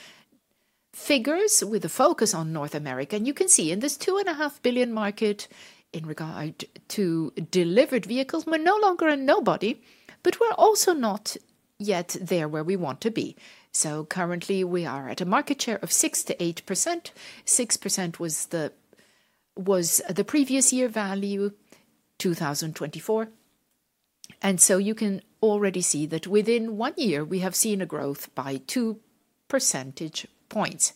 figures with a focus on North America. You can see in this $2.5 billion market in regard to delivered vehicles, we're no longer a nobody, but we're also not yet there where we want to be. Currently, we are at a market share of 6%-8%. 6% was the previous year value, 2024. You can already see that within one year, we have seen a growth by two percentage points.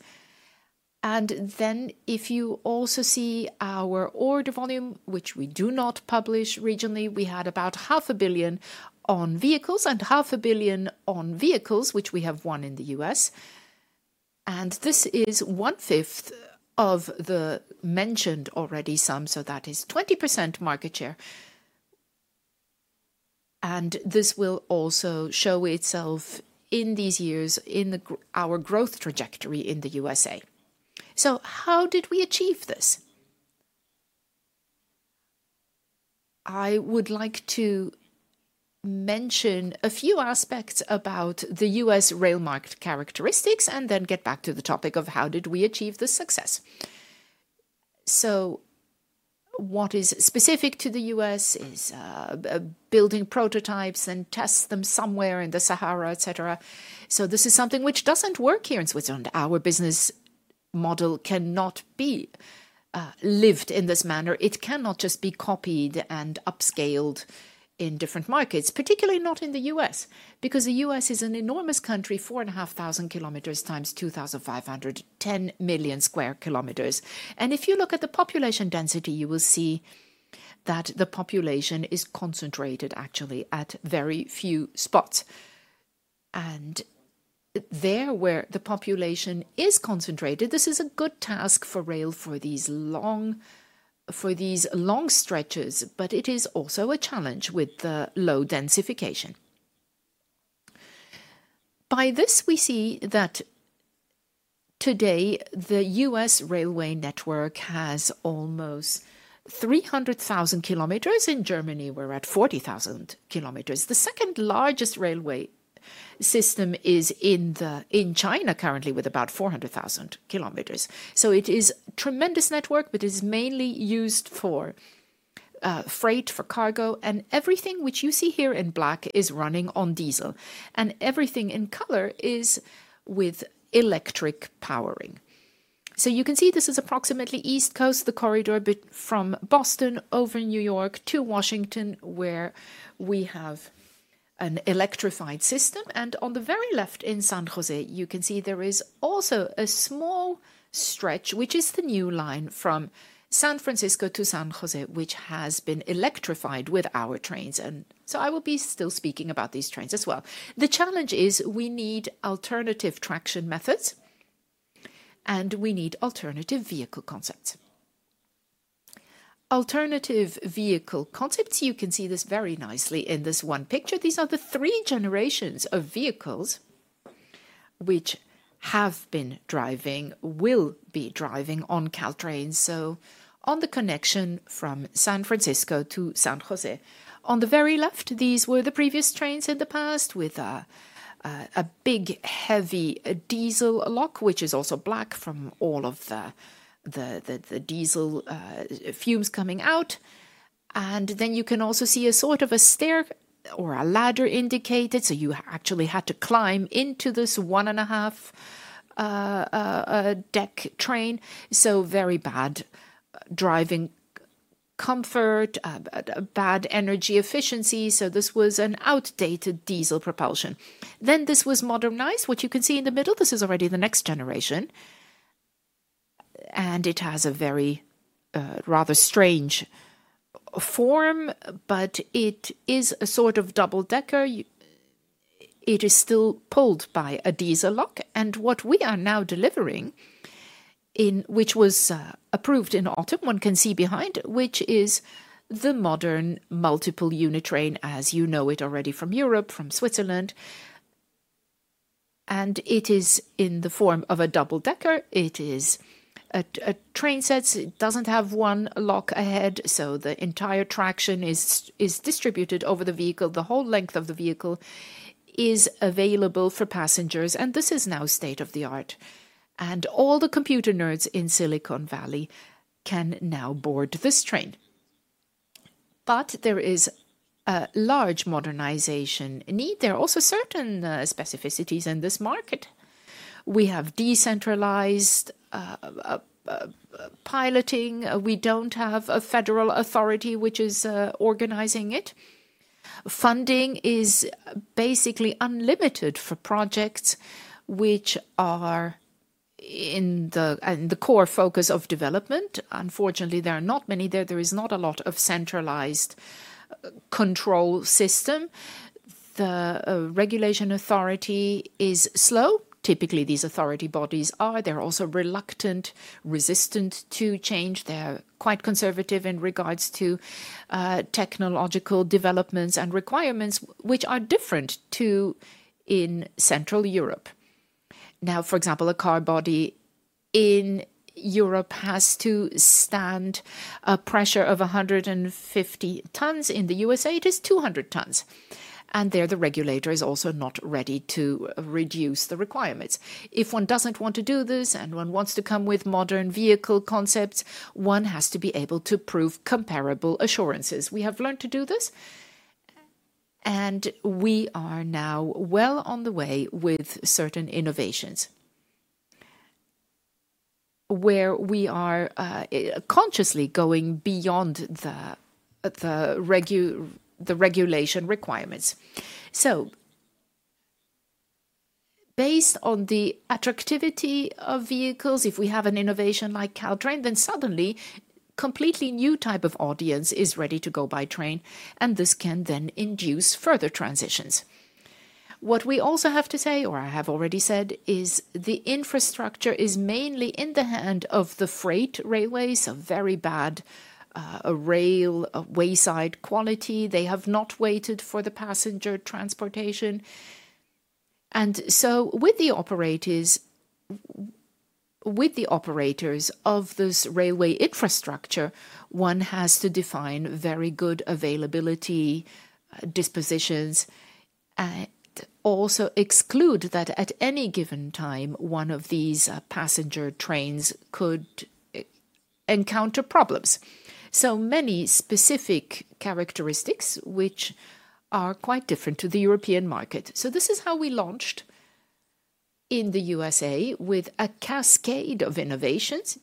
If you also see our order volume, which we do not publish regionally, we had about $500,000,000 on vehicles and $500,000,000 on vehicles, which we have won in the U.S. This is one fifth of the mentioned already sum, so that is 20% market share. This will also show itself in these years in our growth trajectory in the USA. How did we achieve this? I would like to mention a few aspects about the U.S. rail market characteristics and then get back to the topic of how did we achieve the success. What is specific to the U.S. is building prototypes and testing them somewhere in the Sahara, et cetera. This is something which does not work here in Switzerland. Our business model cannot be lived in this manner. It cannot just be copied and upscaled in different markets, particularly not in the U.S., because the U.S. is an enormous country, 4,500 km times 2,510 million sq km. If you look at the population density, you will see that the population is concentrated actually at very few spots. There, where the population is concentrated, this is a good task for rail for these long stretches, but it is also a challenge with the low densification. By this, we see that today, the U.S. railway network has almost 300,000 km. In Germany, we're at 40,000 km. The second largest railway system is in China currently with about 400,000 km. It is a tremendous network, but it is mainly used for freight, for cargo, and everything which you see here in black is running on diesel, and everything in color is with electric powering. You can see this is approximately East Coast, the corridor from Boston over New York to Washington, where we have an electrified system. On the very left in San Jose, you can see there is also a small stretch, which is the new line from San Francisco to San Jose, which has been electrified with our trains. I will be still speaking about these trains as well. The challenge is we need alternative traction methods, and we need alternative vehicle concepts. Alternative vehicle concepts, you can see this very nicely in this one picture. These are the three generations of vehicles which have been driving, will be driving on Caltrain. On the connection from San Francisco to San Jose, on the very left, these were the previous trains in the past with a big, heavy diesel loco, which is also black from all of the diesel fumes coming out. You can also see a sort of a stair or a ladder indicated. You actually had to climb into this one and a half deck train. Very bad driving comfort, bad energy efficiency. This was an outdated diesel propulsion. This was modernized, what you can see in the middle. This is already the next generation, and it has a very rather strange form, but it is a sort of double-decker. It is still pulled by a diesel loco, and what we are now delivering, which was approved in autumn, one can see behind, which is the modern multiple unit train, as you know it already from Europe, from Switzerland. It is in the form of a double-decker. It is a train set. It does not have one loco ahead, so the entire traction is distributed over the vehicle. The whole length of the vehicle is available for passengers, and this is now state of the art. All the computer nerds in Silicon Valley can now board this train. There is a large modernization need. There are also certain specificities in this market. We have decentralized piloting. We do not have a federal authority which is organizing it. Funding is basically unlimited for projects which are in the core focus of development. Unfortunately, there are not many there. There is not a lot of centralized control system. The regulation authority is slow. Typically, these authority bodies are. They are also reluctant, resistant to change. They are quite conservative in regards to technological developments and requirements, which are different to in Central Europe. For example, a car body in Europe has to stand a pressure of 150 tons. In the USA, it is 200 tons. There, the regulator is also not ready to reduce the requirements. If one doesn't want to do this and one wants to come with modern vehicle concepts, one has to be able to prove comparable assurances. We have learned to do this, and we are now well on the way with certain innovations where we are consciously going beyond the regulation requirements. Based on the attractivity of vehicles, if we have an innovation like Caltrain, then suddenly a completely new type of audience is ready to go by train, and this can then induce further transitions. What we also have to say, or I have already said, is the infrastructure is mainly in the hand of the freight railways. Very bad rail wayside quality. They have not waited for the passenger transportation. With the operators of this railway infrastructure, one has to define very good availability dispositions and also exclude that at any given time, one of these passenger trains could encounter problems. Many specific characteristics are quite different to the European market. This is how we launched in the USA with a cascade of innovations.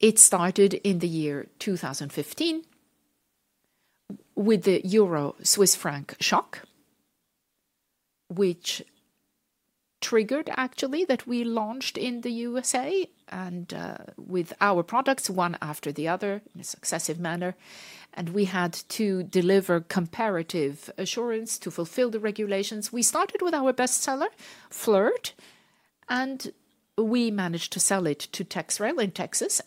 It started in the year 2015 with the Euro Swiss franc shock, which triggered actually that we launched in the USA and with our products one after the other in a successive manner. We had to deliver comparative assurance to fulfill the regulations. We started with our best seller, FLIRT, and we managed to sell it to TEXRail in Texas.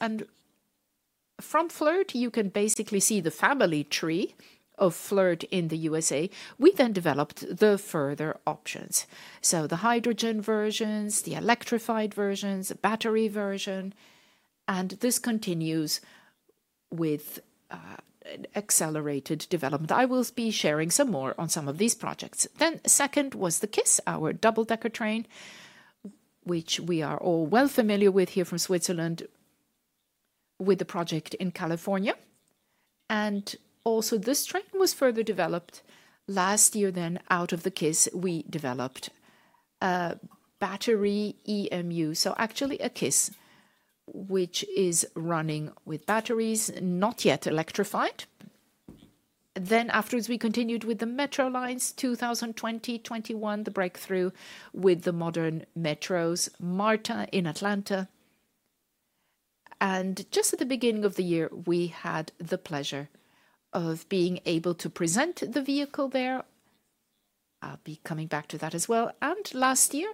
From FLIRT, you can basically see the family tree of FLIRT in the USA. We then developed the further options. The hydrogen versions, the electrified versions, the battery version, and this continues with accelerated development. I will be sharing some more on some of these projects. The second was the KISS, our double-decker train, which we are all well familiar with here from Switzerland, with the project in California. Also, this train was further developed last year. Out of the KISS, we developed a battery EMU. Actually, a KISS, which is running with batteries, not yet electrified. Afterwards, we continued with the Metrolines 2020, 2021, the breakthrough with the modern metros, MARTA in Atlanta. Just at the beginning of the year, we had the pleasure of being able to present the vehicle there. I'll be coming back to that as well. Last year,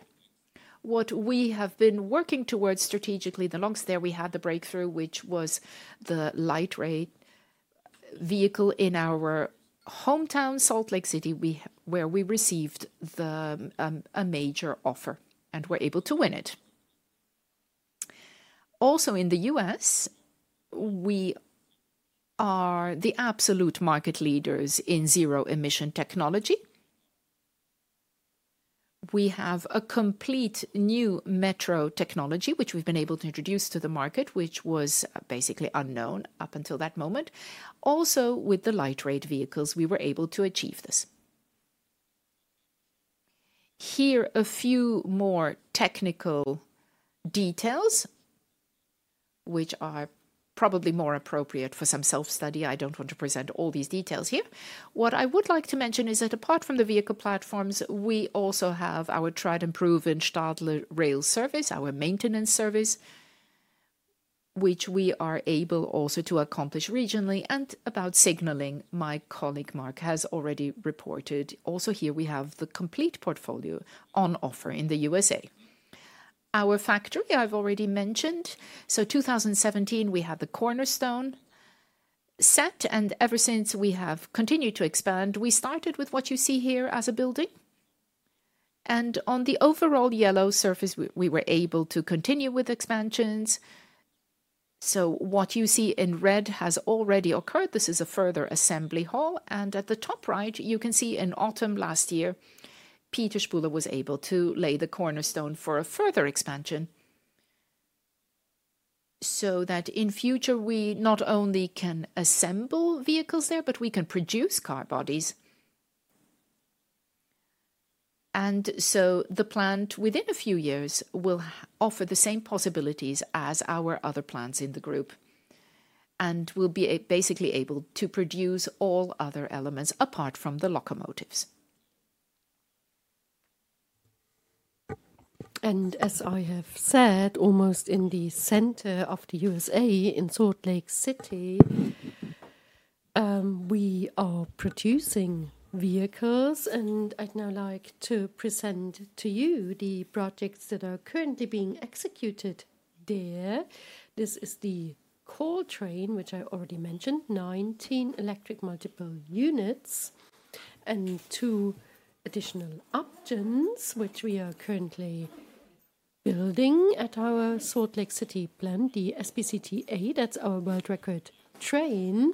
what we have been working towards strategically, the longest there we had the breakthrough, which was the light rail vehicle in our hometown, Salt Lake City, where we received a major offer and were able to win it. Also, in the U.S., we are the absolute market leaders in zero emission technology. We have a complete new METRO technology, which we've been able to introduce to the market, which was basically unknown up until that moment. Also, with the light rail vehicles, we were able to achieve this. Here, a few more technical details, which are probably more appropriate for some self-study. I don't want to present all these details here. What I would like to mention is that apart from the vehicle platforms, we also have our tried and proven Stadler Rail service, our maintenance service, which we are able also to accomplish regionally. About Signalling, my colleague Marc has already reported. Also, here we have the complete portfolio on offer in the U.S. Our factory, I have already mentioned. In 2017, we had the cornerstone set, and ever since we have continued to expand. We started with what you see here as a building. On the overall yellow surface, we were able to continue with expansions. What you see in red has already occurred. This is a further assembly hall. At the top right, you can see in autumn last year, Peter Spuhler was able to lay the cornerstone for a further expansion so that in future, we not only can assemble vehicles there, but we can produce car bodies. The plant within a few years will offer the same possibilities as our other plants in the group and will be basically able to produce all other elements apart from the locomotives. As I have said, almost in the center of the U.S., in Salt Lake City, we are producing vehicles. I would now like to present to you the projects that are currently being executed there. This is the Caltrain, which I already mentioned, 19 electric multiple units and two additional options, which we are currently building at our Salt Lake City plant, the SBCTA. That is our world record train.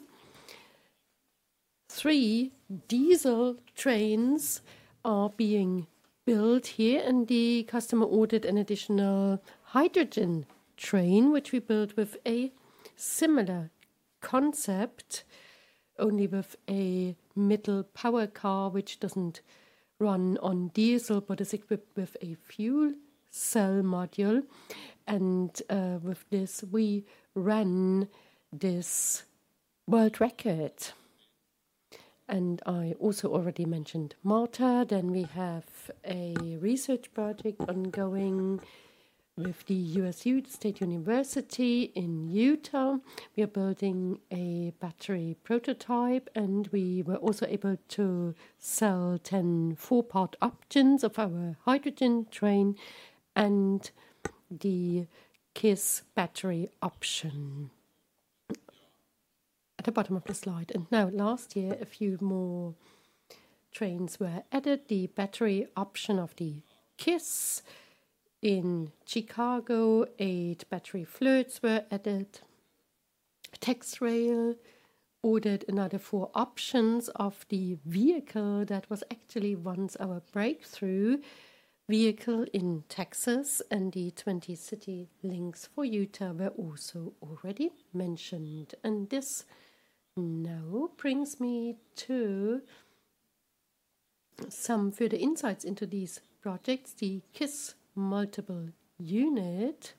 Three diesel trains are being built here, and the customer ordered an additional hydrogen train, which we built with a similar concept, only with a middle power car, which does not run on diesel, but is equipped with a fuel cell module. With this, we ran this world record. I also already mentioned MARTA. We have a research project ongoing with the U.S. State University in Utah. We are building a battery prototype, and we were also able to sell 10 four-part options of our hydrogen train and the KISS battery option at the bottom of the slide. Last year, a few more trains were added. The battery option of the KISS in Chicago, eight battery FLIRTs were added. TEXRail ordered another four options of the vehicle that was actually once our breakthrough vehicle in Texas, and the 20 CITYLINKs for Utah were also already mentioned. This now brings me to some further insights into these projects. The KISS multiple unit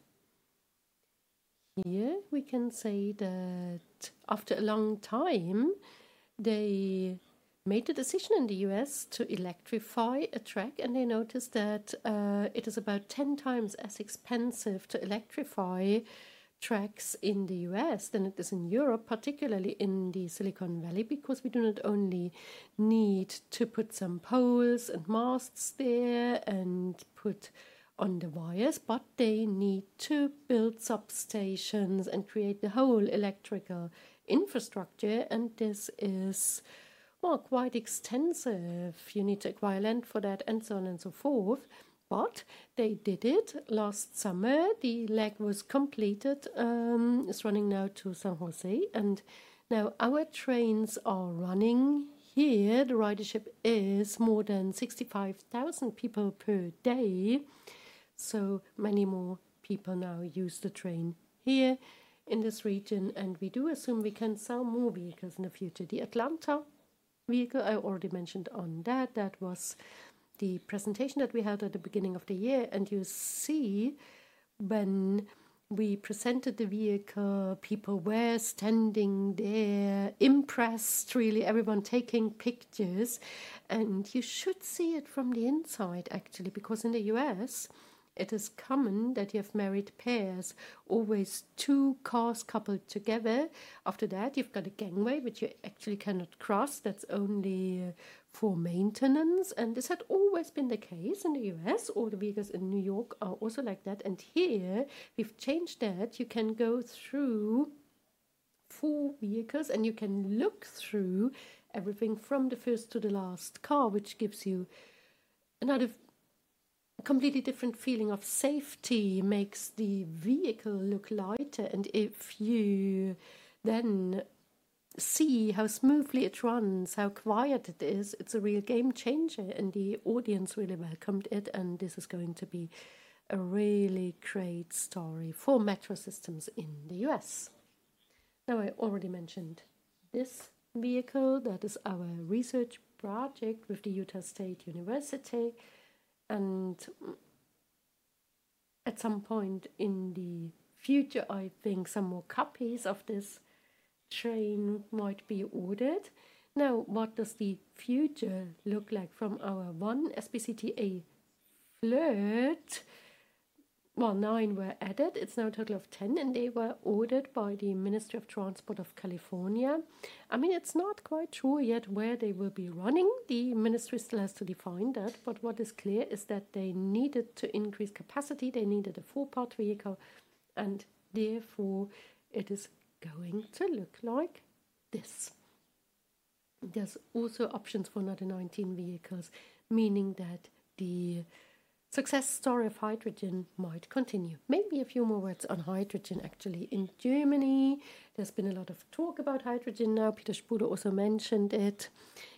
here, we can say that after a long time, they made a decision in the U.S. to electrify a track, and they noticed that it is about 10 times as expensive to electrify tracks in the U.S. than it is in Europe, particularly in the Silicon Valley, because we do not only need to put some poles and masts there and put on the wires, but they need to build substations and create the whole electrical infrastructure. This is, well, quite extensive. You need to acquire land for that and so on and so forth. They did it last summer. The leg was completed. It's running now to San Jose. Now our trains are running here. The ridership is more than 65,000 people per day. Many more people now use the train here in this region. We do assume we can sell more vehicles in the future. The Atlanta vehicle I already mentioned on that. That was the presentation that we had at the beginning of the year. You see when we presented the vehicle, people were standing there, impressed, really, everyone taking pictures. You should see it from the inside, actually, because in the US, it is common that you have married pairs, always two cars coupled together. After that, you've got a gangway, which you actually cannot cross. That's only for maintenance. This had always been the case in the U.S. All the vehicles in New York are also like that. Here, we've changed that. You can go through four vehicles, and you can look through everything from the first to the last car, which gives you another completely different feeling of safety, makes the vehicle look lighter. If you then see how smoothly it runs, how quiet it is, it's a real game changer. The audience really welcomed it. This is going to be a really great story for metro systems in the U.S. I already mentioned this vehicle. That is our research project with the Utah State University. At some point in the future, I think some more copies of this train might be ordered. What does the future look like from our one SBCTA FLIRT? Nine were added. It's now a total of 10, and they were ordered by the Ministry of Transport of California. I mean, it's not quite sure yet where they will be running. The ministry still has to define that. What is clear is that they needed to increase capacity. They needed a four-part vehicle. Therefore, it is going to look like this. There's also options for another 19 vehicles, meaning that the success story of hydrogen might continue. Maybe a few more words on hydrogen, actually. In Germany, there's been a lot of talk about hydrogen now. Peter Spuhler also mentioned it.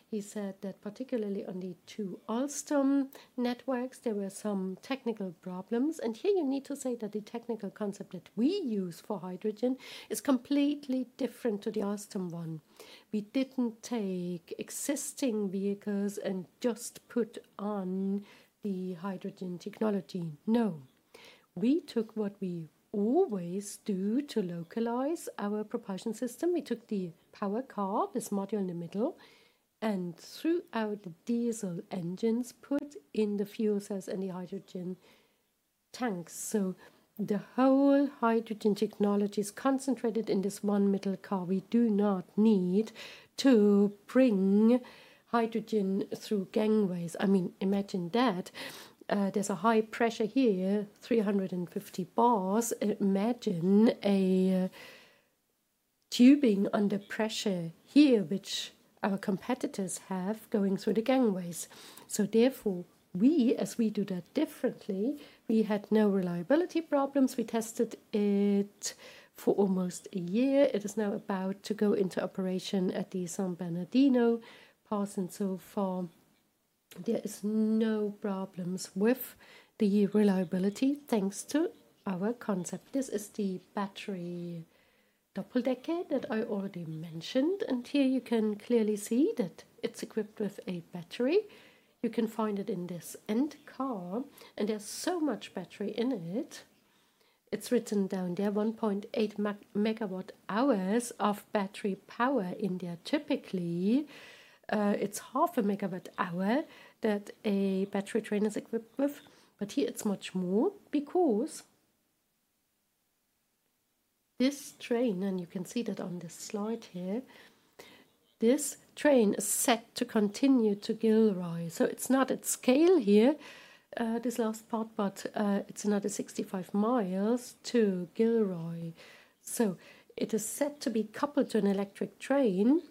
He said that particularly on the two Alstom networks, there were some technical problems. Here, you need to say that the technical concept that we use for hydrogen is completely different to the Alstom one. We didn't take existing vehicles and just put on the hydrogen technology. No. We took what we always do to localize our propulsion system. We took the power car, this module in the middle, and threw out the diesel engines, put in the fuel cells and the hydrogen tanks. The whole hydrogen technology is concentrated in this one middle car. We do not need to bring hydrogen through gangways. I mean, imagine that there's a high pressure here, 350 bars. Imagine a tubing under pressure here, which our competitors have going through the gangways. Therefore, as we do that differently, we had no reliability problems. We tested it for almost a year. It is now about to go into operation at the San Bernardino pass. So far, there are no problems with the reliability, thanks to our concept. This is the battery double-decker that I already mentioned. Here, you can clearly see that it's equipped with a battery. You can find it in this end car. There is so much battery in it. It's written down there, 1.8 MW hours of battery power in there. Typically, it's half a MW hour that a battery train is equipped with. Here, it's much more because this train, and you can see that on this slide here, this train is set to continue to Gilroy. It's not at scale here, this last part, but it's another 65 mi to Gilroy. It is set to be coupled to an electric train.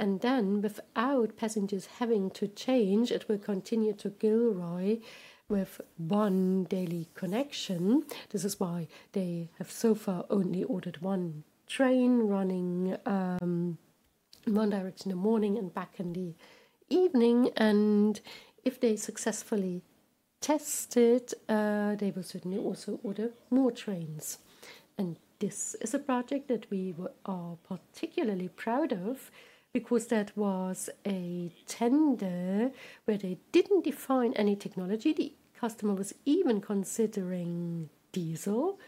Then, without passengers having to change, it will continue to Gilroy with one daily connection. This is why they have so far only ordered one train running one direction in the morning and back in the evening. If they successfully test it, they will certainly also order more trains. This is a project that we are particularly proud of because that was a tender where they didn't define any technology. The customer was even considering diesel.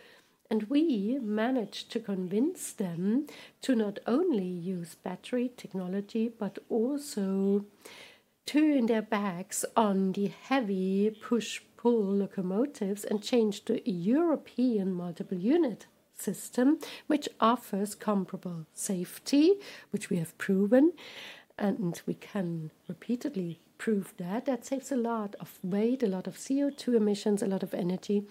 We managed to convince them to not only use battery technology, but also turn their backs on the heavy push-pull locomotives and change to a European multiple unit system, which offers comparable safety, which we have proven. We can repeatedly prove that. That saves a lot of weight, a lot of CO2 emissions, a lot of energy.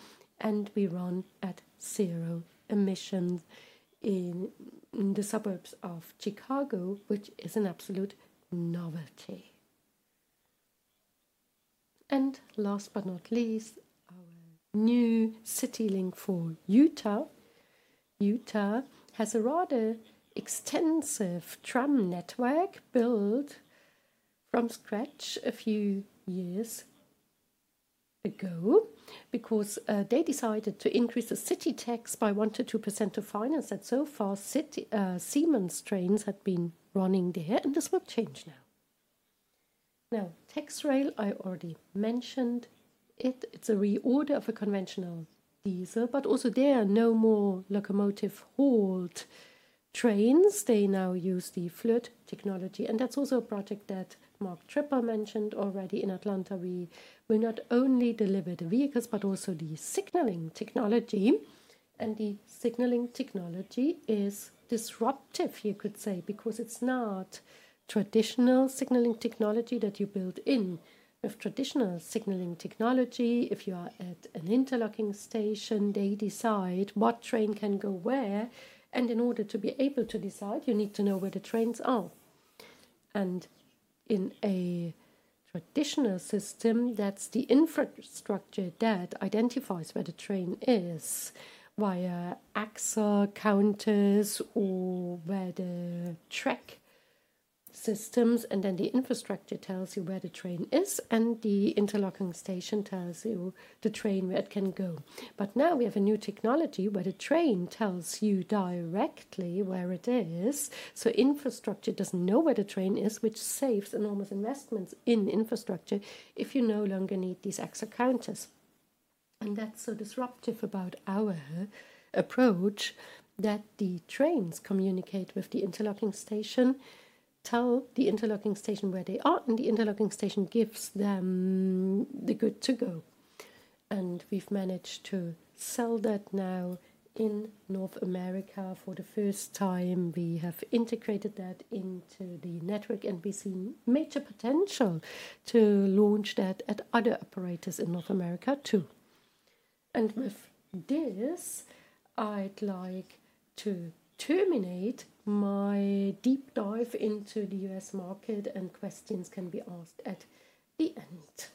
We run at zero emissions in the suburbs of Chicago, which is an absolute novelty. Last but not least, our new CITYLINK for Utah. Utah has a rather extensive tram network built from scratch a few years ago because they decided to increase the city tax by 1%-2% to finance that. So far Siemens trains had been running there. This will change now. Now, TEXRail, I already mentioned it. It is a reorder of a conventional diesel, but also there are no more locomotive-hauled trains. They now use the FLIRT technology. That is also a project that Marc Trippel mentioned already in Atlanta. We will not only deliver the vehicles, but also the signalling technology. The signalling technology is disruptive, you could say, because it is not traditional signalling technology that you build in. With traditional signalling technology, if you are at an interlocking station, they decide what train can go where. In order to be able to decide, you need to know where the trains are. In a traditional system, that is the infrastructure that identifies where the train is via axle counters or where the track systems. The infrastructure tells you where the train is. The interlocking station tells the train where it can go. Now we have a new technology where the train tells you directly where it is. Infrastructure does not know where the train is, which saves enormous investments in infrastructure if you no longer need these axle counters. That is so disruptive about our approach that the trains communicate with the interlocking station, tell the interlocking station where they are, and the interlocking station gives them the good to go. We have managed to sell that now in North America. For the first time, we have integrated that into the network, and we see major potential to launch that at other operators in North America too. With this, I would like to terminate my deep dive into the U.S. market, and questions can be asked at the end.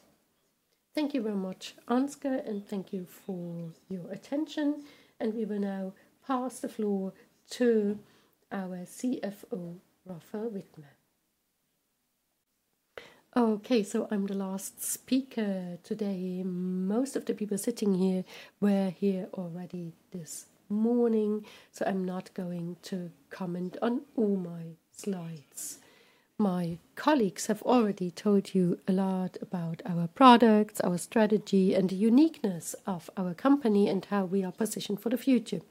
Thank you very much, Ansgar, and thank you for your attention. We will now pass the floor to our CFO, Raphael Widmer. Okay, I am the last speaker today. Most of the people sitting here were here already this morning, so I'm not going to comment on all my slides. My colleagues have already told you a lot about our products, our strategy, and the uniqueness of our company and how we are positioned for the future.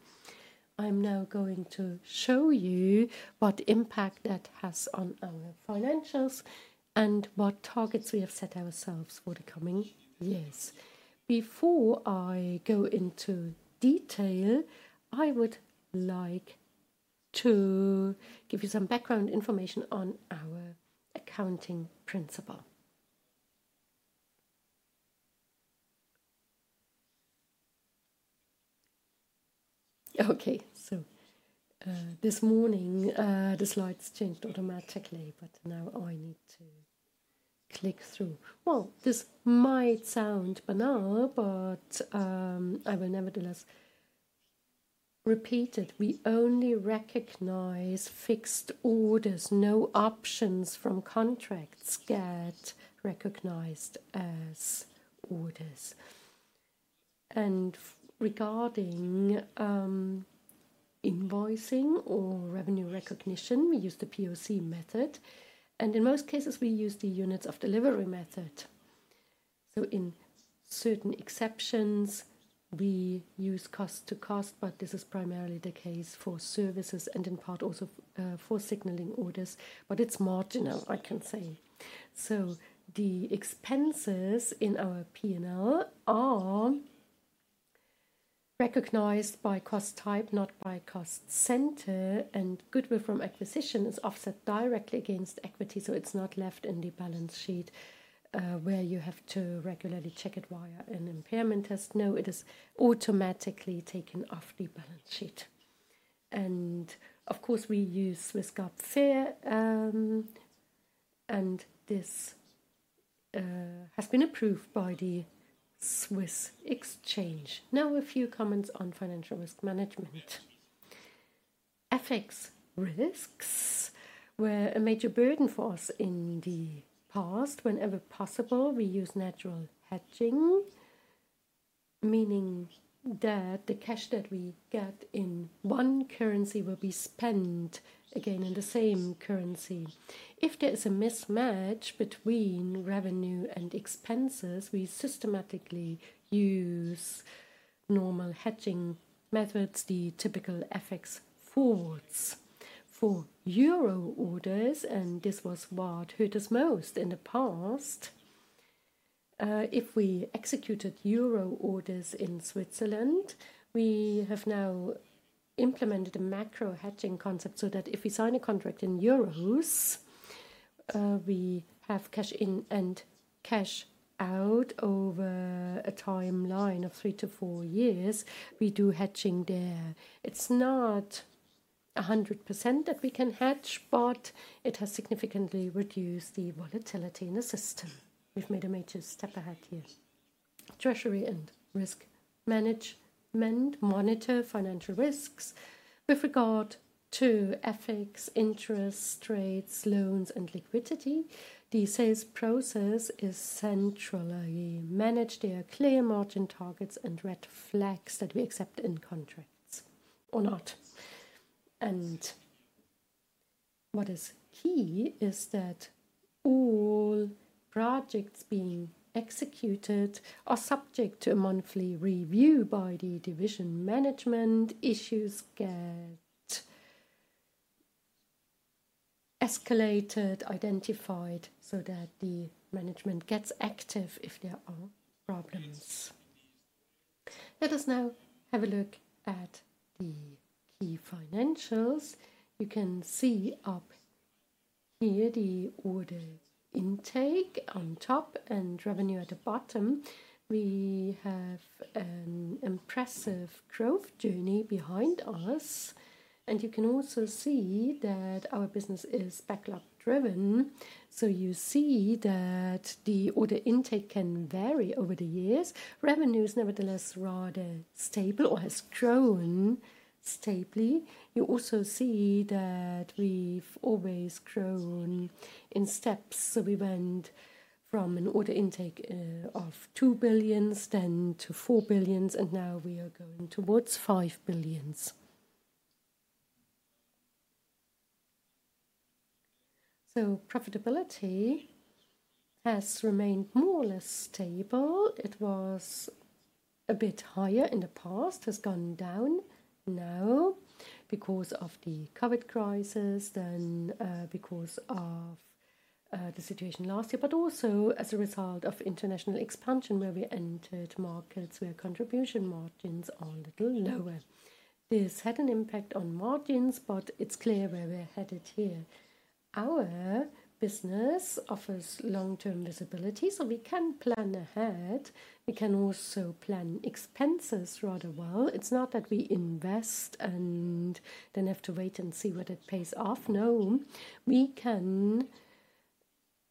I'm now going to show you what impact that has on our financials and what targets we have set ourselves for the coming years. Before I go into detail, I would like to give you some background information on our accounting principle. Okay, so this morning, the slides changed automatically, but now I need to click through. This might sound banal, but I will nevertheless repeat it. We only recognize fixed orders. No options from contracts get recognized as orders. Regarding invoicing or revenue recognition, we use the POC method. In most cases, we use the units of delivery method. In certain exceptions, we use cost to cost, but this is primarily the case for services and in part also for signalling orders. It is marginal, I can say. The expenses in our P&L are recognized by cost type, not by cost center. Goodwill from acquisition is offset directly against equity, so it is not left in the balance sheet where you have to regularly check it via an impairment test. No, it is automatically taken off the balance sheet. Of course, we use Swiss GAAP FER, and this has been approved by the Swiss Exchange. Now, a few comments on financial risk management. FX risks were a major burden for us in the past. Whenever possible, we use natural hedging, meaning that the cash that we get in one currency will be spent again in the same currency. If there is a mismatch between revenue and expenses, we systematically use normal hedging methods, the typical FX forwards. For euro orders, and this was what hurt us most in the past, if we executed euro orders in Switzerland, we have now implemented a macro hedging concept so that if we sign a contract in euros, we have cash in and cash out over a timeline of three to four years. We do hedging there. It's not 100% that we can hedge, but it has significantly reduced the volatility in the system. We've made a major step ahead here. Treasury and risk management monitor financial risks. With regard to FX, interest rates, loans, and liquidity, the sales process is centrally managed. There are clear margin targets and red flags that we accept in contracts or not. What is key is that all projects being executed are subject to a monthly review by the division management. Issues get escalated, identified so that the management gets active if there are problems. Let us now have a look at the key financials. You can see up here the order intake on top and revenue at the bottom. We have an impressive growth journey behind us. You can also see that our business is backlog driven. You see that the order intake can vary over the years. Revenue is nevertheless rather stable or has grown stably. You also see that we've always grown in steps. We went from an order intake of 2 billion then to 4 billion, and now we are going towards 5 billion. Profitability has remained more or less stable. It was a bit higher in the past, has gone down now because of the COVID crisis, then because of the situation last year, but also as a result of international expansion where we entered markets where contribution margins are a little lower. This had an impact on margins, but it's clear where we're headed here. Our business offers long-term visibility, so we can plan ahead. We can also plan expenses rather well. It's not that we invest and then have to wait and see what it pays off. No, we can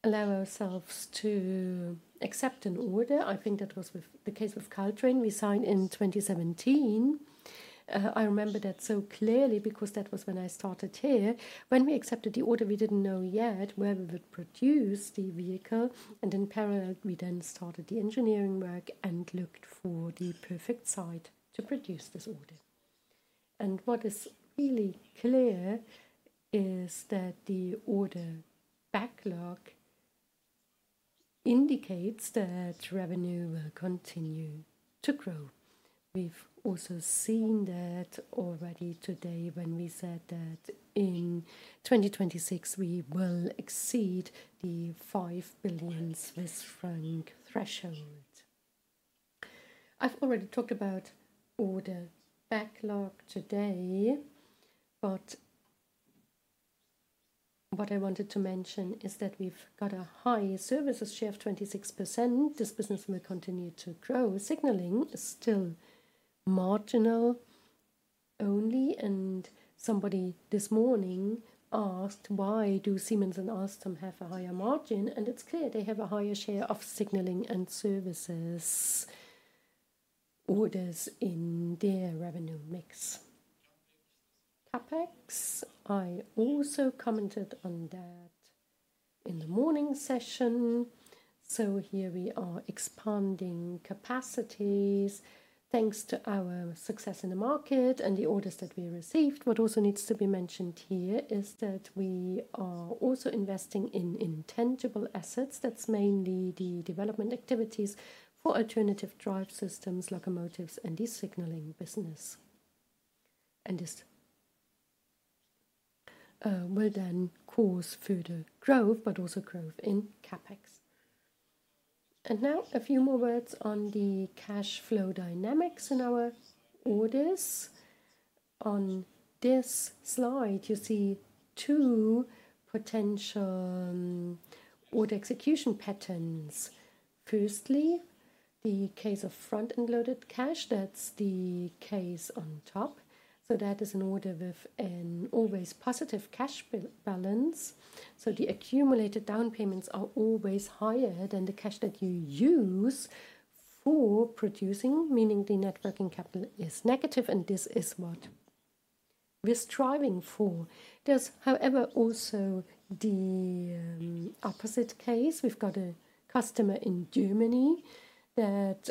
allow ourselves to accept an order. I think that was the case with Caltrain. We signed in 2017. I remember that so clearly because that was when I started here. When we accepted the order, we didn't know yet where we would produce the vehicle. In parallel, we then started the engineering work and looked for the perfect site to produce this order. What is really clear is that the order backlog indicates that revenue will continue to grow. We have also seen that already today when we said that in 2026, we will exceed the 5 billion Swiss franc threshold. I have already talked about order backlog today, but what I wanted to mention is that we have got a high services share of 26%. This business will continue to grow. Signalling is still marginal only and somebody this morning asked why do Siemens and Alstom have a high margin and it's clear they have a higher share of signalling and services orders in their revenue mix. CapEx, I also commented on that in the morning session. Here we are expanding capacities thanks to our success in the market and the orders that we received. What also needs to be mentioned here is that we are also investing in intangible assets. That is mainly the development activities for alternative drive systems, locomotives, and the signalling business. This will then cause further growth, but also growth in CapEx. Now a few more words on the cash flow dynamics in our orders. On this slide, you see two potential order execution patterns. Firstly, the case of front-end loaded cash, that is the case on top. That is an order with an always positive cash balance. The accumulated down payments are always higher than the cash that you use for producing, meaning the networking capital is negative. This is what we are striving for. There is, however, also the opposite case. We've got a customer in Germany that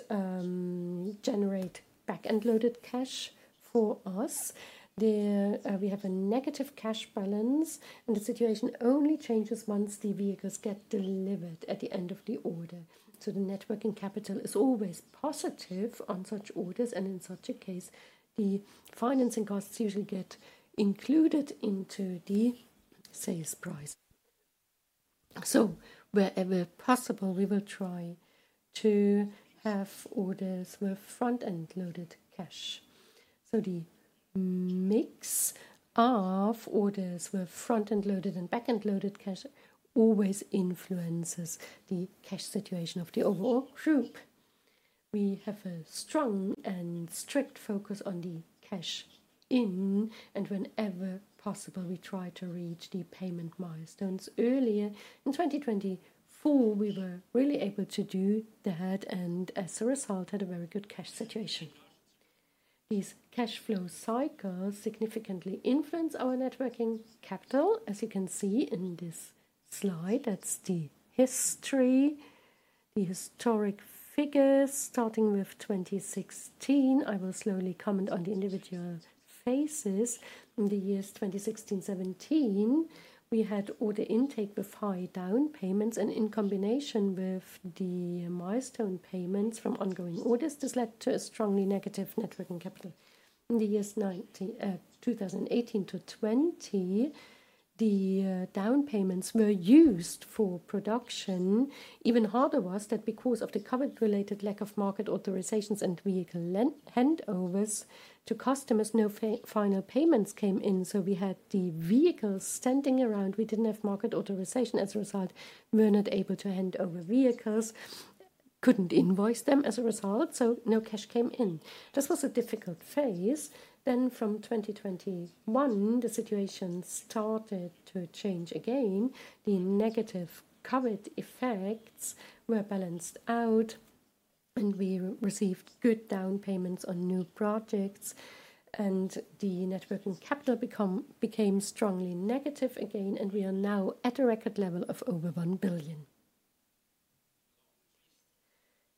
generates back-end loaded cash for us. We have a negative cash balance, and the situation only changes once the vehicles get delivered at the end of the order. The networking capital is always positive on such orders. In such a case, the financing costs usually get included into the sales price. Wherever possible, we will try to have orders with front-end loaded cash. The mix of orders with front-end loaded and back-end loaded cash always influences the cash situation of the overall group. We have a strong and strict focus on the cash in, and whenever possible, we try to reach the payment milestones earlier. In 2024, we were really able to do that, and as a result, had a very good cash situation. These cash flow cycles significantly influence our networking capital, as you can see in this slide. That's the history, the historic figures starting with 2016. I will slowly comment on the individual phases. In the years 2016-2017, we had order intake with high down payments, and in combination with the milestone payments from ongoing orders, this led to a strongly negative networking capital. In the years 2018 to 2020, the down payments were used for production. Even harder was that because of the COVID-related lack of market authorizations and vehicle handovers to customers, no final payments came in. We had the vehicles standing around. We didn't have market authorization. As a result, we were not able to hand over vehicles, couldn't invoice them as a result, so no cash came in. This was a difficult phase. From 2021, the situation started to change again. The negative COVID effects were balanced out, and we received good down payments on new projects, and the networking capital became strongly negative again, and we are now at a record level of over 1 billion.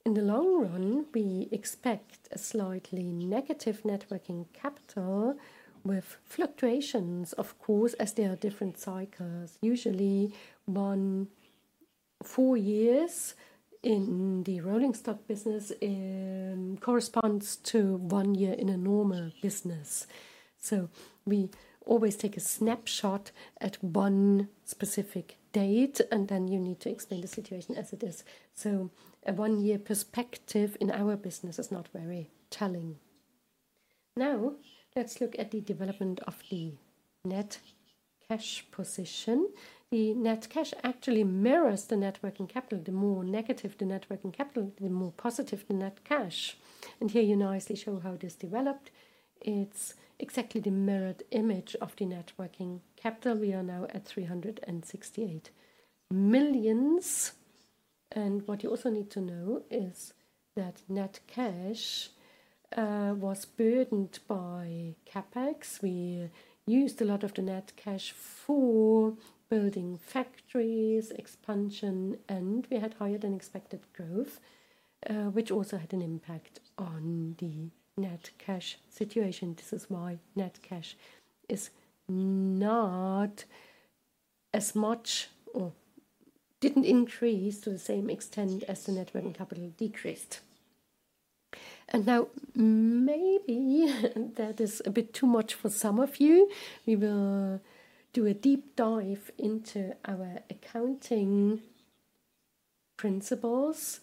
In the long run, we expect a slightly negative networking capital with fluctuations, of course, as there are different cycles. Usually, one four years in the rolling stock business corresponds to one year in a normal business. We always take a snapshot at one specific date, and then you need to explain the situation as it is. A one-year perspective in our business is not very telling. Now, let's look at the development of the net cash position. The net cash actually mirrors the networking capital. The more negative the networking capital, the more positive the net cash. Here, you nicely show how this developed. It's exactly the mirrored image of the networking capital. We are now at 368 million. What you also need to know is that net cash was burdened by CapEx. We used a lot of the net cash for building factories, expansion, and we had higher than expected growth, which also had an impact on the net cash situation. This is why net cash is not as much or did not increase to the same extent as the networking capital decreased. Maybe that is a bit too much for some of you. We will do a deep dive into our accounting principles.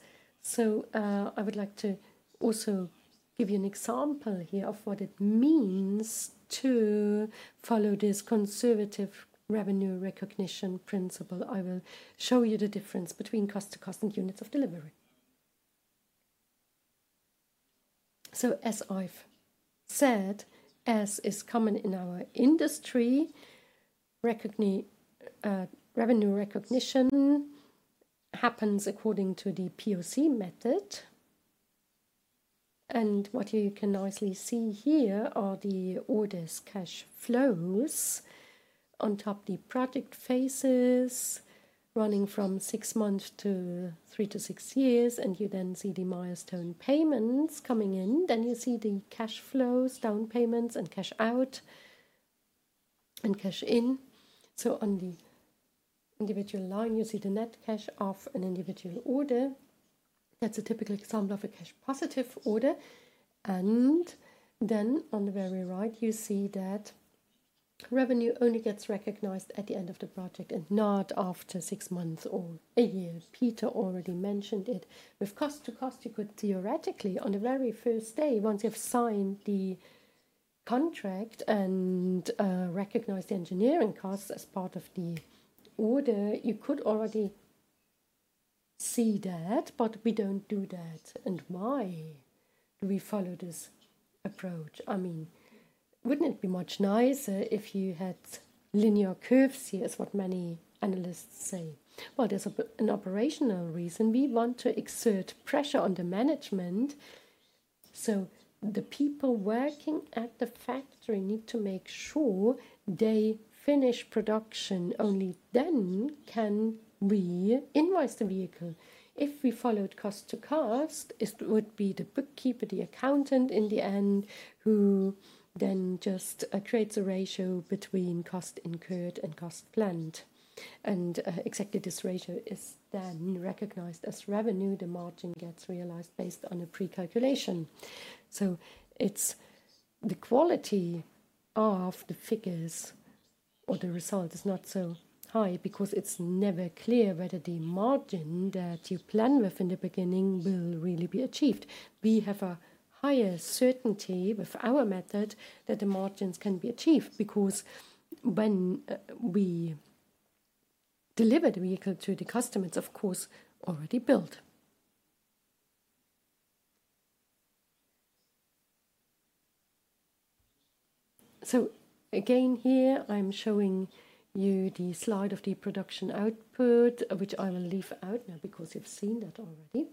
I would like to also give you an example here of what it means to follow this conservative revenue recognition principle. I will show you the difference between cost to cost and units of delivery. As I've said, as is common in our industry, revenue recognition happens according to the POC method. What you can nicely see here are the orders cash flows on top of the project phases running from six months to three to six years. You then see the milestone payments coming in. You see the cash flows, down payments, and cash out and cash in. On the individual line, you see the net cash of an individual order. That's a typical example of a cash positive order. On the very right, you see that revenue only gets recognized at the end of the project and not after six months or a year. Peter already mentioned it. With cost to cost, you could theoretically, on the very first day, once you have signed the contract and recognized the engineering costs as part of the order, you could already see that. We do not do that. I mean, would it not be much nicer if you had linear curves? Here is what many analysts say. There is an operational reason. We want to exert pressure on the management. The people working at the factory need to make sure they finish production. Only then can we invoice the vehicle. If we followed cost to cost, it would be the bookkeeper, the accountant in the end, who then just creates a ratio between cost incurred and cost planned. Exactly this ratio is then recognized as revenue. The margin gets realized based on a precalculation. It's the quality of the figures or the result is not so high because it's never clear whether the margin that you plan with in the beginning will really be achieved. We have a higher certainty with our method that the margins can be achieved because when we deliver the vehicle to the customer, it's of course already built. Again here, I'm showing you the slide of the production output, which I will leave out now because you've seen that already.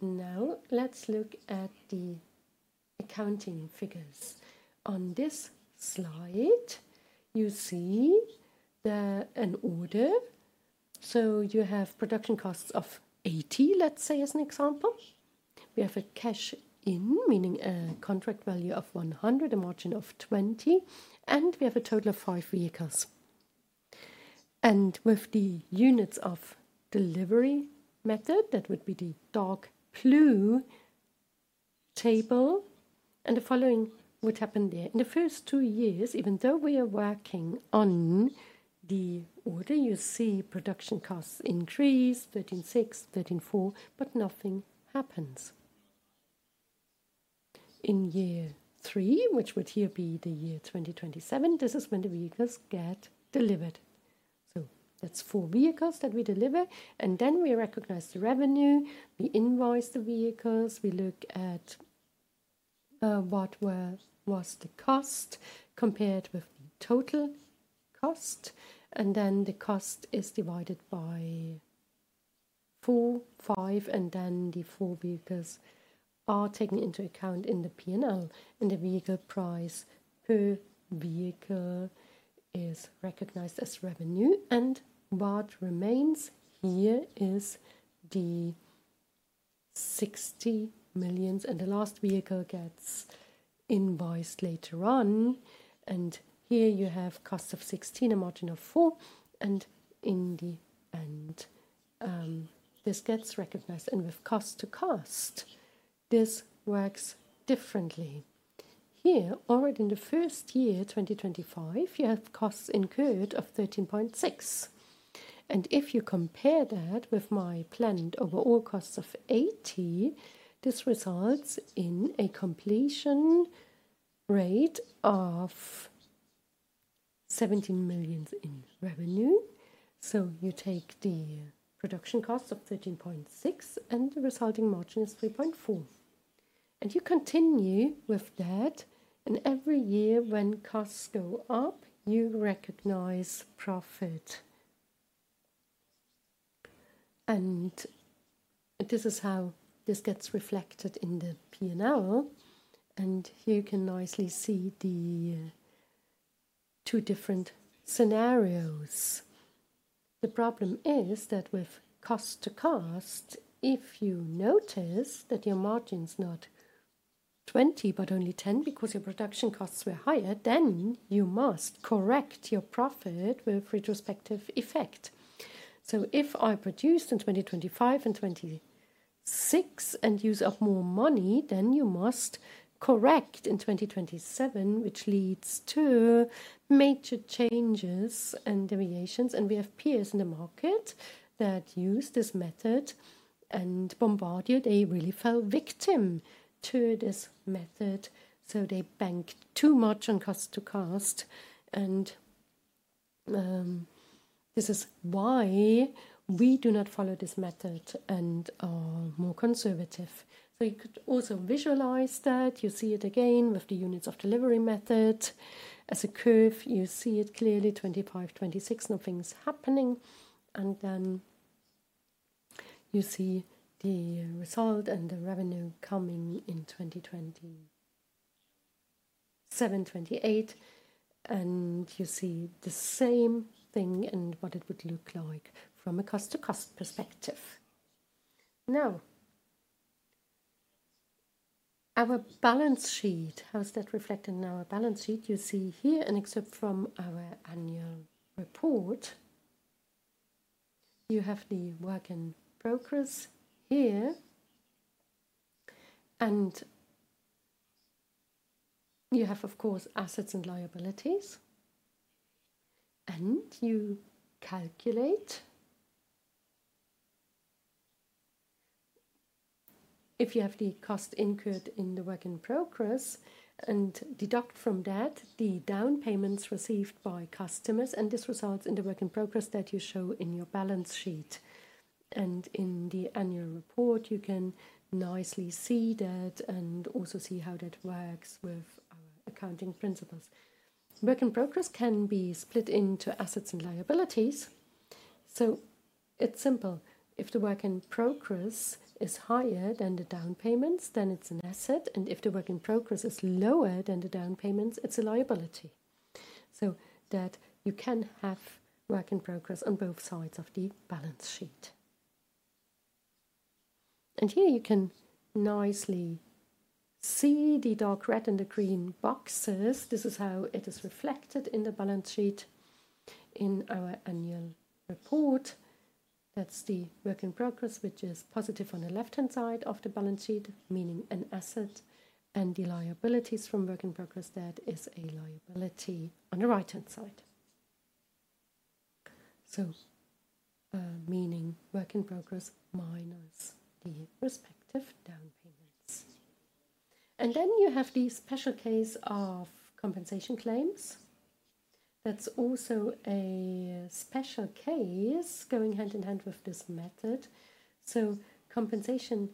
Now, let's look at the accounting figures. On this slide, you see an order. You have production costs of 80, let's say as an example. We have a cash in, meaning a contract value of 100, a margin of 20, and we have a total of five vehicles. With the units of delivery method, that would be the dark blue table. The following would happen there. In the first two years, even though we are working on the order, you see production costs increase, 13.6, 13.4, but nothing happens. In year three, which would here be the year 2027, this is when the vehicles get delivered. That is four vehicles that we deliver. We recognize the revenue, we invoice the vehicles, we look at what was the cost compared with the total cost. The cost is divided by four, five, and then the four vehicles are taken into account in the P&L. The vehicle price per vehicle is recognized as revenue. What remains here is the 60 million. The last vehicle gets invoiced later on. Here you have cost of 16 million, a margin of 4 million. In the end, this gets recognized. With cost to cost, this works differently. Here, already in the first year, 2025, you have costs incurred of 13.6 million. If you compare that with my planned overall cost of 80 million, this results in a completion rate of 17% in revenue. You take the production cost of 13.6 million, and the resulting margin is 3.4 million. You continue with that. Every year when costs go up, you recognize profit. This is how this gets reflected in the P&L. Here you can nicely see the two different scenarios. The problem is that with cost to cost, if you notice that your margin's not 20% but only 10% because your production costs were higher, you must correct your profit with retrospective effect. If I produced in 2025 and 2026 and use up more money, you must correct in 2027, which leads to major changes and deviations. We have peers in the market that use this method and Bombardier. They really fell victim to this method. They banked too much on cost to cost. This is why we do not follow this method and are more conservative. You could also visualize that. You see it again with the units of delivery method. As a curve, you see it clearly, 2025, 2026, nothing's happening. You see the result and the revenue coming in 2027, 2028. You see the same thing and what it would look like from a cost to cost perspective. Now, our balance sheet, how is that reflected in our balance sheet? You see here, and except from our annual report, you have the working progress here. You have, of course, assets and liabilities. You calculate if you have the cost incurred in the working progress and deduct from that the down payments received by customers. This results in the working progress that you show in your balance sheet. In the annual report, you can nicely see that and also see how that works with our accounting principles. Working progress can be split into assets and liabilities. It's simple. If the working progress is higher than the down payments, then it's an asset. If the working progress is lower than the down payments, it's a liability. You can have working progress on both sides of the balance sheet. Here, you can nicely see the dark red and the green boxes. This is how it is reflected in the balance sheet in our annual report. That's the working progress, which is positive on the left-hand side of the balance sheet, meaning an asset. The liabilities from working progress, that is a liability on the right-hand side. Meaning working progress minus the respective down payments. You have the special case of compensation claims. That's also a special case going hand in hand with this method. Compensation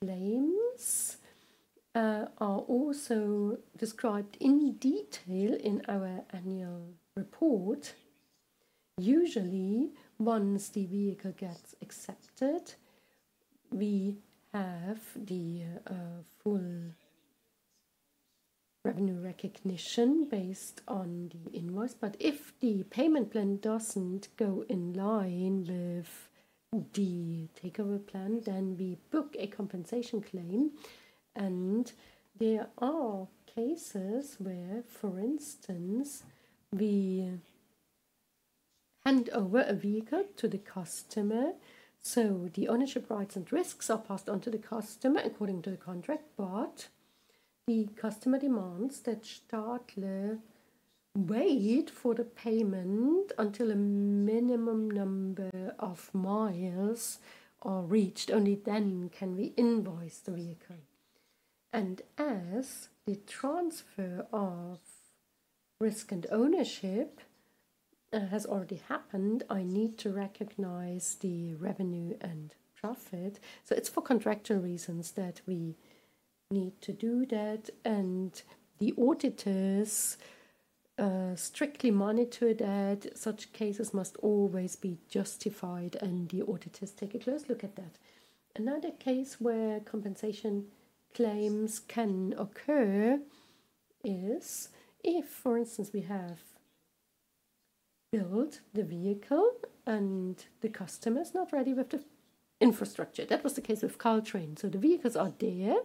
claims are also described in detail in our annual report. Usually, once the vehicle gets accepted, we have the full revenue recognition based on the invoice. If the payment plan doesn't go in line with the takeover plan, we book a compensation claim. There are cases where, for instance, we hand over a vehicle to the customer. The ownership rights and risks are passed on to the customer according to the contract. The customer demands that Stadler wait for the payment until a minimum number of miles are reached. Only then can we invoice the vehicle. As the transfer of risk and ownership has already happened, I need to recognize the revenue and profit. It is for contractual reasons that we need to do that. The auditors strictly monitor that. Such cases must always be justified. The auditors take a close look at that. Another case where compensation claims can occur is if, for instance, we have built the vehicle and the customer is not ready with the infrastructure. That was the case with Caltrain. The vehicles are there.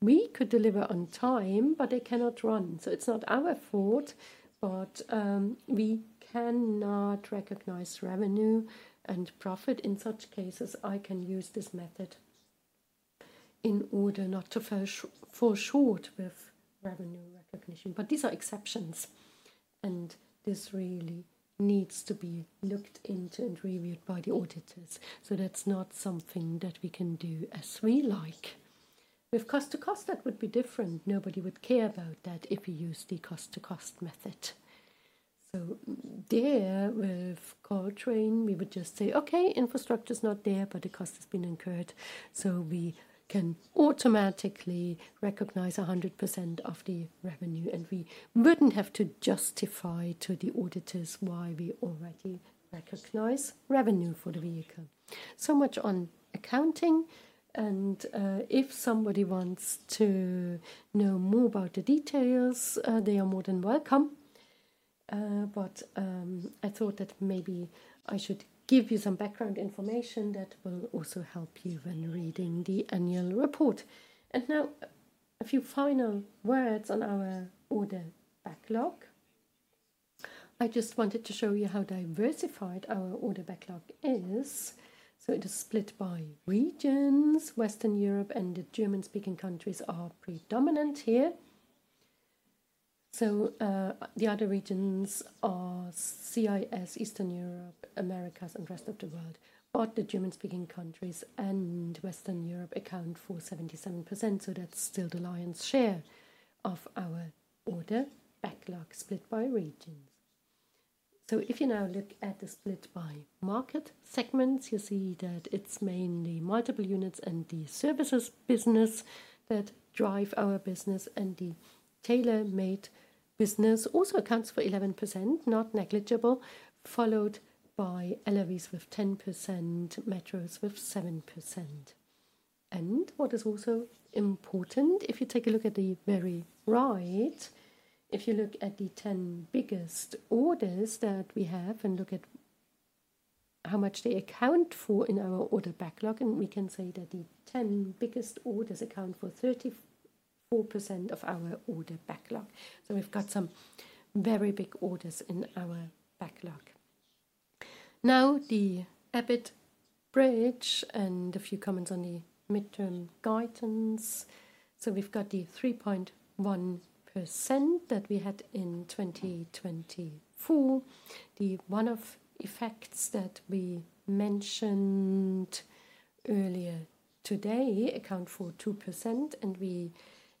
We could deliver on time, but they cannot run. It is not our fault, but we cannot recognize revenue and profit in such cases. I can use this method in order not to fall short with revenue recognition. These are exceptions. This really needs to be looked into and reviewed by the auditors. That is not something that we can do as we like. With cost to cost, that would be different. Nobody would care about that if you use the cost to cost method. There with Caltrain, we would just say, "Okay, infrastructure's not there, but the cost has been incurred." We can automatically recognize 100% of the revenue. We would not have to justify to the auditors why we already recognize revenue for the vehicle. So much on accounting. If somebody wants to know more about the details, they are more than welcome. I thought that maybe I should give you some background information that will also help you when reading the annual report. Now, a few final words on our order backlog. I just wanted to show you how diversified our order backlog is. It is split by regions. Western Europe and the German-speaking countries are predominant here. The other regions are CIS, Eastern Europe, Americas, and the rest of the world. The German-speaking countries and Western Europe account for 77%. That is still the lion's share of our order backlog split by regions. If you now look at the split by market segments, you see that it is mainly multiple units and the services business that drive our business. The tailor-made business also accounts for 11%, not negligible, followed by LRVs with 10%, metros with 7%. What is also important, if you take a look at the very right, if you look at the 10 biggest orders that we have and look at how much they account for in our order backlog, we can say that the 10 biggest orders account for 34% of our order backlog. We have some very big orders in our backlog. Now, the Abbott Bridge and a few comments on the midterm guidance. We have the 3.1% that we had in 2024. The one-off effects that we mentioned earlier today account for 2%. We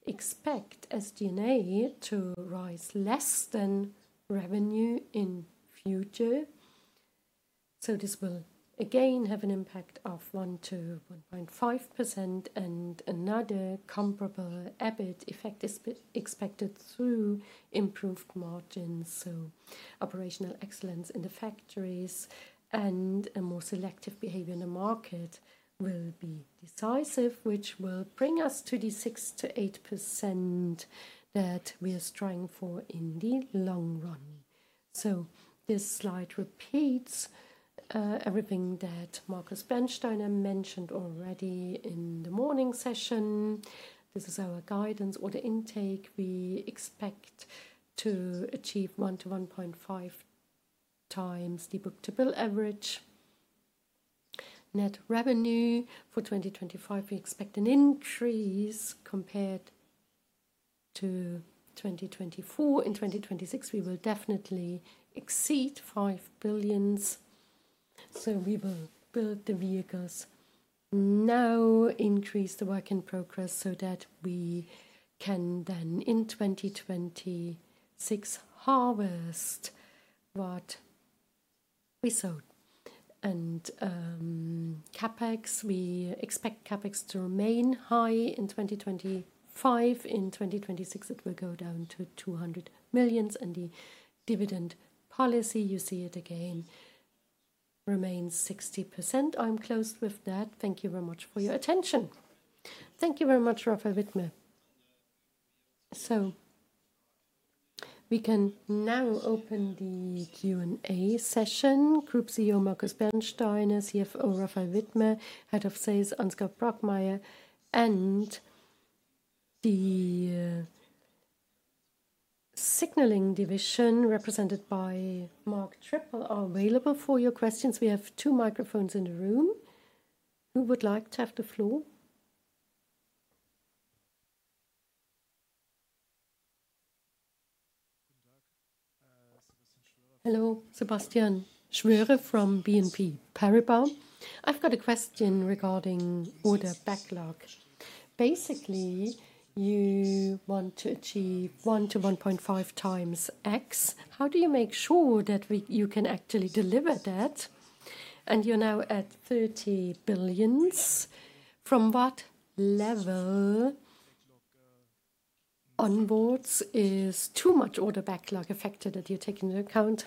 expect SG&A to rise less than revenue in future. This will again have an impact of 1%-1.5%. Another comparable EBIT effect is expected through improved margins. Operational excellence in the factories and a more selective behavior in the market will be decisive, which will bring us to the 6%-8% that we are striving for in the long run. This slide repeats everything that Markus Bernsteiner mentioned already in the morning session. This is our guidance order intake. We expect to achieve 1-1.5 times the book-to-bill average. Net revenue for 2025, we expect an increase compared to 2024. In 2026, we will definitely exceed 5 billion. We will build the vehicles now, increase the work in progress so that we can then in 2026 harvest what we sold. CapEx, we expect CapEx to remain high in 2025. In 2026, it will go down to 200 million. The dividend policy, you see it again, remains 60%. I'm closed with that. Thank you very much for your attention. Thank you very much, Raphael Widmer. We can now open the Q&A session. Group CEO Markus Bernsteiner, CFO Raphael Widmer, Head of Sales Ansgar Brockmeyer, and the Signalling division represented by Marc Trippel are available for your questions. We have two microphones in the room. Who would like to have the floor? Hello, Sebastian Schmahl from BNP Paribas. I've got a question regarding order backlog. Basically, you want to achieve 1-1.5 times x. How do you make sure that you can actually deliver that? You're now at 30 billion. From what level onwards is too much order backlog affected that you're taking into account?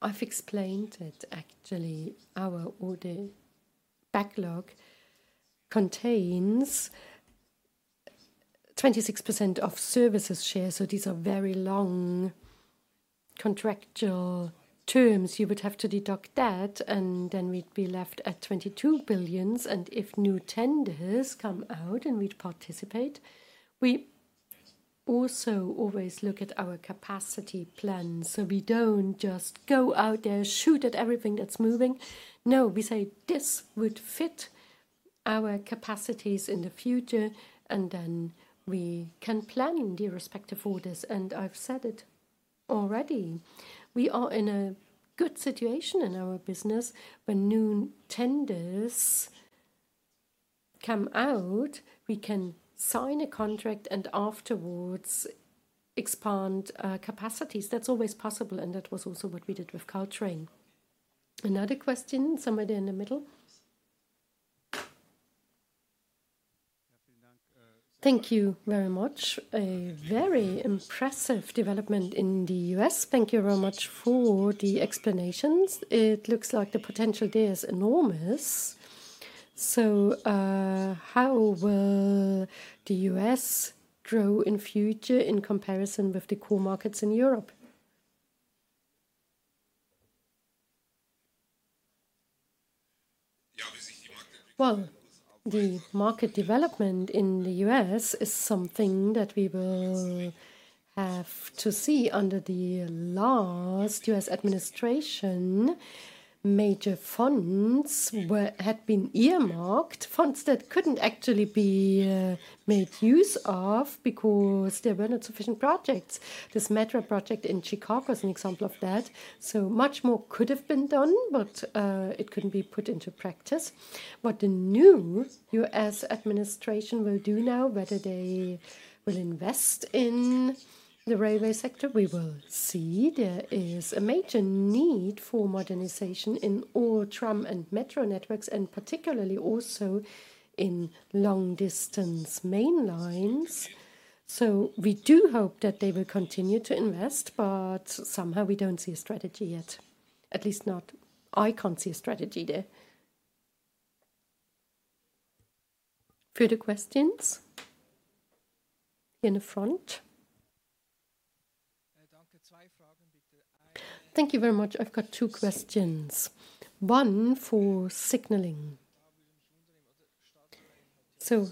I've explained that actually our order backlog contains 26% of services shares. These are very long contractual terms. You would have to deduct that. Then we'd be left at 22 billion. If new tenders come out and we'd participate, we also always look at our capacity plan. We don't just go out there, shoot at everything that's moving. No, we say this would fit our capacities in the future. We can plan in the respective orders. I've said it already. We are in a good situation in our business. When new tenders come out, we can sign a contract and afterwards expand capacities. That's always possible. That was also what we did with Caltrain. Another question, somebody in the middle? Thank you very much. A very impressive development in the U.S.. Thank you very much for the explanations. It looks like the potential there is enormous. How will the U.S. grow in future in comparison with the core markets in Europe? The market development in the U.S. is something that we will have to see under the last U.S. administration. Major funds had been earmarked, funds that could not actually be made use of because there were not sufficient projects. This METRO project in Chicago is an example of that. Much more could have been done, but it could not be put into practice. What the new U.S. administration will do now, whether they will invest in the railway sector, we will see. There is a major need for modernization in all tram and metro networks, and particularly also in long-distance mainlines. We do hope that they will continue to invest, but somehow we do not see a strategy yet. At least not, I cannot see a strategy there. Further questions in the front? Thank you very much. I have got two questions. One for Signalling. Do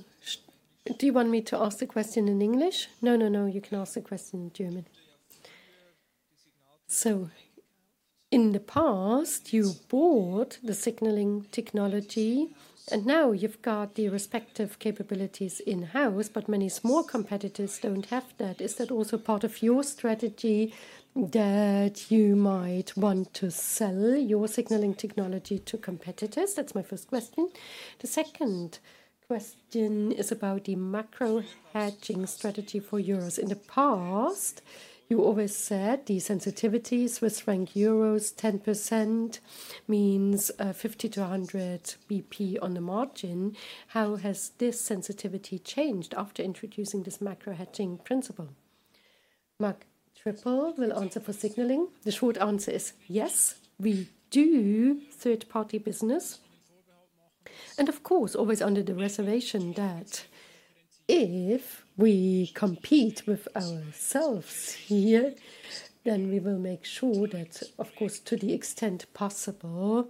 you want me to ask the question in English? No, no, no. You can ask the question in German. In the past, you bought the signalling technology, and now you've got the respective capabilities in-house, but many small competitors don't have that. Is that also part of your strategy that you might want to sell your signalling technology to competitors? That's my first question. The second question is about the macro hedging strategy for euros. In the past, you always said the sensitivities with ranked euros 10% means 50 to 100 bp on the margin. How has this sensitivity changed after introducing this macro hedging principle? Marc Trippel will answer for signalling. The short answer is yes, we do third-party business. Of course, always under the reservation that if we compete with ourselves here, then we will make sure that, of course, to the extent possible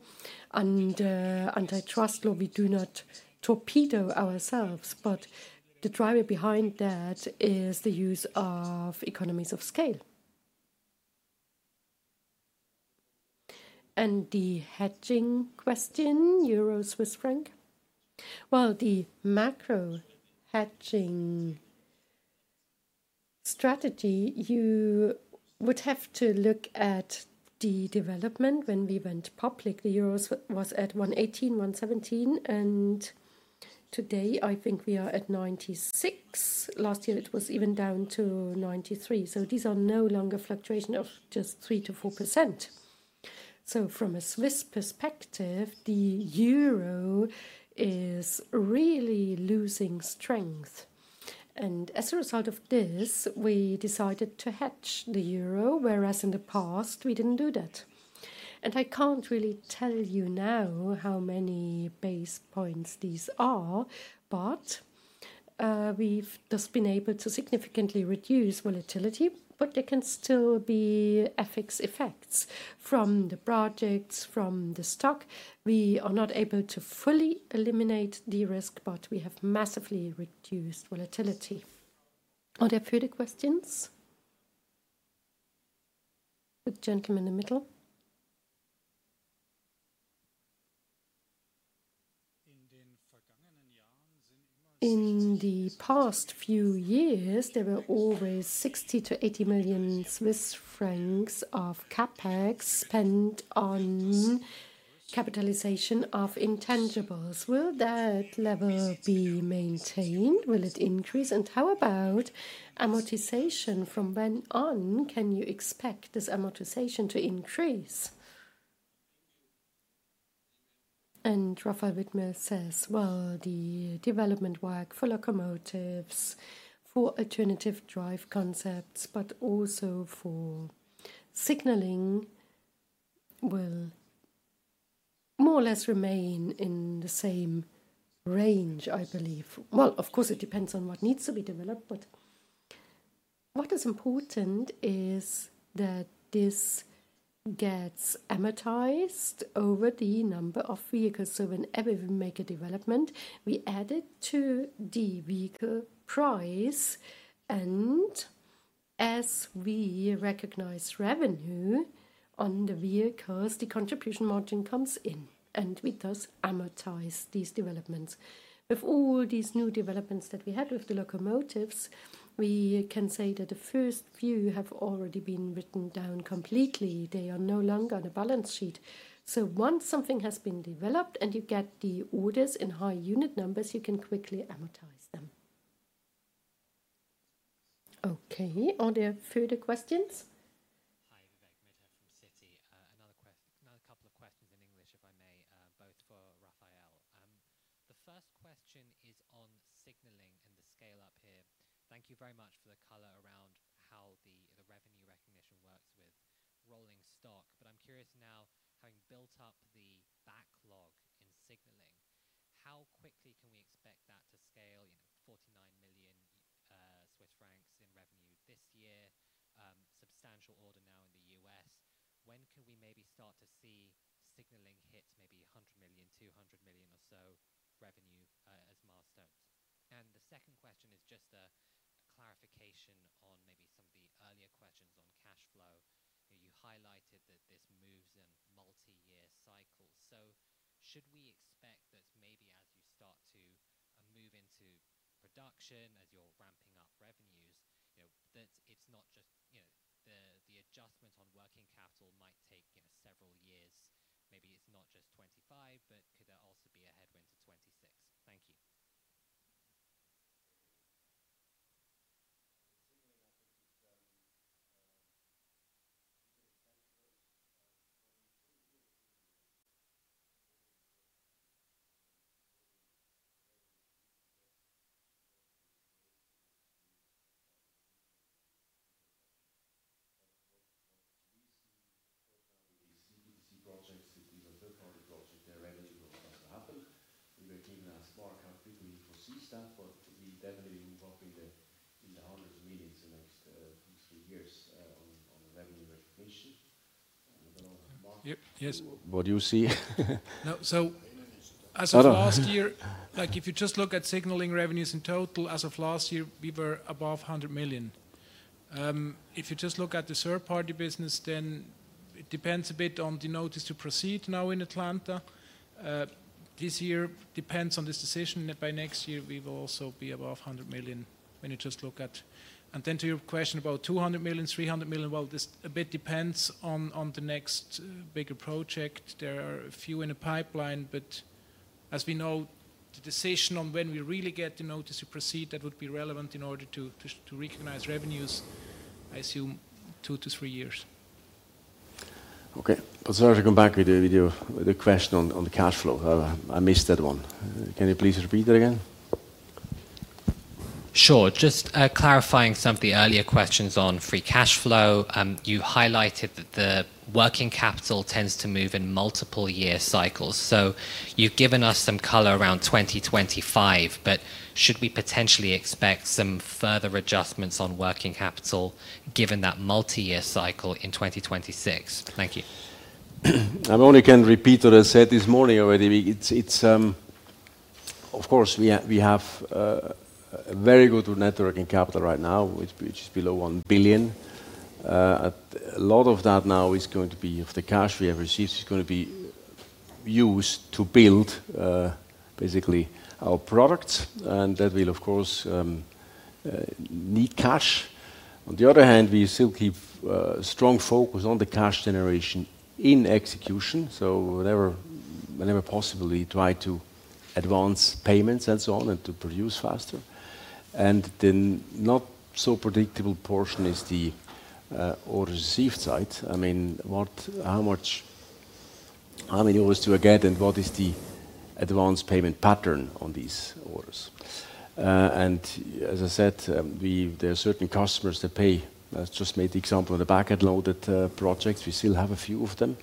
under antitrust law, we do not torpedo ourselves. The driver behind that is the use of economies of scale. The hedging question, euro Swiss franc? The macro hedging strategy, you would have to look at the development. When we went public, the euro was at 1.18, 1.17. Today, I think we are at 0.96. Last year, it was even down to 0.93. These are no longer fluctuations of just 3%-4%. From a Swiss perspective, the euro is really losing strength. As a result of this, we decided to hedge the euro, whereas in the past, we did not do that. I can't really tell you now how many basis points these are, but we've thus been able to significantly reduce volatility. There can still be FX effects from the projects, from the stock. We are not able to fully eliminate the risk, but we have massively reduced volatility. Are there further questions? The gentleman in the middle? In the past few years, there were always 60 million-80 million Swiss francs of CapEx spent on capitalization of intangibles. Will that level be maintained? Will it increase? How about amortization? From when on, can you expect this amortization to increase? Raphael Widmer says, the development work for locomotives, for alternative drive concepts, but also for signalling will more or less remain in the same range, I believe. Of course, it depends on what needs to be developed. What is important is that this gets amortized over the number of vehicles. Whenever we make a development, we add it to the vehicle price. As we recognize revenue on the vehicles, the contribution margin comes in. We thus amortize these developments. With all these new developments that we had with the locomotives, we can say that the first few have already been written down completely. They are no longer on the balance sheet. Once something has been developed and you get the orders in high unit numbers, you can quickly amortize them. Okay, are there further questions? Hi, Vivek Mehta from Citi. Another couple of questions in English, if I may, both for Raphael. The first question is on Signalling and the scale-up here. Thank you very much for the color around how the revenue recognition works with rolling stock. I'm curious now, having built up the backlog in signalling, how quickly can we expect that to scale? CHF 49 million in revenue this year, substantial order now in the U.S. When can we maybe start to see Signalling hit maybe CHF 100 million, CHF 200 million or so revenue as milestones? The second question is just a clarification on maybe some of the earlier questions on cash flow. You highlighted that this moves in multi-year cycles. Should we expect that maybe as you start to move into production, as you're ramping up revenues, that it's not just the adjustment on working capital might take several years? Maybe it's not just 2025, but could there also be a headwind to 2026? Thank you. Signalling, I think, is something that's central. When you see a new Signalling, it's very important to see what the revenue is, what the revenue is going to be used for the future in production. What we see is the third-party B2C projects. If these are third-party projects, their revenue will also happen. We were given a smart calculator for CSAP, but we definitely will be moving up in the hundreds of millions in the next two to three years on revenue recognition. Yes, what do you see? As of last year, if you just look at Signalling revenues in total, as of last year, we were above CHF 100 million. If you just look at the third-party business, then it depends a bit on the notice to proceed now in Atlanta. This year depends on this decision, and by next year, we will also be above 100 million when you just look at. To your question about $200 million, $300 million, this a bit depends on the next bigger project. There are a few in the pipeline, but as we know, the decision on when we really get the notice to proceed that would be relevant in order to recognize revenues, I assume two to three years. Okay, I'll come back with the question on the cash flow. I missed that one. Can you please repeat that again? Sure, just clarifying some of the earlier questions on free cash flow. You highlighted that the working capital tends to move in multiple year cycles. You have given us some color around 2025, but should we potentially expect some further adjustments on working capital given that multi-year cycle in 2026? Thank you. I only can repeat what I said this morning already. Of course, we have very good networking capital right now, which is below 1 billion. A lot of that now is going to be of the cash we have received, is going to be used to build basically our products. That will, of course, need cash. On the other hand, we still keep a strong focus on the cash generation in execution. Whenever possible, we try to advance payments and so on and to produce faster. The not so predictable portion is the order received side. I mean, how many orders do I get and what is the advance payment pattern on these orders? As I said, there are certain customers that pay. I just made the example of the back-end loaded projects. We still have a few of them,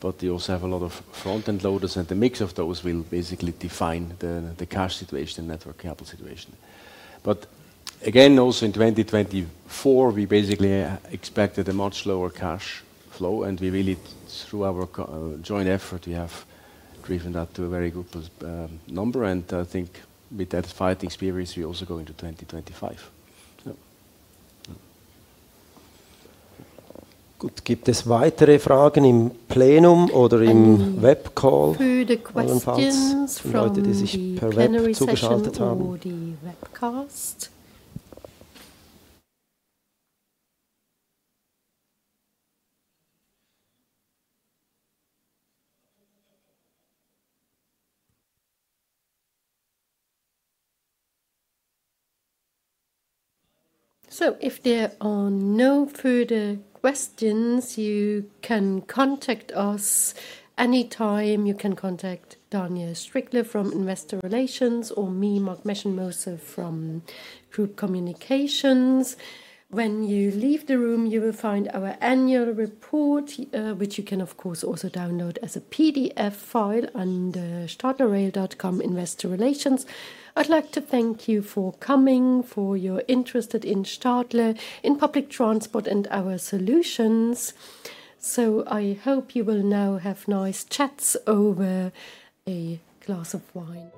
but they also have a lot of front-end loaders. The mix of those will basically define the cash situation and network capital situation. Again, also in 2024, we basically expected a much lower cash flow. We really, through our joint effort, have driven that to a very good number. I think with that fighting spirit, we're also going to 2025. Gibt es weitere Fragen im Plenum oder im Webcall? Für die Questions von den Leuten, die sich per Webcall zugeschaltet haben? If there are no further questions, you can contact us anytime. You can contact Daniel Strickler from Investor Relations or me, Marc Meschenmoser, from Group Communications. When you leave the room, you will find our annual report, which you can, of course, also download as a PDF file under stadlerrail.com Investor Relations. I'd like to thank you for coming, for your interest in Stadler, in public transport, and our solutions. I hope you will now have nice chats over a glass of wine.